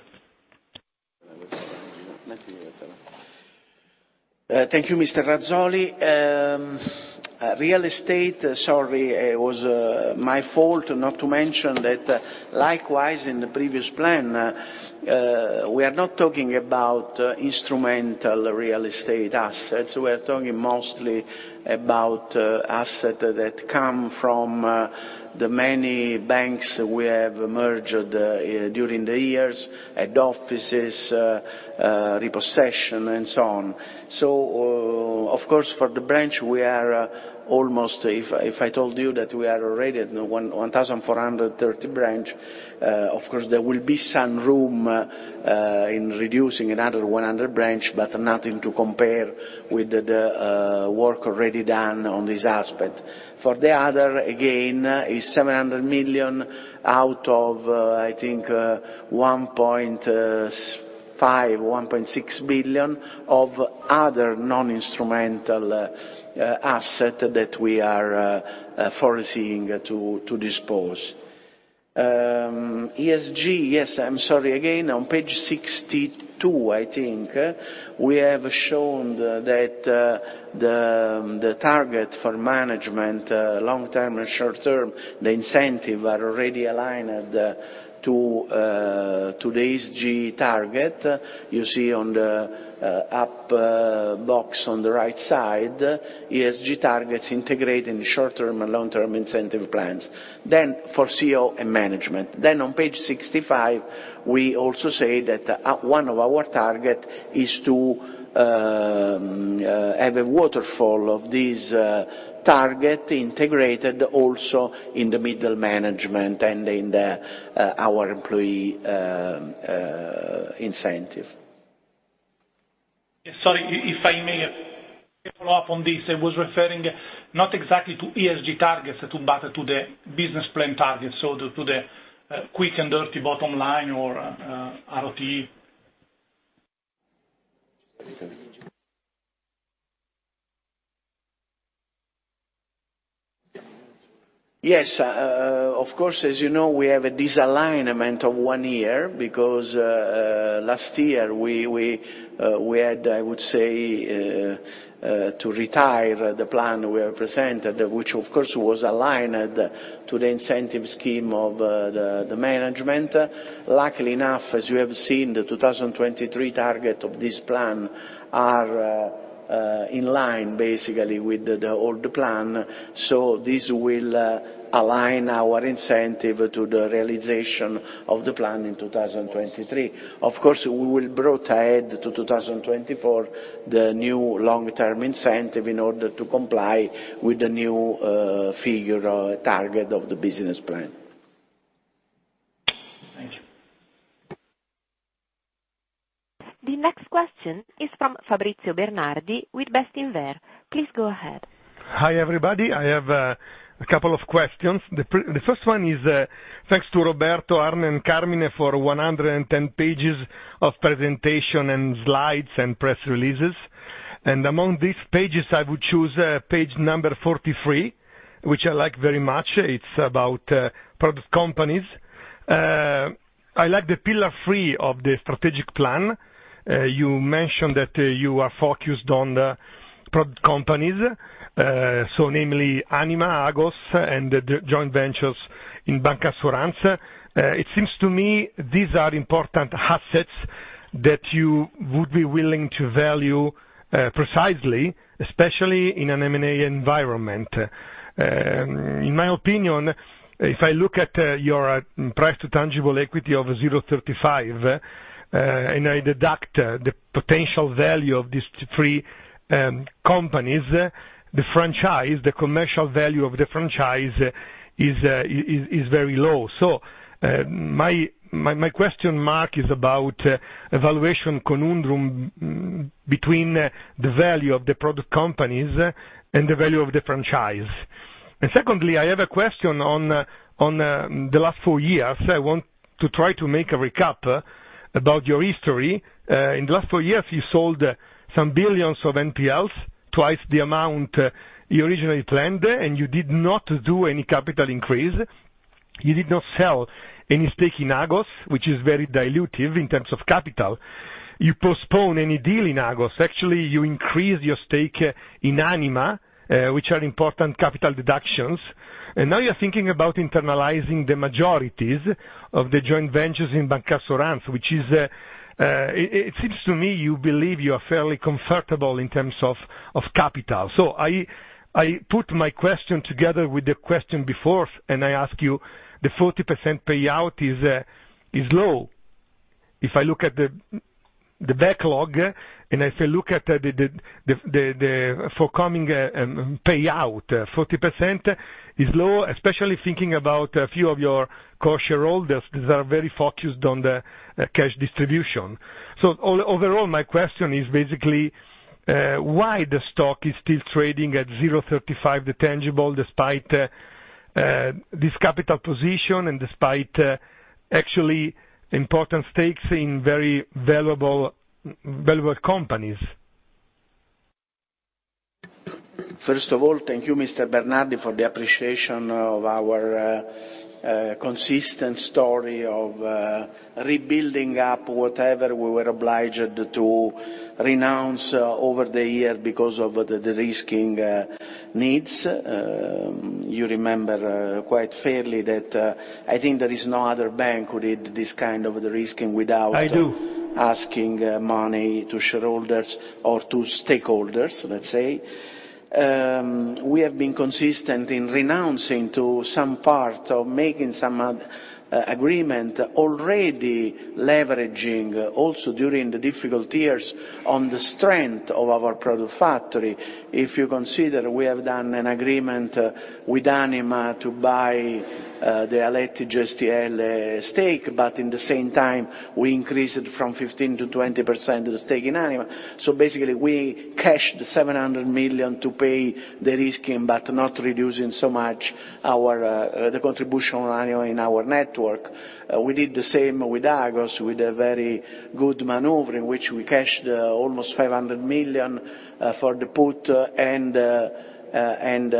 Thank you, Mr. Razzoli. Real estate, sorry, it was my fault not to mention that likewise in the previous plan, we are not talking about instrumental real estate assets. We are talking mostly about assets that come from the many banks we have merged during the years at offices, repossession and so on. So of course, for the branches, we are almost, if I told you that we are already at 1,430 branches, of course, there will be some room in reducing another 100 branches, but nothing to compare with the work already done on this aspect. For the other, again, is 700 million out of, I think, 1.5 billion-1.6 billion of other non-instrumental assets that we are foreseeing to dispose. ESG, yes, I'm sorry. Again, on page 62, I think, we have shown that the target for management, long-term and short-term, the incentive are already aligned to the ESG target. You see on the upper box on the right side, ESG targets integrate in short-term and long-term incentive plans. Then for CEO and management. Then on page 65, we also say that one of our target is to have a waterfall of this target integrated also in the middle management and in our employee incentive. Sorry, if I may follow up on this. I was referring not exactly to ESG targets, but to the business plan targets, so to the quick and dirty bottom line or, ROTE. Yes, of course, as you know, we have a disalignment of one year because last year we had, I would say, to retire the plan we have presented, which of course was aligned to the incentive scheme of the management. Luckily enough, as you have seen, the 2023 target of this plan are in line basically with the old plan. This will align our incentive to the realization of the plan in 2023. Of course, we will brought ahead to 2024 the new long-term incentive in order to comply with the new figure or target of the business plan. Thank you. The next question is from Fabrizio Bernardi with Bestinver. Please go ahead. Hi, everybody. I have a couple of questions. The first one is, thanks to Roberto, Arne, and Carmine for 110 pages of presentation and slides and press releases. Among these pages, I would choose page number 43, which I like very much. It's about product companies. I like the Pillar three of the strategic plan. You mentioned that you are focused on product companies, so namely Anima, Agos, and the joint ventures in bancassurance. It seems to me these are important assets that you would be willing to value precisely, especially in an M&A environment. In my opinion, if I look at your price to tangible equity of 0.35, and I deduct the potential value of these three companies, the franchise, the commercial value of the franchise is very low. My question is about valuation conundrum between the value of the product companies and the value of the franchise. Secondly, I have a question on the last four years. I want to try to make a recap about your history. In the last four years, you sold some billions of NPLs, twice the amount you originally planned, and you did not do any capital increase. You did not sell any stake in Agos, which is very dilutive in terms of capital. You postpone any deal in Agos. Actually, you increase your stake in Anima, which are important capital deductions. Now you are thinking about internalizing the majorities of the joint ventures in bancassurance. It seems to me you believe you are fairly comfortable in terms of capital. I put my question together with the question before, and I ask you, the 40% payout is low. If I look at the backlog, and if I look at the forthcoming payout, 40% is low, especially thinking about a few of your core shareholders are very focused on the cash distribution. Overall, my question is basically why the stock is still trading at 0.35 the tangible despite this capital position and despite actually important stakes in very valuable companies? First of all, thank you, Mr. Bernardi, for the appreciation of our consistent story of rebuilding up whatever we were obliged to renounce over the years because of the de-risking needs. You remember quite fairly that, I think there is no other bank who did this kind of de-risking without. I do.... asking money to shareholders or to stakeholders, let's say. We have been consistent in renouncing to some part of making some agreement already leveraging also during the difficult years on the strength of our product factory. If you consider we have done an agreement with Anima to buy the Aletti Gestielle stake, but in the same time, we increased from 15%-20% the stake in Anima. Basically, we cashed 700 million to pay de-risking, but not reducing so much our the contribution annual in our network. We did the same with Agos, with a very good maneuver in which we cashed almost 500 million for the put and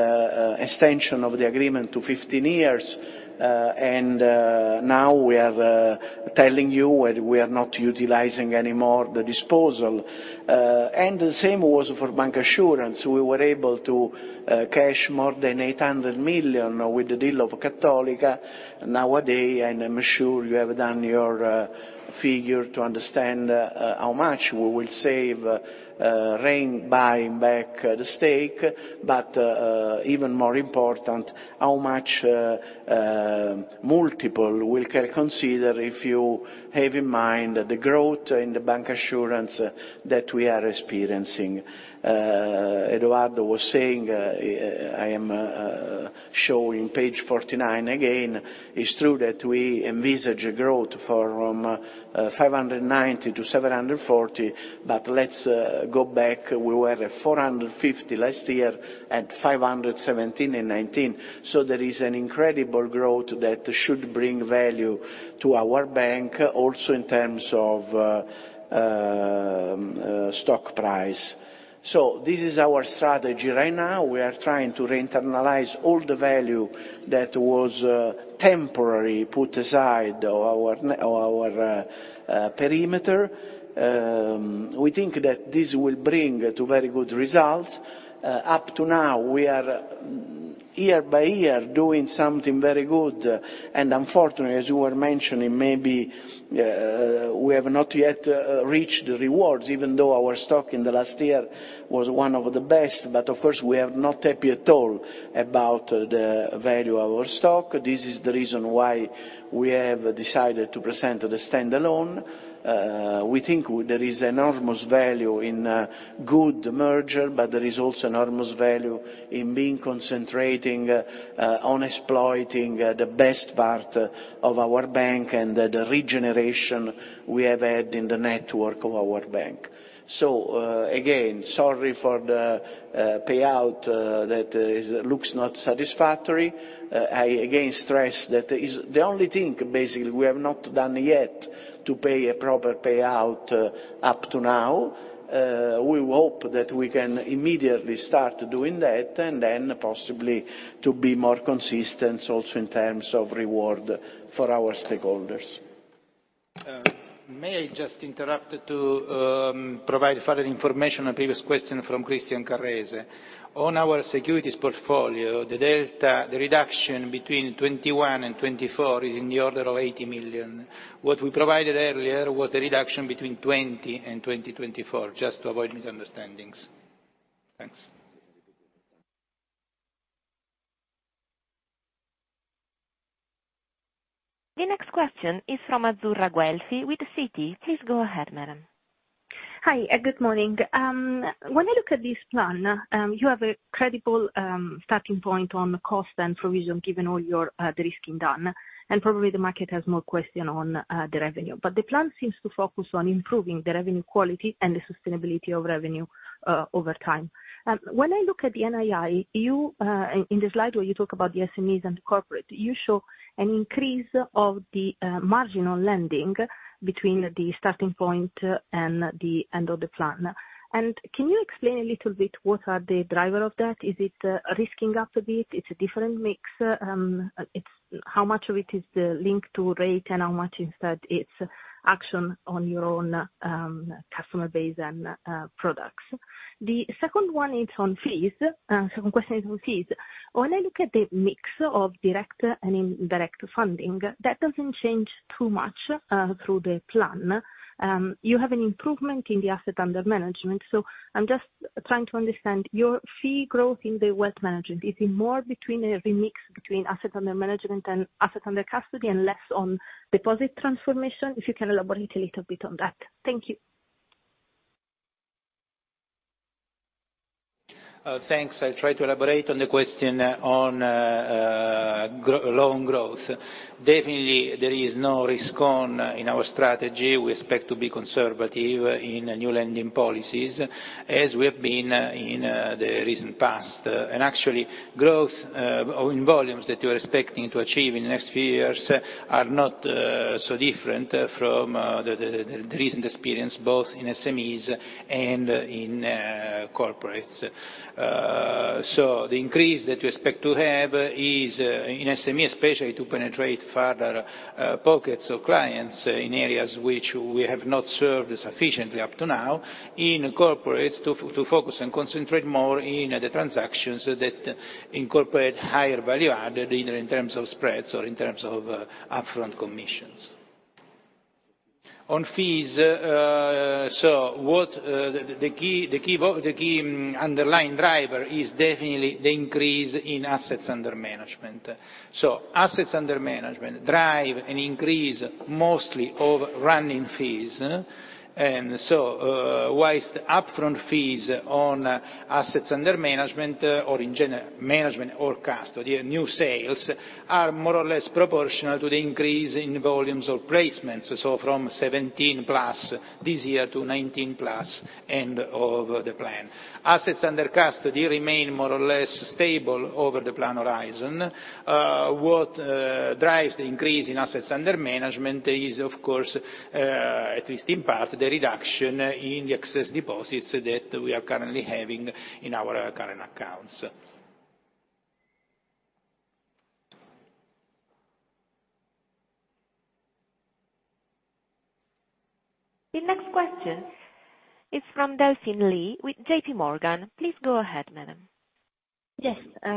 extension of the agreement to 15 years. Now we are telling you that we are not utilizing any more the disposal. The same was for bancassurance. We were able to cash more than 800 million with the deal of Cattolica. Nowadays, I'm sure you have done your figures to understand how much we will save by buying back the stake, but even more important, how much multiple we can consider if you have in mind the growth in the bancassurance that we are experiencing. Edoardo was saying, I am showing page 49 again. It's true that we envisage a growth from 590 to 740, but let's go back. We were at 450 last year and 517 in 2019. There is an incredible growth that should bring value to our bank also in terms of stock price. This is our strategy right now. We are trying to re-internalize all the value that was temporary put aside our perimeter. We think that this will bring to very good results. Up to now, we are year by year doing something very good and unfortunately, as you were mentioning, maybe, we have not yet reached the rewards, even though our stock in the last year was one of the best. Of course, we are not happy at all about the value of our stock. This is the reason why we have decided to present the stand-alone. We think there is enormous value in a good merger, but there is also enormous value in being concentrating on exploiting the best part of our bank and the regeneration we have had in the network of our bank. Again, sorry for the payout that looks not satisfactory. I again stress that is the only thing basically we have not done yet to pay a proper payout up to now. We hope that we can immediately start doing that, and then possibly to be more consistent also in terms of reward for our stakeholders. May I just interrupt to provide further information on previous question from Christian Carrese. On our securities portfolio, the delta, the reduction between 2021 and 2024 is in the order of 80 million. What we provided earlier was the reduction between 2020 and 2024, just to avoid misunderstandings. Thanks. The next question is from Azzurra Guelfi with Citi. Please go ahead, madam. Hi, good morning. When I look at this plan, you have a credible starting point on cost and provision, given all your de-risking done, and probably the market has more question on the revenue. The plan seems to focus on improving the revenue quality and the sustainability of revenue over time. When I look at the NII, in the slide where you talk about the SMEs and corporate, you show an increase of the marginal lending between the starting point and the end of the plan. Can you explain a little bit what are the driver of that? Is it risking up a bit? It's a different mix? How much of it is linked to rate and how much is that it's action on your own customer base and products? The second one is on fees. When I look at the mix of direct and indirect funding, that doesn't change too much, through the plan. You have an improvement in the asset under management. I'm just trying to understand, your fee growth in the wealth management, is it more a mix between asset under management and asset under custody and less on deposit transformation? If you can elaborate a little bit on that. Thank you. Thanks. I'll try to elaborate on the question on loan growth. Definitely there is no risk-on in our strategy. We expect to be conservative in new lending policies, as we have been in the recent past. Actually, growth in volumes that we're expecting to achieve in the next few years are not so different from the recent experience, both in SMEs and in corporates. So the increase that we expect to have is in SME especially to penetrate further pockets of clients in areas which we have not served sufficiently up to now. In corporates to focus and concentrate more in the transactions that incorporate higher value added, either in terms of spreads or in terms of upfront commissions. On fees, the key underlying driver is definitely the increase in assets under management. Assets under management drive an increase mostly of running fees. While upfront fees on assets under management, or in general, management or custody, new sales, are more or less proportional to the increase in volumes or placements from 17+ this year to 19+ end of the plan. Assets under custody remain more or less stable over the plan horizon. What drives the increase in assets under management is, of course, at least in part, the reduction in the excess deposits that we are currently having in our current accounts. The next question is from Delphine Lee with JP Morgan. Please go ahead, madam. Yes,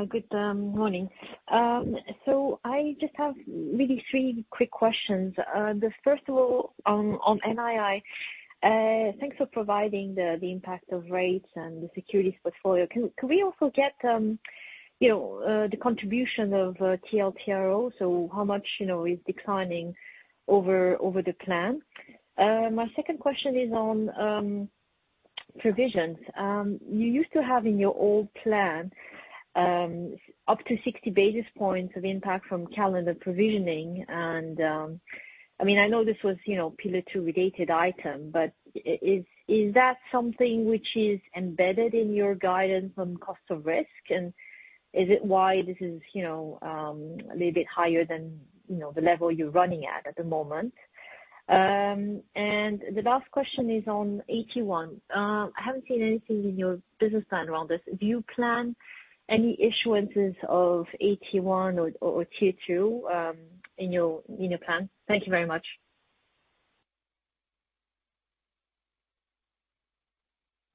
good morning. I just have really three quick questions. The first of all on NII, thanks for providing the impact of rates and the securities portfolio. Can we also get the contribution of TLTRO? So how much is declining over the plan? My second question is on provisions. You used to have in your old plan up to 60 basis points of impact from calendar provisioning. I mean, I know this was Pillar two related item, but is that something which is embedded in your guidance on cost of risk? And is it why this is a little bit higher than the level you're running at at the moment? The last question is on AT1. I haven't seen anything in your business plan around this. Do you plan any issuances of AT1 or Tier 2 in your plan? Thank you very much.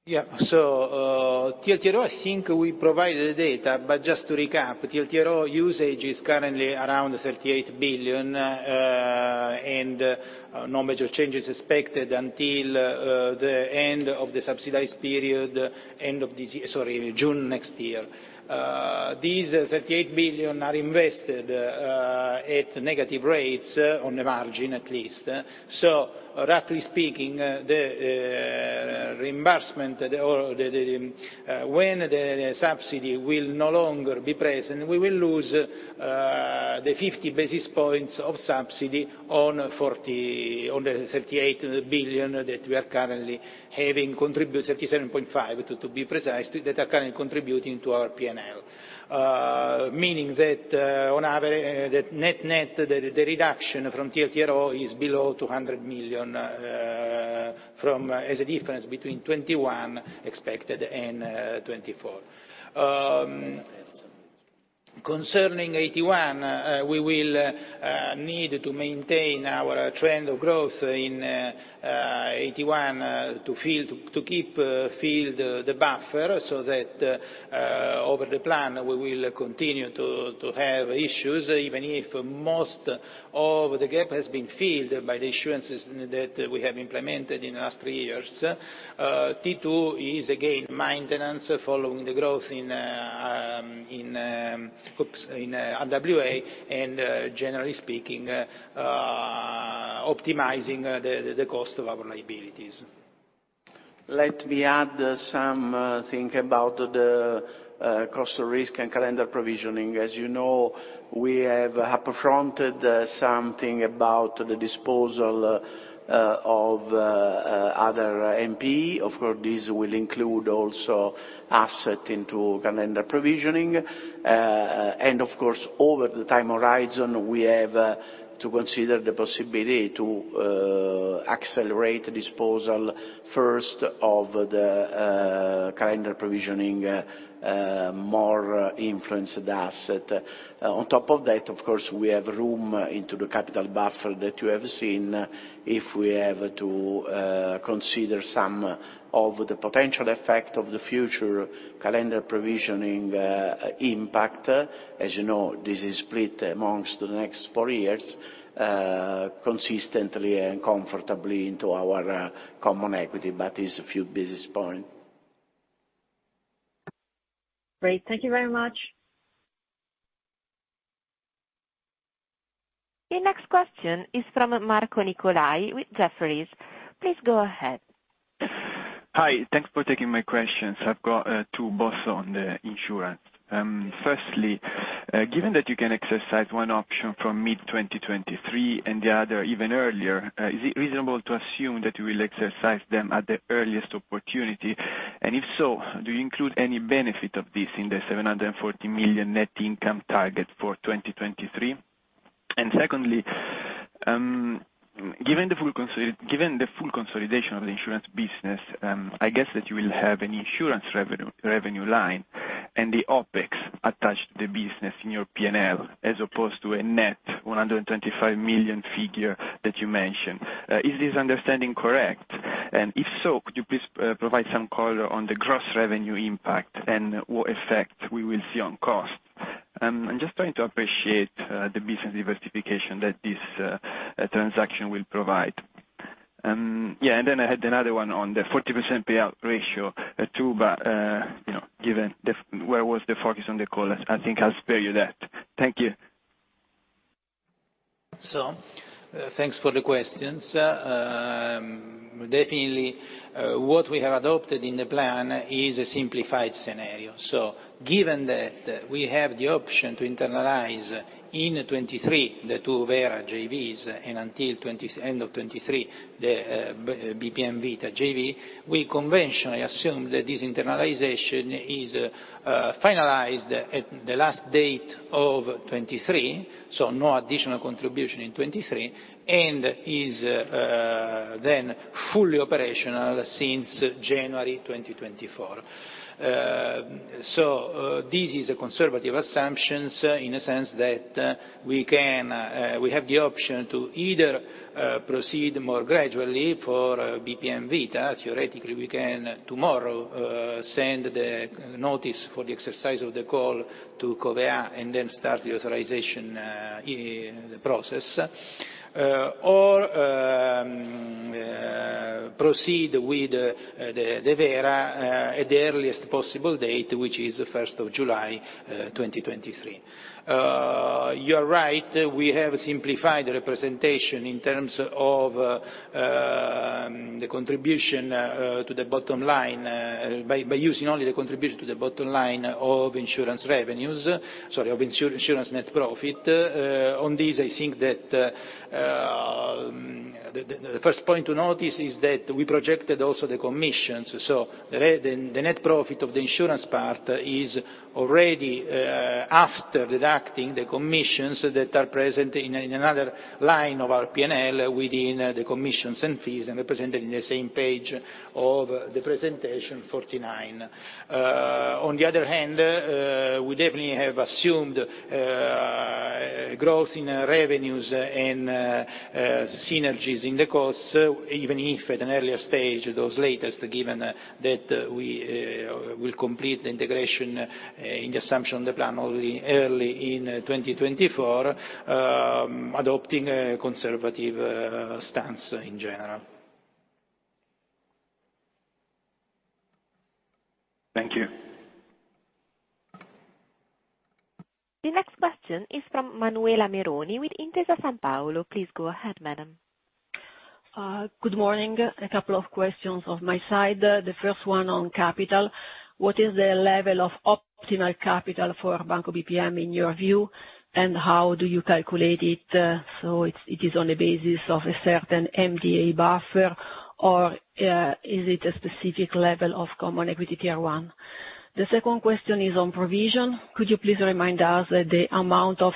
Yeah. Tier 2, I think we provided the data, but just to recap, Tier 2 usage is currently around 38 billion, and no major changes expected until the end of the subsidized period, end of this year. Sorry, June next year. These 38 billion are invested at negative rates on the margin at least. Roughly speaking, the reimbursement or the when the subsidy will no longer be present, we will lose the 50 basis points of subsidy on the 38 billion that we are currently having contribute 37.5, to be precise, that are currently contributing to our P&L. Meaning that, on average. That net-net, the reduction from TLTRO is below 200 million, from as a difference between 2021 expected and 2024. Concerning AT1, we will need to maintain our trend of growth in AT1 to keep filled the buffer so that over the plan, we will continue to have issuances, even if most of the gap has been filled by the issuances that we have implemented in the last three years. T2 is again maintenance following the growth in RWA, and generally speaking, optimizing the cost of our liabilities. Let me add something about the cost of risk and calendar provisioning. As you know, we have up-fronted something about the disposal of other NPE. Of course, this will include also assets into calendar provisioning. Of course, over the time horizon, we have to consider the possibility to accelerate disposal first of the calendar provisioning more influenced assets. On top of that, of course, we have room into the capital buffer that you have seen if we have to consider some of the potential effects of the future calendar provisioning impact. As you know, this is split amongst the next four years consistently and comfortably into our common equity, but it's a few basis points. Great. Thank you very much. The next question is from Marco Nicolai with Jefferies. Please go ahead. Hi. Thanks for taking my questions. I've got two, both on the insurance. Firstly, given that you can exercise one option from mid-2023 and the other even earlier, is it reasonable to assume that you will exercise them at the earliest opportunity? And if so, do you include any benefit of this in the 740 million net income target for 2023? And secondly, given the full consolidation of the insurance business, I guess that you will have an insurance revenue line and the OpEx attached to the business in your P&L as opposed to a net 125 million figure that you mentioned. Is this understanding correct? And if so, could you please provide some color on the gross revenue impact and what effect we will see on cost? I'm just trying to appreciate the business diversification that this transaction will provide. Yeah, and then I had another one on the 40% payout ratio, too, but you know, given the where was the focus on the call, I think I'll spare you that. Thank you. Thanks for the questions. Definitely, what we have adopted in the plan is a simplified scenario. Given that we have the option to internalize in 2023 the two Vera JVs, and until end of 2023, the BPM Vita JV, we conventionally assume that this internalization is finalized at the last date of 2023, so no additional contribution in 2023, and is then fully operational since January 2024. This is a conservative assumptions in a sense that we can, we have the option to either proceed more gradually for BPM Vita. Theoretically, we can tomorrow send the notice for the exercise of the call to Covéa and then start the authorization the process, or proceed with the Vera at the earliest possible date, which is the first of July 2023. You're right, we have simplified the representation in terms of the contribution to the bottom line by using only the contribution to the bottom line of insurance net profit. Sorry, on this, I think that The first point to notice is that we projected also the commissions. The net profit of the insurance part is already after deducting the commissions that are present in another line of our P&L within the commissions and fees and represented in the same page of the presentation 49. On the other hand, we definitely have assumed growth in revenues and synergies in the costs, even if at an earlier stage, those latter given that we will complete the integration in the assumption of the plan only early in 2024, adopting a conservative stance in general. Thank you. The next question is from Manuela Meroni with Intesa Sanpaolo. Please go ahead, madam. Good morning. A couple of questions from my side. The first one on capital, what is the level of optimal capital for Banco BPM in your view, and how do you calculate it, so is it on the basis of a certain MDA buffer or is it a specific level of common equity Tier 1? The second question is on provisions. Could you please remind us the amount of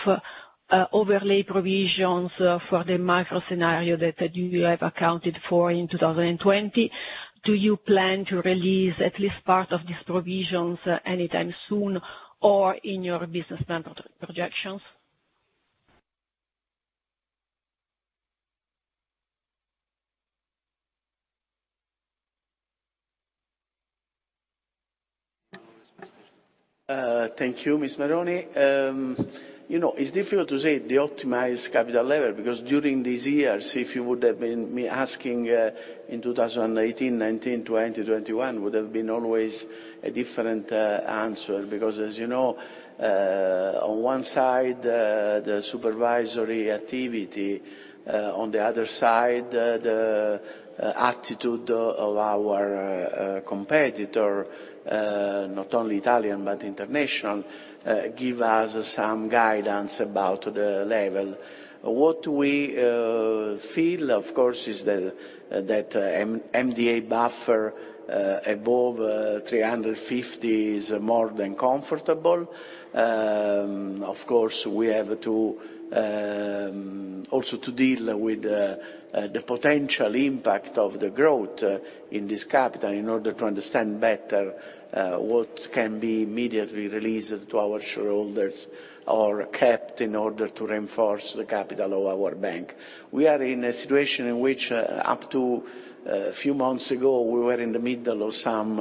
overlay provisions for the macro scenario that you have accounted for in 2020? Do you plan to release at least part of these provisions anytime soon or in your business plan projections? Thank you, Ms. Meroni. You know, it's difficult to say the optimized capital level, because during these years, if you would have been me asking in 2018, 2019, 2020, 2021, would have been always a different answer. As you know, on one side, the supervisory activity, on the other side, the attitude of our competitor, not only Italian, but international, give us some guidance about the level. What we feel, of course, is that MDA buffer above 350 is more than comfortable. Of course, we have to also to deal with the potential impact of the growth in this capital in order to understand better what can be immediately released to our shareholders or kept in order to reinforce the capital of our bank. We are in a situation in which, up to a few months ago, we were in the middle of some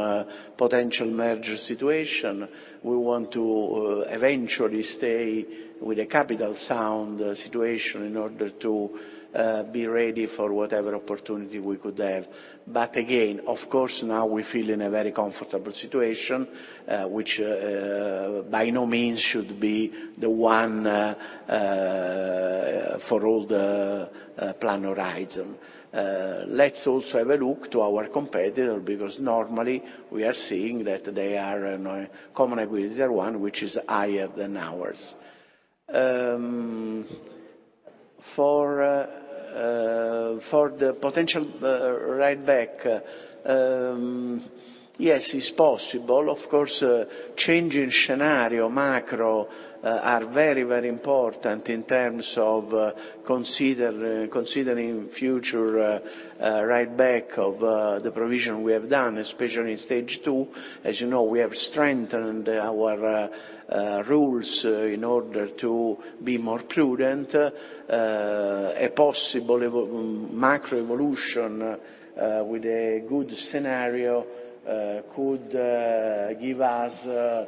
potential merger situation. We want to eventually stay with a capital sound situation in order to be ready for whatever opportunity we could have. Again, of course, now we feel in a very comfortable situation, which by no means should be the one for all the plan horizon. Let's also have a look to our competitor, because normally we are seeing that they are in a Common Equity Tier 1, which is higher than ours. For the potential write back, yes, it's possible. Of course, changing scenario, macro are very, very important in terms of considering future write back of the provision we have done, especially in stage two. As you know, we have strengthened our rules in order to be more prudent. A possible macro evolution with a good scenario could give us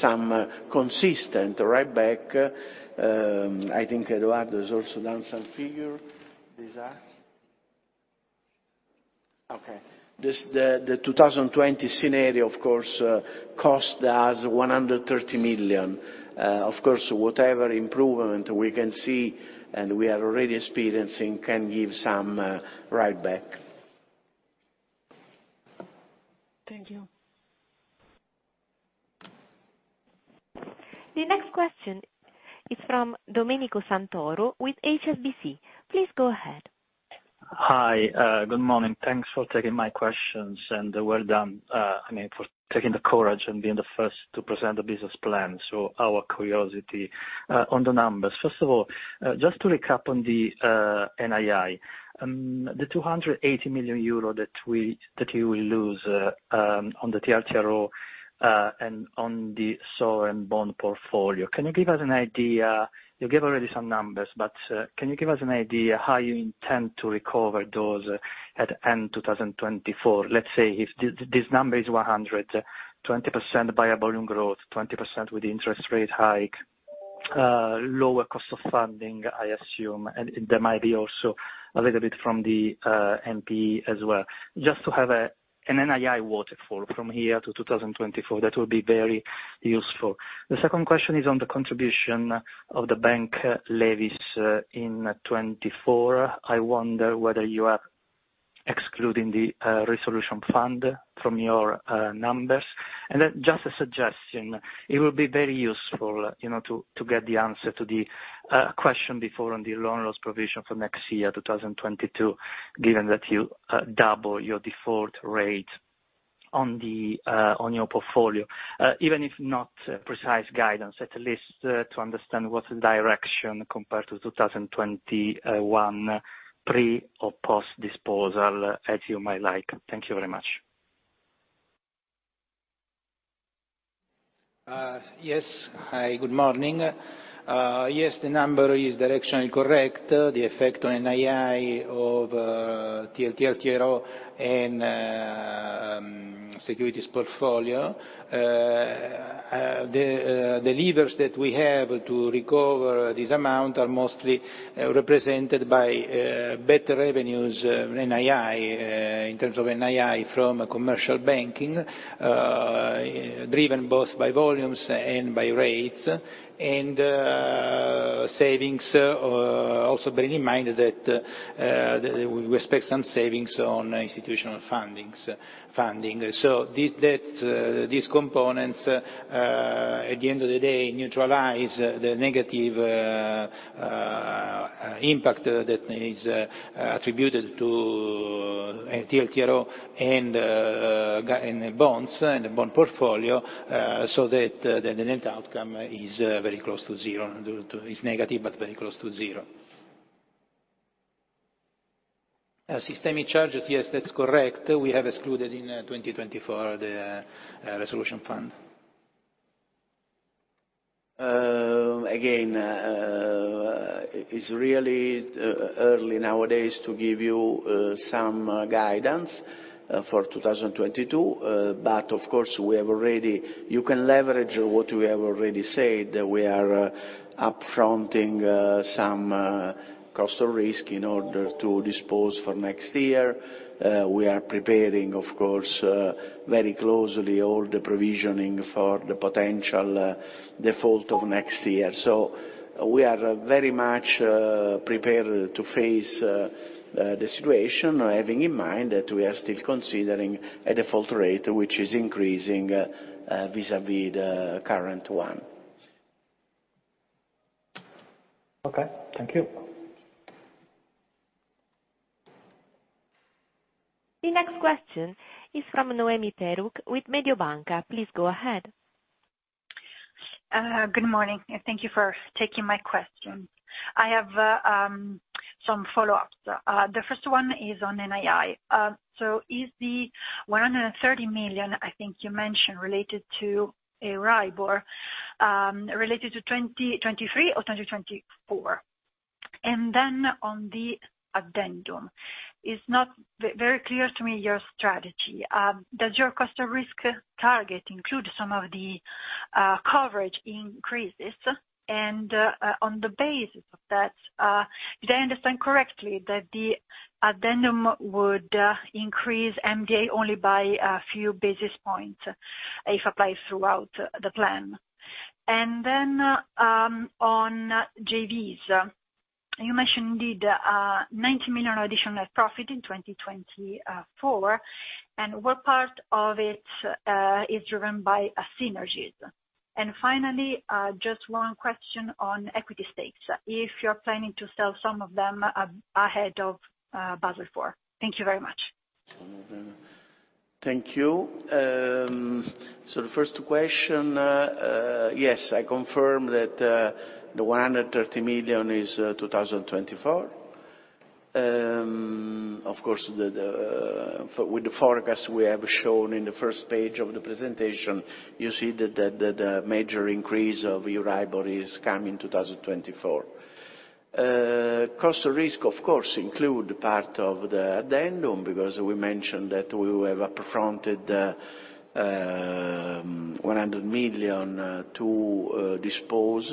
some consistent write back. I think Edoardo has also done some figure. These are? Okay. This, the 2020 scenario of course cost us 130 million. Of course, whatever improvement we can see and we are already experiencing can give some write back. Thank you. The next question is from Domenico Santoro with HSBC. Please go ahead. Hi, good morning. Thanks for taking my questions, and well done, I mean, for taking the courage and being the first to present the business plan. Our curiosity on the numbers. First of all, just to recap on the NII, the 280 million euro that you will lose on the TLTRO and on the SO and bond portfolio. Can you give us an idea. You gave already some numbers, but, can you give us an idea how you intend to recover those at end 2024? Let's say if this number is 120% by a volume growth, 20% with interest rate hike, lower cost of funding, I assume, and there might be also a little bit from the MP as well. Just to have an NII waterfall from here to 2024, that would be very useful. The second question is on the contribution of the bank levies in 2024. I wonder whether you are excluding the resolution fund from your numbers. Then just a suggestion, it will be very useful, you know, to get the answer to the question before on the loan loss provision for next year, 2022, given that you double your default rate on your portfolio. Even if not precise guidance, at least to understand what's the direction compared to 2021, pre or post-disposal, as you might like. Thank you very much. Yes. Hi, good morning. Yes, the number is directionally correct, the effect on NII of TLTRO and securities portfolio. The levers that we have to recover this amount are mostly represented by better revenues, NII, in terms of NII from commercial banking, driven both by volumes and by rates. Savings, also bearing in mind that we expect some savings on institutional funding. That these components, at the end of the day, neutralize the negative impact that is attributed to TLTRO and bonds, and the bond portfolio, so that the net outcome is very close to zero, is negative, but very close to zero. Systemic charges, yes, that's correct. We have excluded in 2024 the resolution fund. Again, it's really early nowadays to give you some guidance for 2022. But of course, we have already said. You can leverage what we have already said, that we are upfronting some cost of risk in order to dispose for next year. We are preparing, of course, very closely all the provisioning for the potential default of next year. We are very much prepared to face the situation, having in mind that we are still considering a default rate which is increasing vis-à-vis the current one. Okay, thank you. The next question is from Noemi Peruch with Mediobanca. Please go ahead. Good morning, and thank you for taking my question. I have some follow-ups. The first one is on NII. So is the 130 million, I think you mentioned, related to Euribor, related to 2023 or 2024? And then on the addendum, it's not very clear to me your strategy. Does your cost of risk target include some of the coverage increases? And, on the basis of that, did I understand correctly that the addendum would increase MDA only by a few basis points if applied throughout the plan? And then, on JVs, you mentioned indeed 90 million additional net profit in 2024. And what part of it is driven by synergies? Finally, just one question on equity stakes, if you're planning to sell some of them ahead of Basel IV. Thank you very much. Thank you. So the first question, yes, I confirm that 130 million is 2024. Of course, with the forecast we have shown in the first page of the presentation, you see that the major increase of Euribor is coming 2024. Cost of risk, of course, include part of the Addendum because we mentioned that we have up-fronted 100 million to dispose.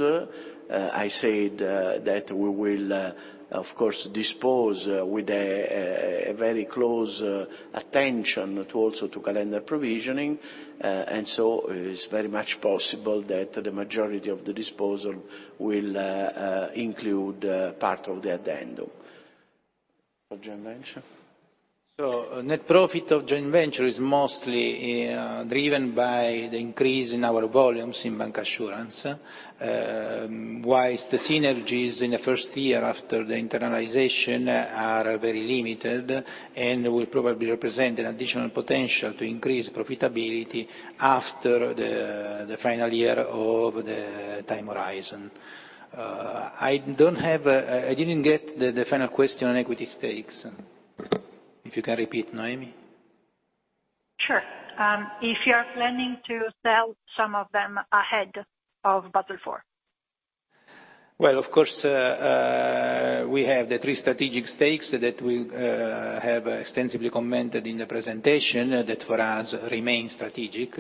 I said that we will, of course, dispose with a very close attention to calendar provisioning. It's very much possible that the majority of the disposal will include part of the Addendum. Of joint venture. So net profit of joint venture is mostly driven by the increase in our volumes in bancassurance. While the synergies in the first year after the internalization are very limited and will probably represent an additional potential to increase profitability after the final year of the time horizon. I didn't get the final question on equity stakes. If you can repeat, Noemi. Sure. If you are planning to sell some of them ahead of Basel IV. Well, of course. We have the three strategic stakes that we have extensively commented in the presentation that for us remains strategic.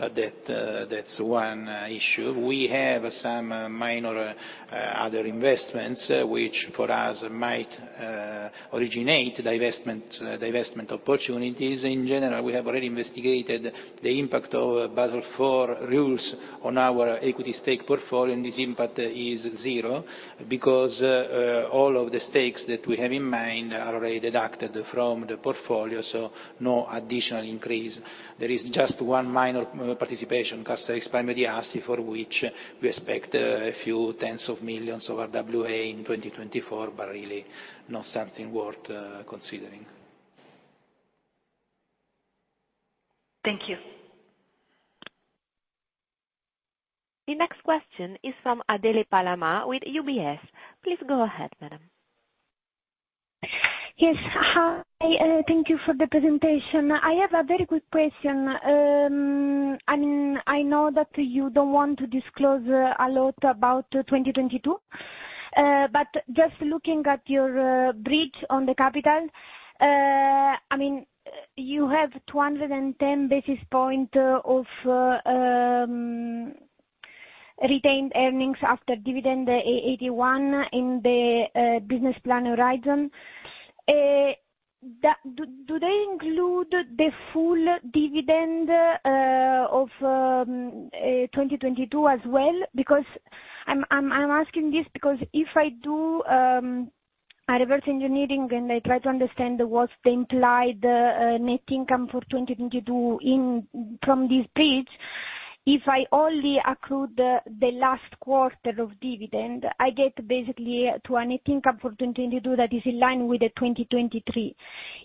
That’s one issue. We have some minor other investments which for us might originate divestment opportunities. In general, we have already investigated the impact of Basel IV rules on our equity stake portfolio, and this impact is zero because all of the stakes that we have in mind are already deducted from the portfolio, so no additional increase. There is just one minor participation, Castelli Primedii, for which we expect a few tens of millions of RWA in 2024, but really not something worth considering. Thank you. The next question is from Adele Palama with UBS. Please go ahead, madam. Yes. Hi, thank you for the presentation. I have a very quick question. I know that you don't want to disclose a lot about 2022, but just looking at your bridge on the capital, I mean, you have 210 basis points of retained earnings after dividend 81 in the business plan horizon. Do they include the full dividend of 2022 as well? Because I'm asking this because if I do a reverse engineering and I try to understand what's the implied net income for 2022 from this bridge, if I only accrue the last quarter of dividend, I get basically to a net income for 2022 that is in line with the 2023.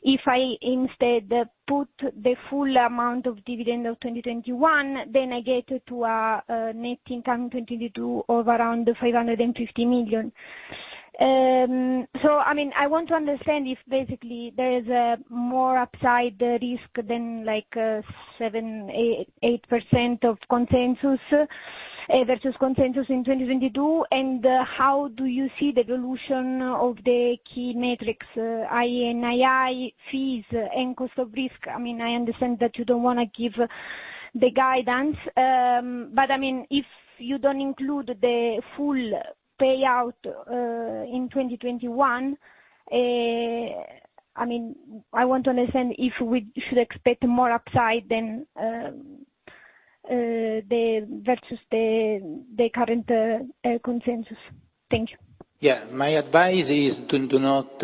If I instead put the full amount of dividend of 2021, then I get to a net income 2022 of around 550 million. I mean, I want to understand if basically there is more upside risk than like 7%-8% of consensus versus consensus in 2022. How do you see the dilution of the key metrics, i.e., NII, fees, and cost of risk? I mean, I understand that you don't wanna give the guidance, but I mean, if you don't include the full payout in 2021, I mean, I want to understand if we should expect more upside than versus the current consensus. Thank you. Yeah. My advice is to not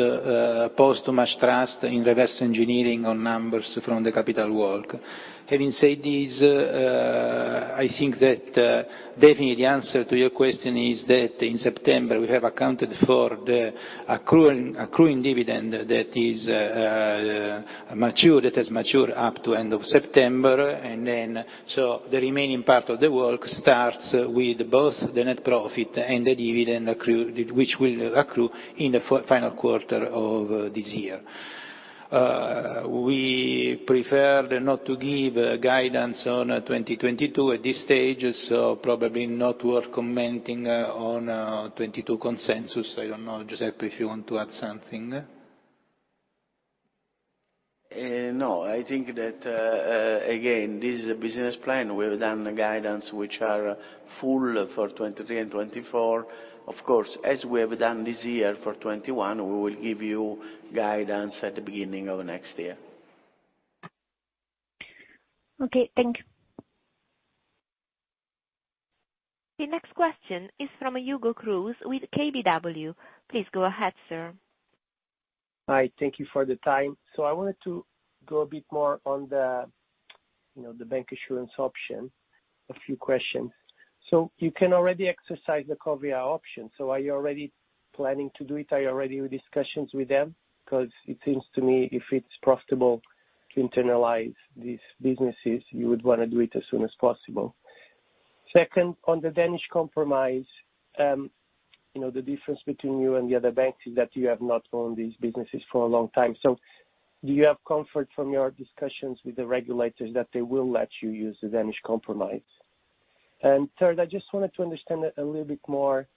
pose too much trust in reverse engineering on numbers from the capital work. Having said this, I think that definitely the answer to your question is that in September, we have accounted for the accruing dividend that has matured up to end of September. The remaining part of the work starts with both the net profit and the dividend which will accrue in the final quarter of this year. We prefer not to give guidance on 2022 at this stage, so probably not worth commenting on 2022 consensus. I don't know, Giuseppe, if you want to add something. No. I think that, again, this is a business plan. We have done the guidance which are full for 2023 and 2024. Of course, as we have done this year for 2021, we will give you guidance at the beginning of next year. Okay. Thank you. The next question is from Hugo Cruz with KBW. Please go ahead, sir. Hi. Thank you for the time. I wanted to go a bit more on the, you know, the bancassurance option, a few questions. You can already exercise the Covéa option. Are you already planning to do it? Are you already in discussions with them? Because it seems to me if it's profitable to internalize these businesses, you would wanna do it as soon as possible. Second, on the Danish Compromise, you know, the difference between you and the other banks is that you have not owned these businesses for a long time. Do you have comfort from your discussions with the regulators that they will let you use the Danish Compromise? And third, I just wanted to understand a little bit more,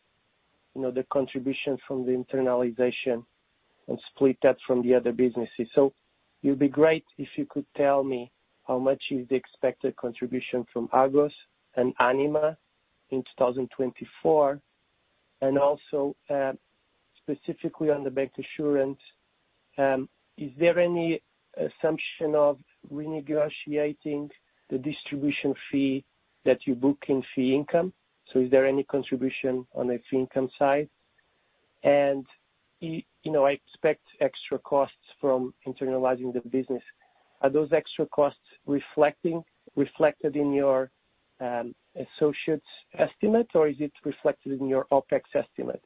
you know, the contribution from the internalization and split that from the other businesses. It'd be great if you could tell me how much is the expected contribution from Agos and Anima in 2024. Also, specifically on the bancassurance, is there any assumption of renegotiating the distribution fee that you book in fee income? Is there any contribution on the fee income side? You know, I expect extra costs from internalizing the business. Are those extra costs reflected in your associates estimate, or is it reflected in your OpEx estimate?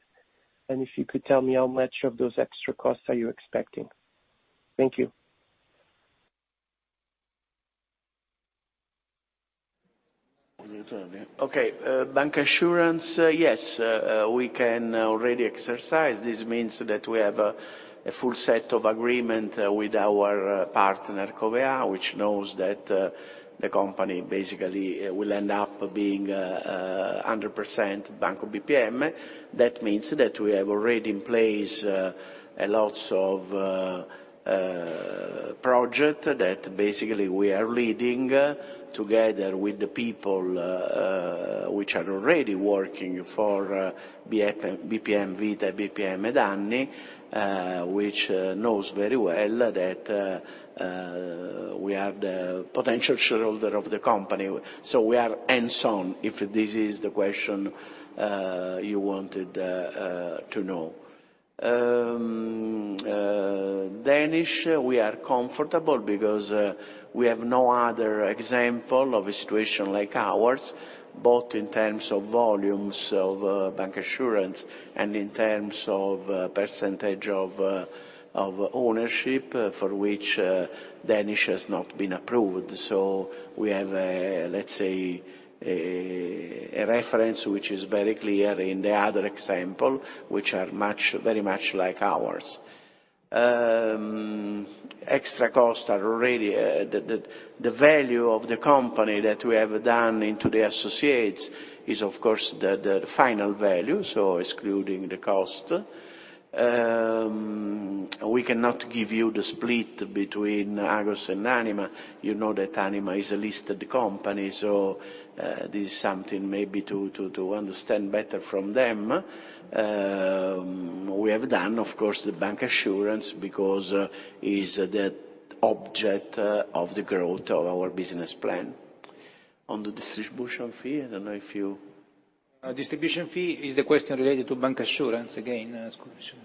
If you could tell me how much of those extra costs are you expecting. Thank you. Okay. Bancassurance, yes, we can already exercise. This means that we have a full set of agreement with our partner, Covéa, which knows that the company basically will end up being. 100% Banco BPM. That means that we have already in place a lot of projects that basically we are leading together with the people which are already working for BPM Vita, BPM Assicurazioni, which know very well that we are the potential shareholder of the company. We are hands-on, if this is the question you wanted to know. Danish Compromise, we are comfortable because we have no other example of a situation like ours, both in terms of volumes of bancassurance and in terms of percentage of ownership for which Danish Compromise has not been approved. We have a, let's say, reference which is very clear in the other examples, which are very much like ours. Extra costs are already the value of the company that we have done into the associates is of course the final value, so excluding the cost. We cannot give you the split between Agos and Anima. You know that Anima is a listed company, so this is something maybe to understand better from them. We have done, of course, the bancassurance because is the object of the growth of our business plan. On the distribution fee, I don't know if you... Distribution fee is the question related to bancassurance again.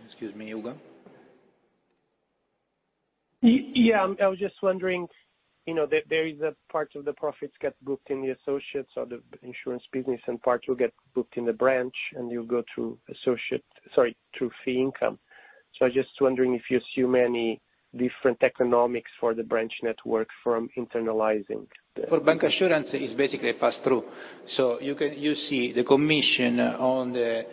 Excuse me, Ugo. Yeah, I was just wondering, you know, there is parts of the profits get booked in the associates of the insurance business and parts will get booked in the branch, and you'll go through fee income. So I was just wondering if you assume any different economics for the branch network from internalizing the- For bancassurance, it is basically a pass-through. You see the commission on the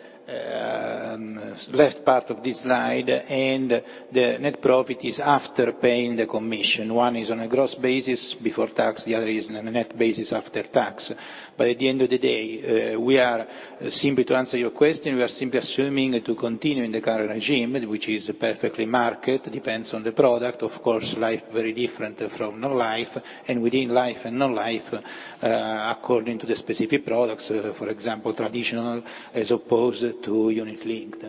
left part of this slide, and the net profit is after paying the commission. One is on a gross basis before tax, the other is on a net basis after tax. At the end of the day, we are simply, to answer your question, we are simply assuming to continue in the current regime, which is perfectly market, depends on the product. Of course, life very different from non-life, and within life and non-life, according to the specific products, for example, traditional as opposed to unit-linked.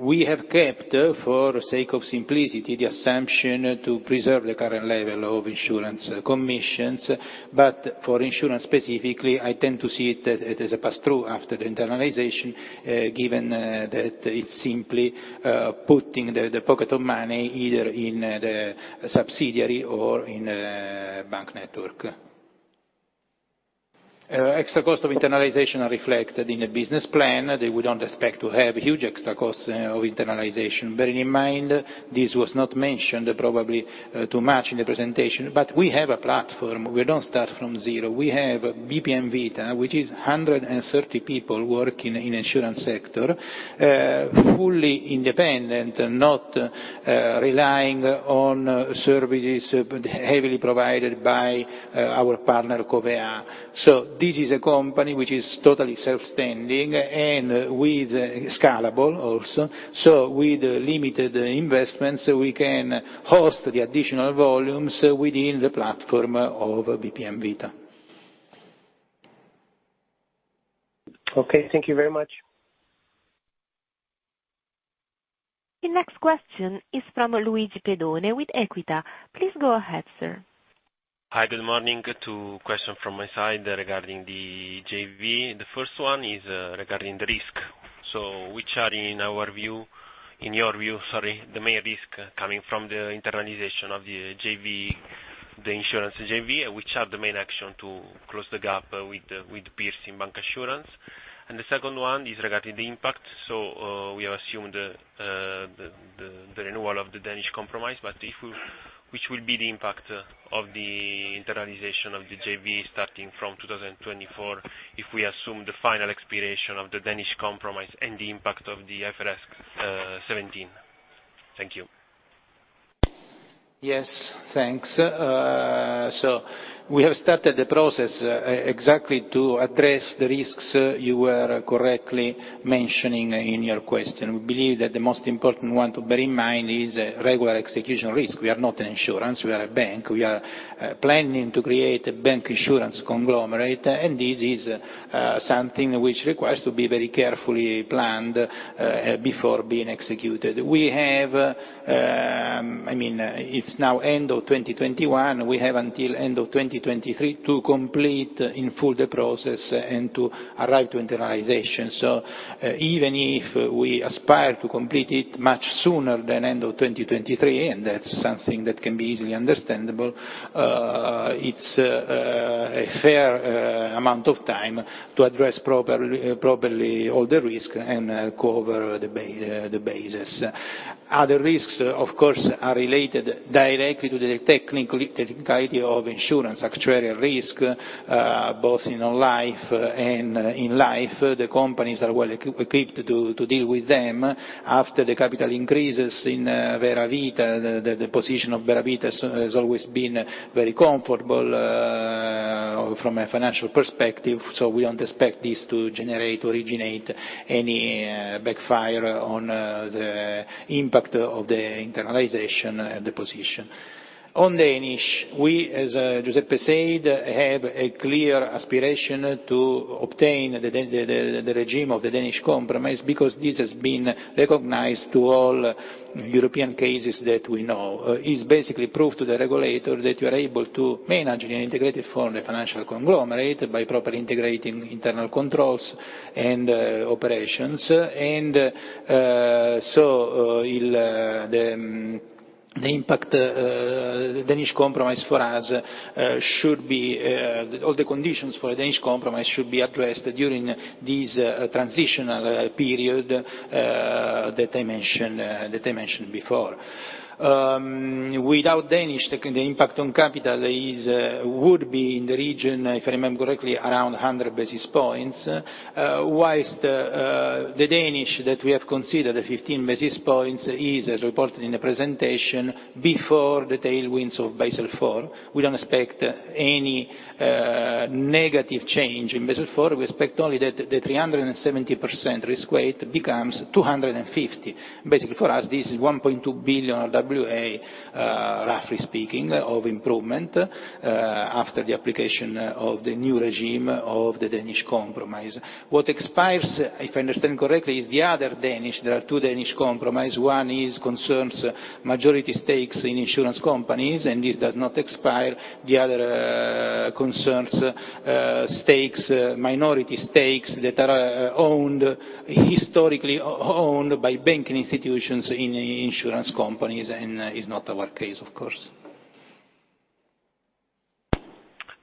We have kept, for sake of simplicity, the assumption to preserve the current level of insurance commissions. For insurance specifically, I tend to see it as a pass-through after the internalization, given that it's simply putting the pocket of money either in the subsidiary or in bank network. Extra cost of internalization are reflected in the business plan. They would not expect to have huge extra costs of internalization. Bearing in mind this was not mentioned probably too much in the presentation, but we have a platform. We don't start from zero. We have BPM Vita, which is 130 people working in insurance sector, fully independent, not relying on services heavily provided by our partner, Covéa. So this is a company which is totally self-standing and with scalable also. So with limited investments, we can host the additional volumes within the platform of BPM Vita. Okay, thank you very much. The next question is from Luigi Pedone with Equita. Please go ahead, sir. Hi, good morning. Two questions from my side regarding the JV. The first one is regarding the risk. Which are, in your view, the main risks coming from the internalization of the JV, the insurance JV? Which are the main actions to close the gap with peers in bancassurance? The second one is regarding the impact. We have assumed the renewal of the Danish Compromise. If we, what will be the impact of the internalization of the JV starting from 2024 if we assume the final expiration of the Danish Compromise and the impact of the IFRS 17? Thank you. Yes. Thanks. We have started the process exactly to address the risks you were correctly mentioning in your question. We believe that the most important one to bear in mind is regulatory execution risk. We are not an insurance, we are a bank. We are planning to create a bancassurance conglomerate, and this is something which requires to be very carefully planned before being executed. I mean, it's now end of 2021. We have until end of 2023 to complete in full the process and to arrive to internalization. Even if we aspire to complete it much sooner than end of 2023, and that's something that can be easily understandable, it's a fair amount of time to address properly all the risk and cover the basis. Other risks, of course, are related directly to the technicality of insurance, actuarial risk, both in non-life and in life. The companies are well equipped to deal with them. After the capital increases in Vera Vita, the position of Vera Vita has always been very comfortable. From a financial perspective, so we don't expect this to generate, originate any backfire on the impact of the internalization, deposition. On the Danish, we, as Giuseppe said, have a clear aspiration to obtain the regime of the Danish Compromise because this has been recognized to all European cases that we know. It's basically proof to the regulator that you are able to manage an integrated form of financial conglomerate by properly integrating internal controls and operations. The impact of the Danish Compromise for us should be all the conditions for a Danish Compromise should be addressed during this transitional period that I mentioned before. Without Danish, the impact on capital would be in the region, if I remember correctly, around 100 basis points. While the Danish that we have considered, the 15 basis points, is as reported in the presentation before the tailwinds of Basel IV. We don't expect any negative change in Basel IV. We expect only that the 370% risk weight becomes 250. Basically, for us, this is 1.2 billion RWA, roughly speaking, of improvement after the application of the new regime of the Danish Compromise. What expires, if I understand correctly, is the other Danish Compromise. There are two Danish Compromise. One is concerns majority stakes in insurance companies, and this does not expire. The other concerns minority stakes that are owned, historically owned by banking institutions in insurance companies and is not our case, of course.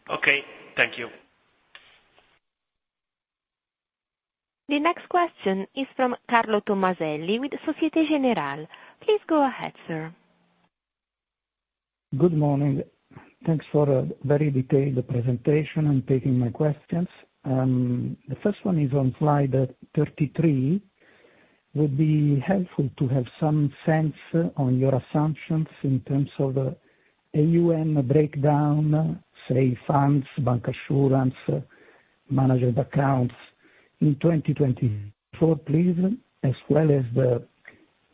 Okay, thank you. The next question is from Carlo Tommaselli with Société Générale. Please go ahead, sir. Good morning. Thanks for a very detailed presentation and taking my questions. The first one is on slide 33. Would be helpful to have some sense on your assumptions in terms of AUM breakdown, say funds, bancassurance, managed accounts in 2024, please, as well as the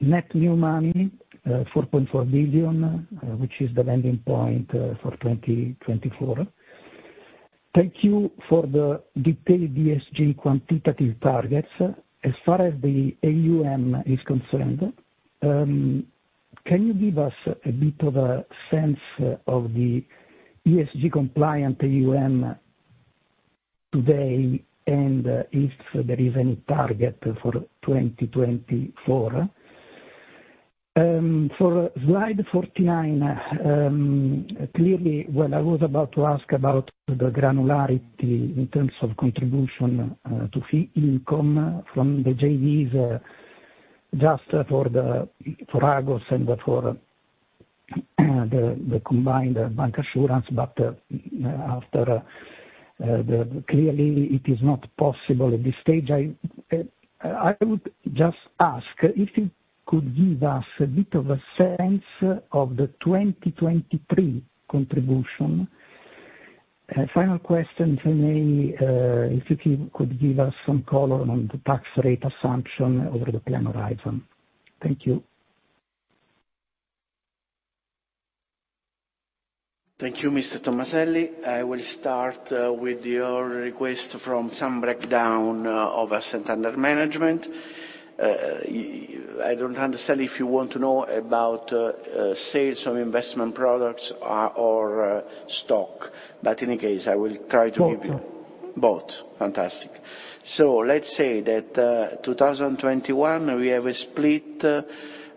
net new money, 4.4 billion, which is the landing point for 2024. Thank you for the detailed ESG quantitative targets. As far as the AUM is concerned, can you give us a bit of a sense of the ESG compliant AUM today and if there is any target for 2024? For slide 49, clearly, what I was about to ask about the granularity in terms of contribution to fee income from the JVs, just for Agos and for the combined bancassurance. After the... Clearly, it is not possible at this stage. I would just ask if you could give us a bit of a sense of the 2023 contribution. A final question for me, if you could give us some color on the tax rate assumption over the plan horizon. Thank you. Thank you, Mr. Tommaselli. I will start with your request for some breakdown of assets under management. I don't understand if you want to know about sales of investment products or stock. In any case, I will try to give you- Both. Both. Fantastic. Let's say that, 2021, we have a split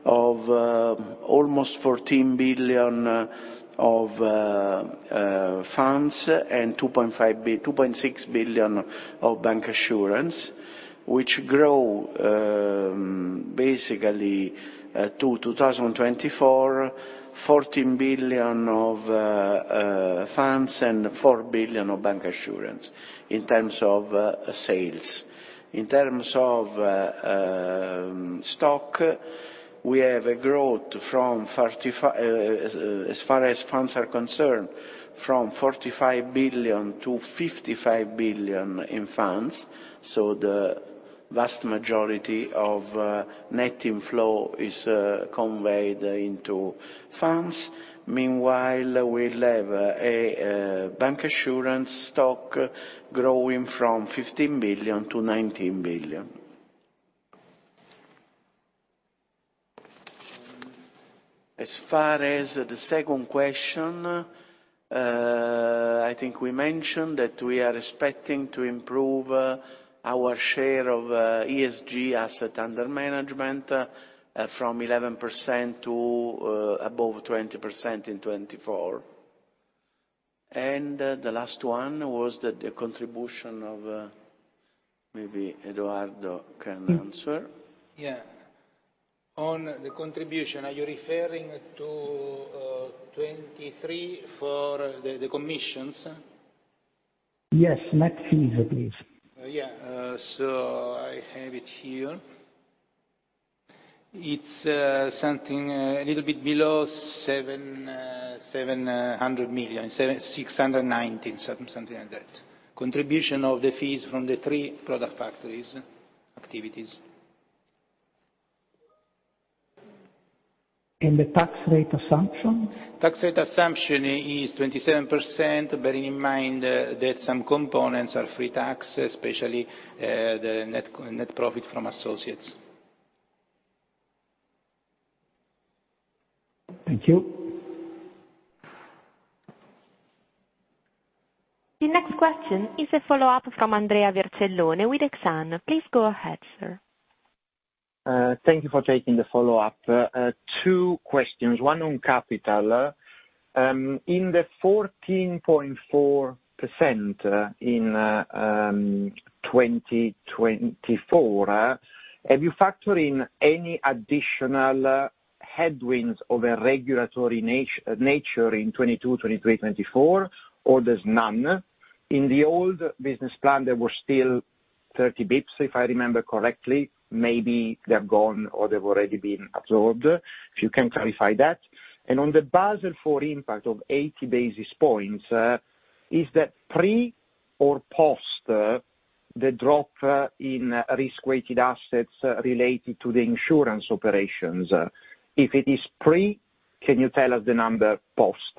of almost 14 billion of funds and 2.6 billion of bancassurance, which grow basically to 2024, 14 billion of funds and 4 billion of bancassurance in terms of sales. In terms of stock, we have a growth from—as far as funds are concerned, from 45 billion to 55 billion in funds. The vast majority of net inflow is conveyed into funds. Meanwhile, we'll have a bancassurance stock growing from 15 billion to 19 billion. As far as the second question, I think we mentioned that we are expecting to improve our share of ESG assets under management from 11% to above 20% in 2024. The last one was the contribution of. Maybe Edoardo can answer. Yeah. On the contribution, are you referring to 23 for the commissions? Yes. Net fees, please. Yeah. I have it here. It's something a little bit below 700 million. 690, something like that. Contribution of the fees from the three product factories activities. The tax rate assumption? Tax rate assumption is 27%, bearing in mind that some components are tax-free, especially the net profit from associates. Thank you. The next question is a follow-up from Andrea Vercellone with Exane. Please go ahead, sir. Thank you for taking the follow-up. Two questions, one on capital. In the 14.4% in 2024, have you factored in any additional headwinds of a regulatory nature in 2022, 2023, 2024, or there's none? In the old business plan, there were still 30 basis points, if I remember correctly. Maybe they're gone or they've already been absorbed, if you can clarify that. On the Basel IV impact of 80 basis points, is that pre or post the drop in risk-weighted assets related to the insurance operations? If it is pre, can you tell us the number post?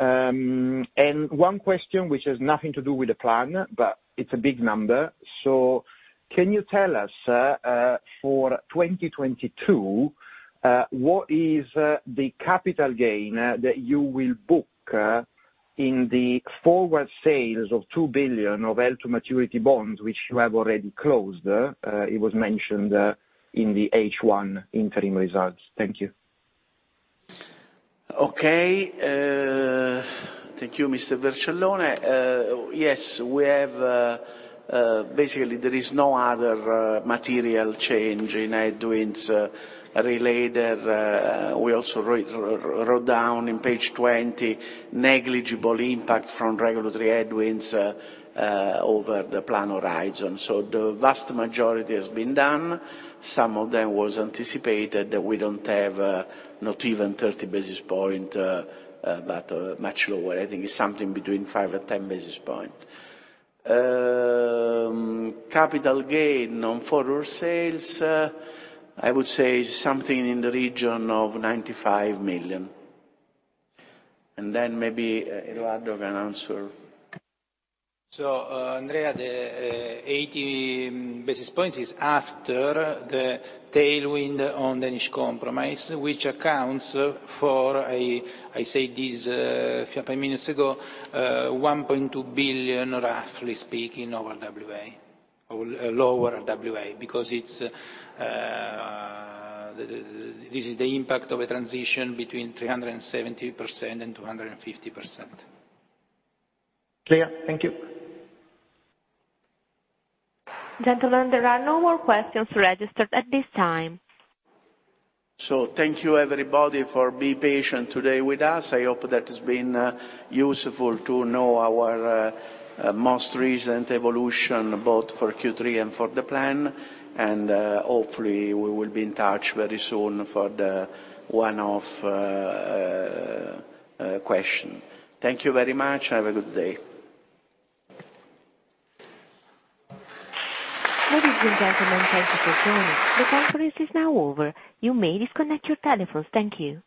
One question which has nothing to do with the plan, but it's a big number. Can you tell us, for 2022, what is the capital gain that you will book in the forward sales of 2 billion of Tier 2 maturity bonds, which you have already closed? It was mentioned in the H1 interim results. Thank you. Okay. Thank you, Mr. Vercellone. Yes, we have. Basically, there is no other material change in headwinds related. We also wrote down in page 20 negligible impact from regulatory headwinds over the plan horizon. The vast majority has been done. Some of them was anticipated. We don't have not even 30 basis points, but much lower. I think it's something between 5 basis points and 10 basis points. Capital gain on forward sales, I would say something in the region of 95 million. Maybe Eduardo can answer. Andrea, the 80 basis points is after the tailwind on the Danish Compromise, which accounts for, I say this a few minutes ago, 1.2 billion, roughly speaking, over RWA or lower RWA because this is the impact of a transition between 370% and 250%. Clear. Thank you. Gentlemen, there are no more questions registered at this time. Thank you, everybody, for being patient today with us. I hope that has been useful to know our most recent evolution, both for Q3 and for the plan. Hopefully, we will be in touch very soon for the one-off question. Thank you very much. Have a good day. Ladies and gentlemen, thank you for joining. The conference is now over. You may disconnect your telephones. Thank you.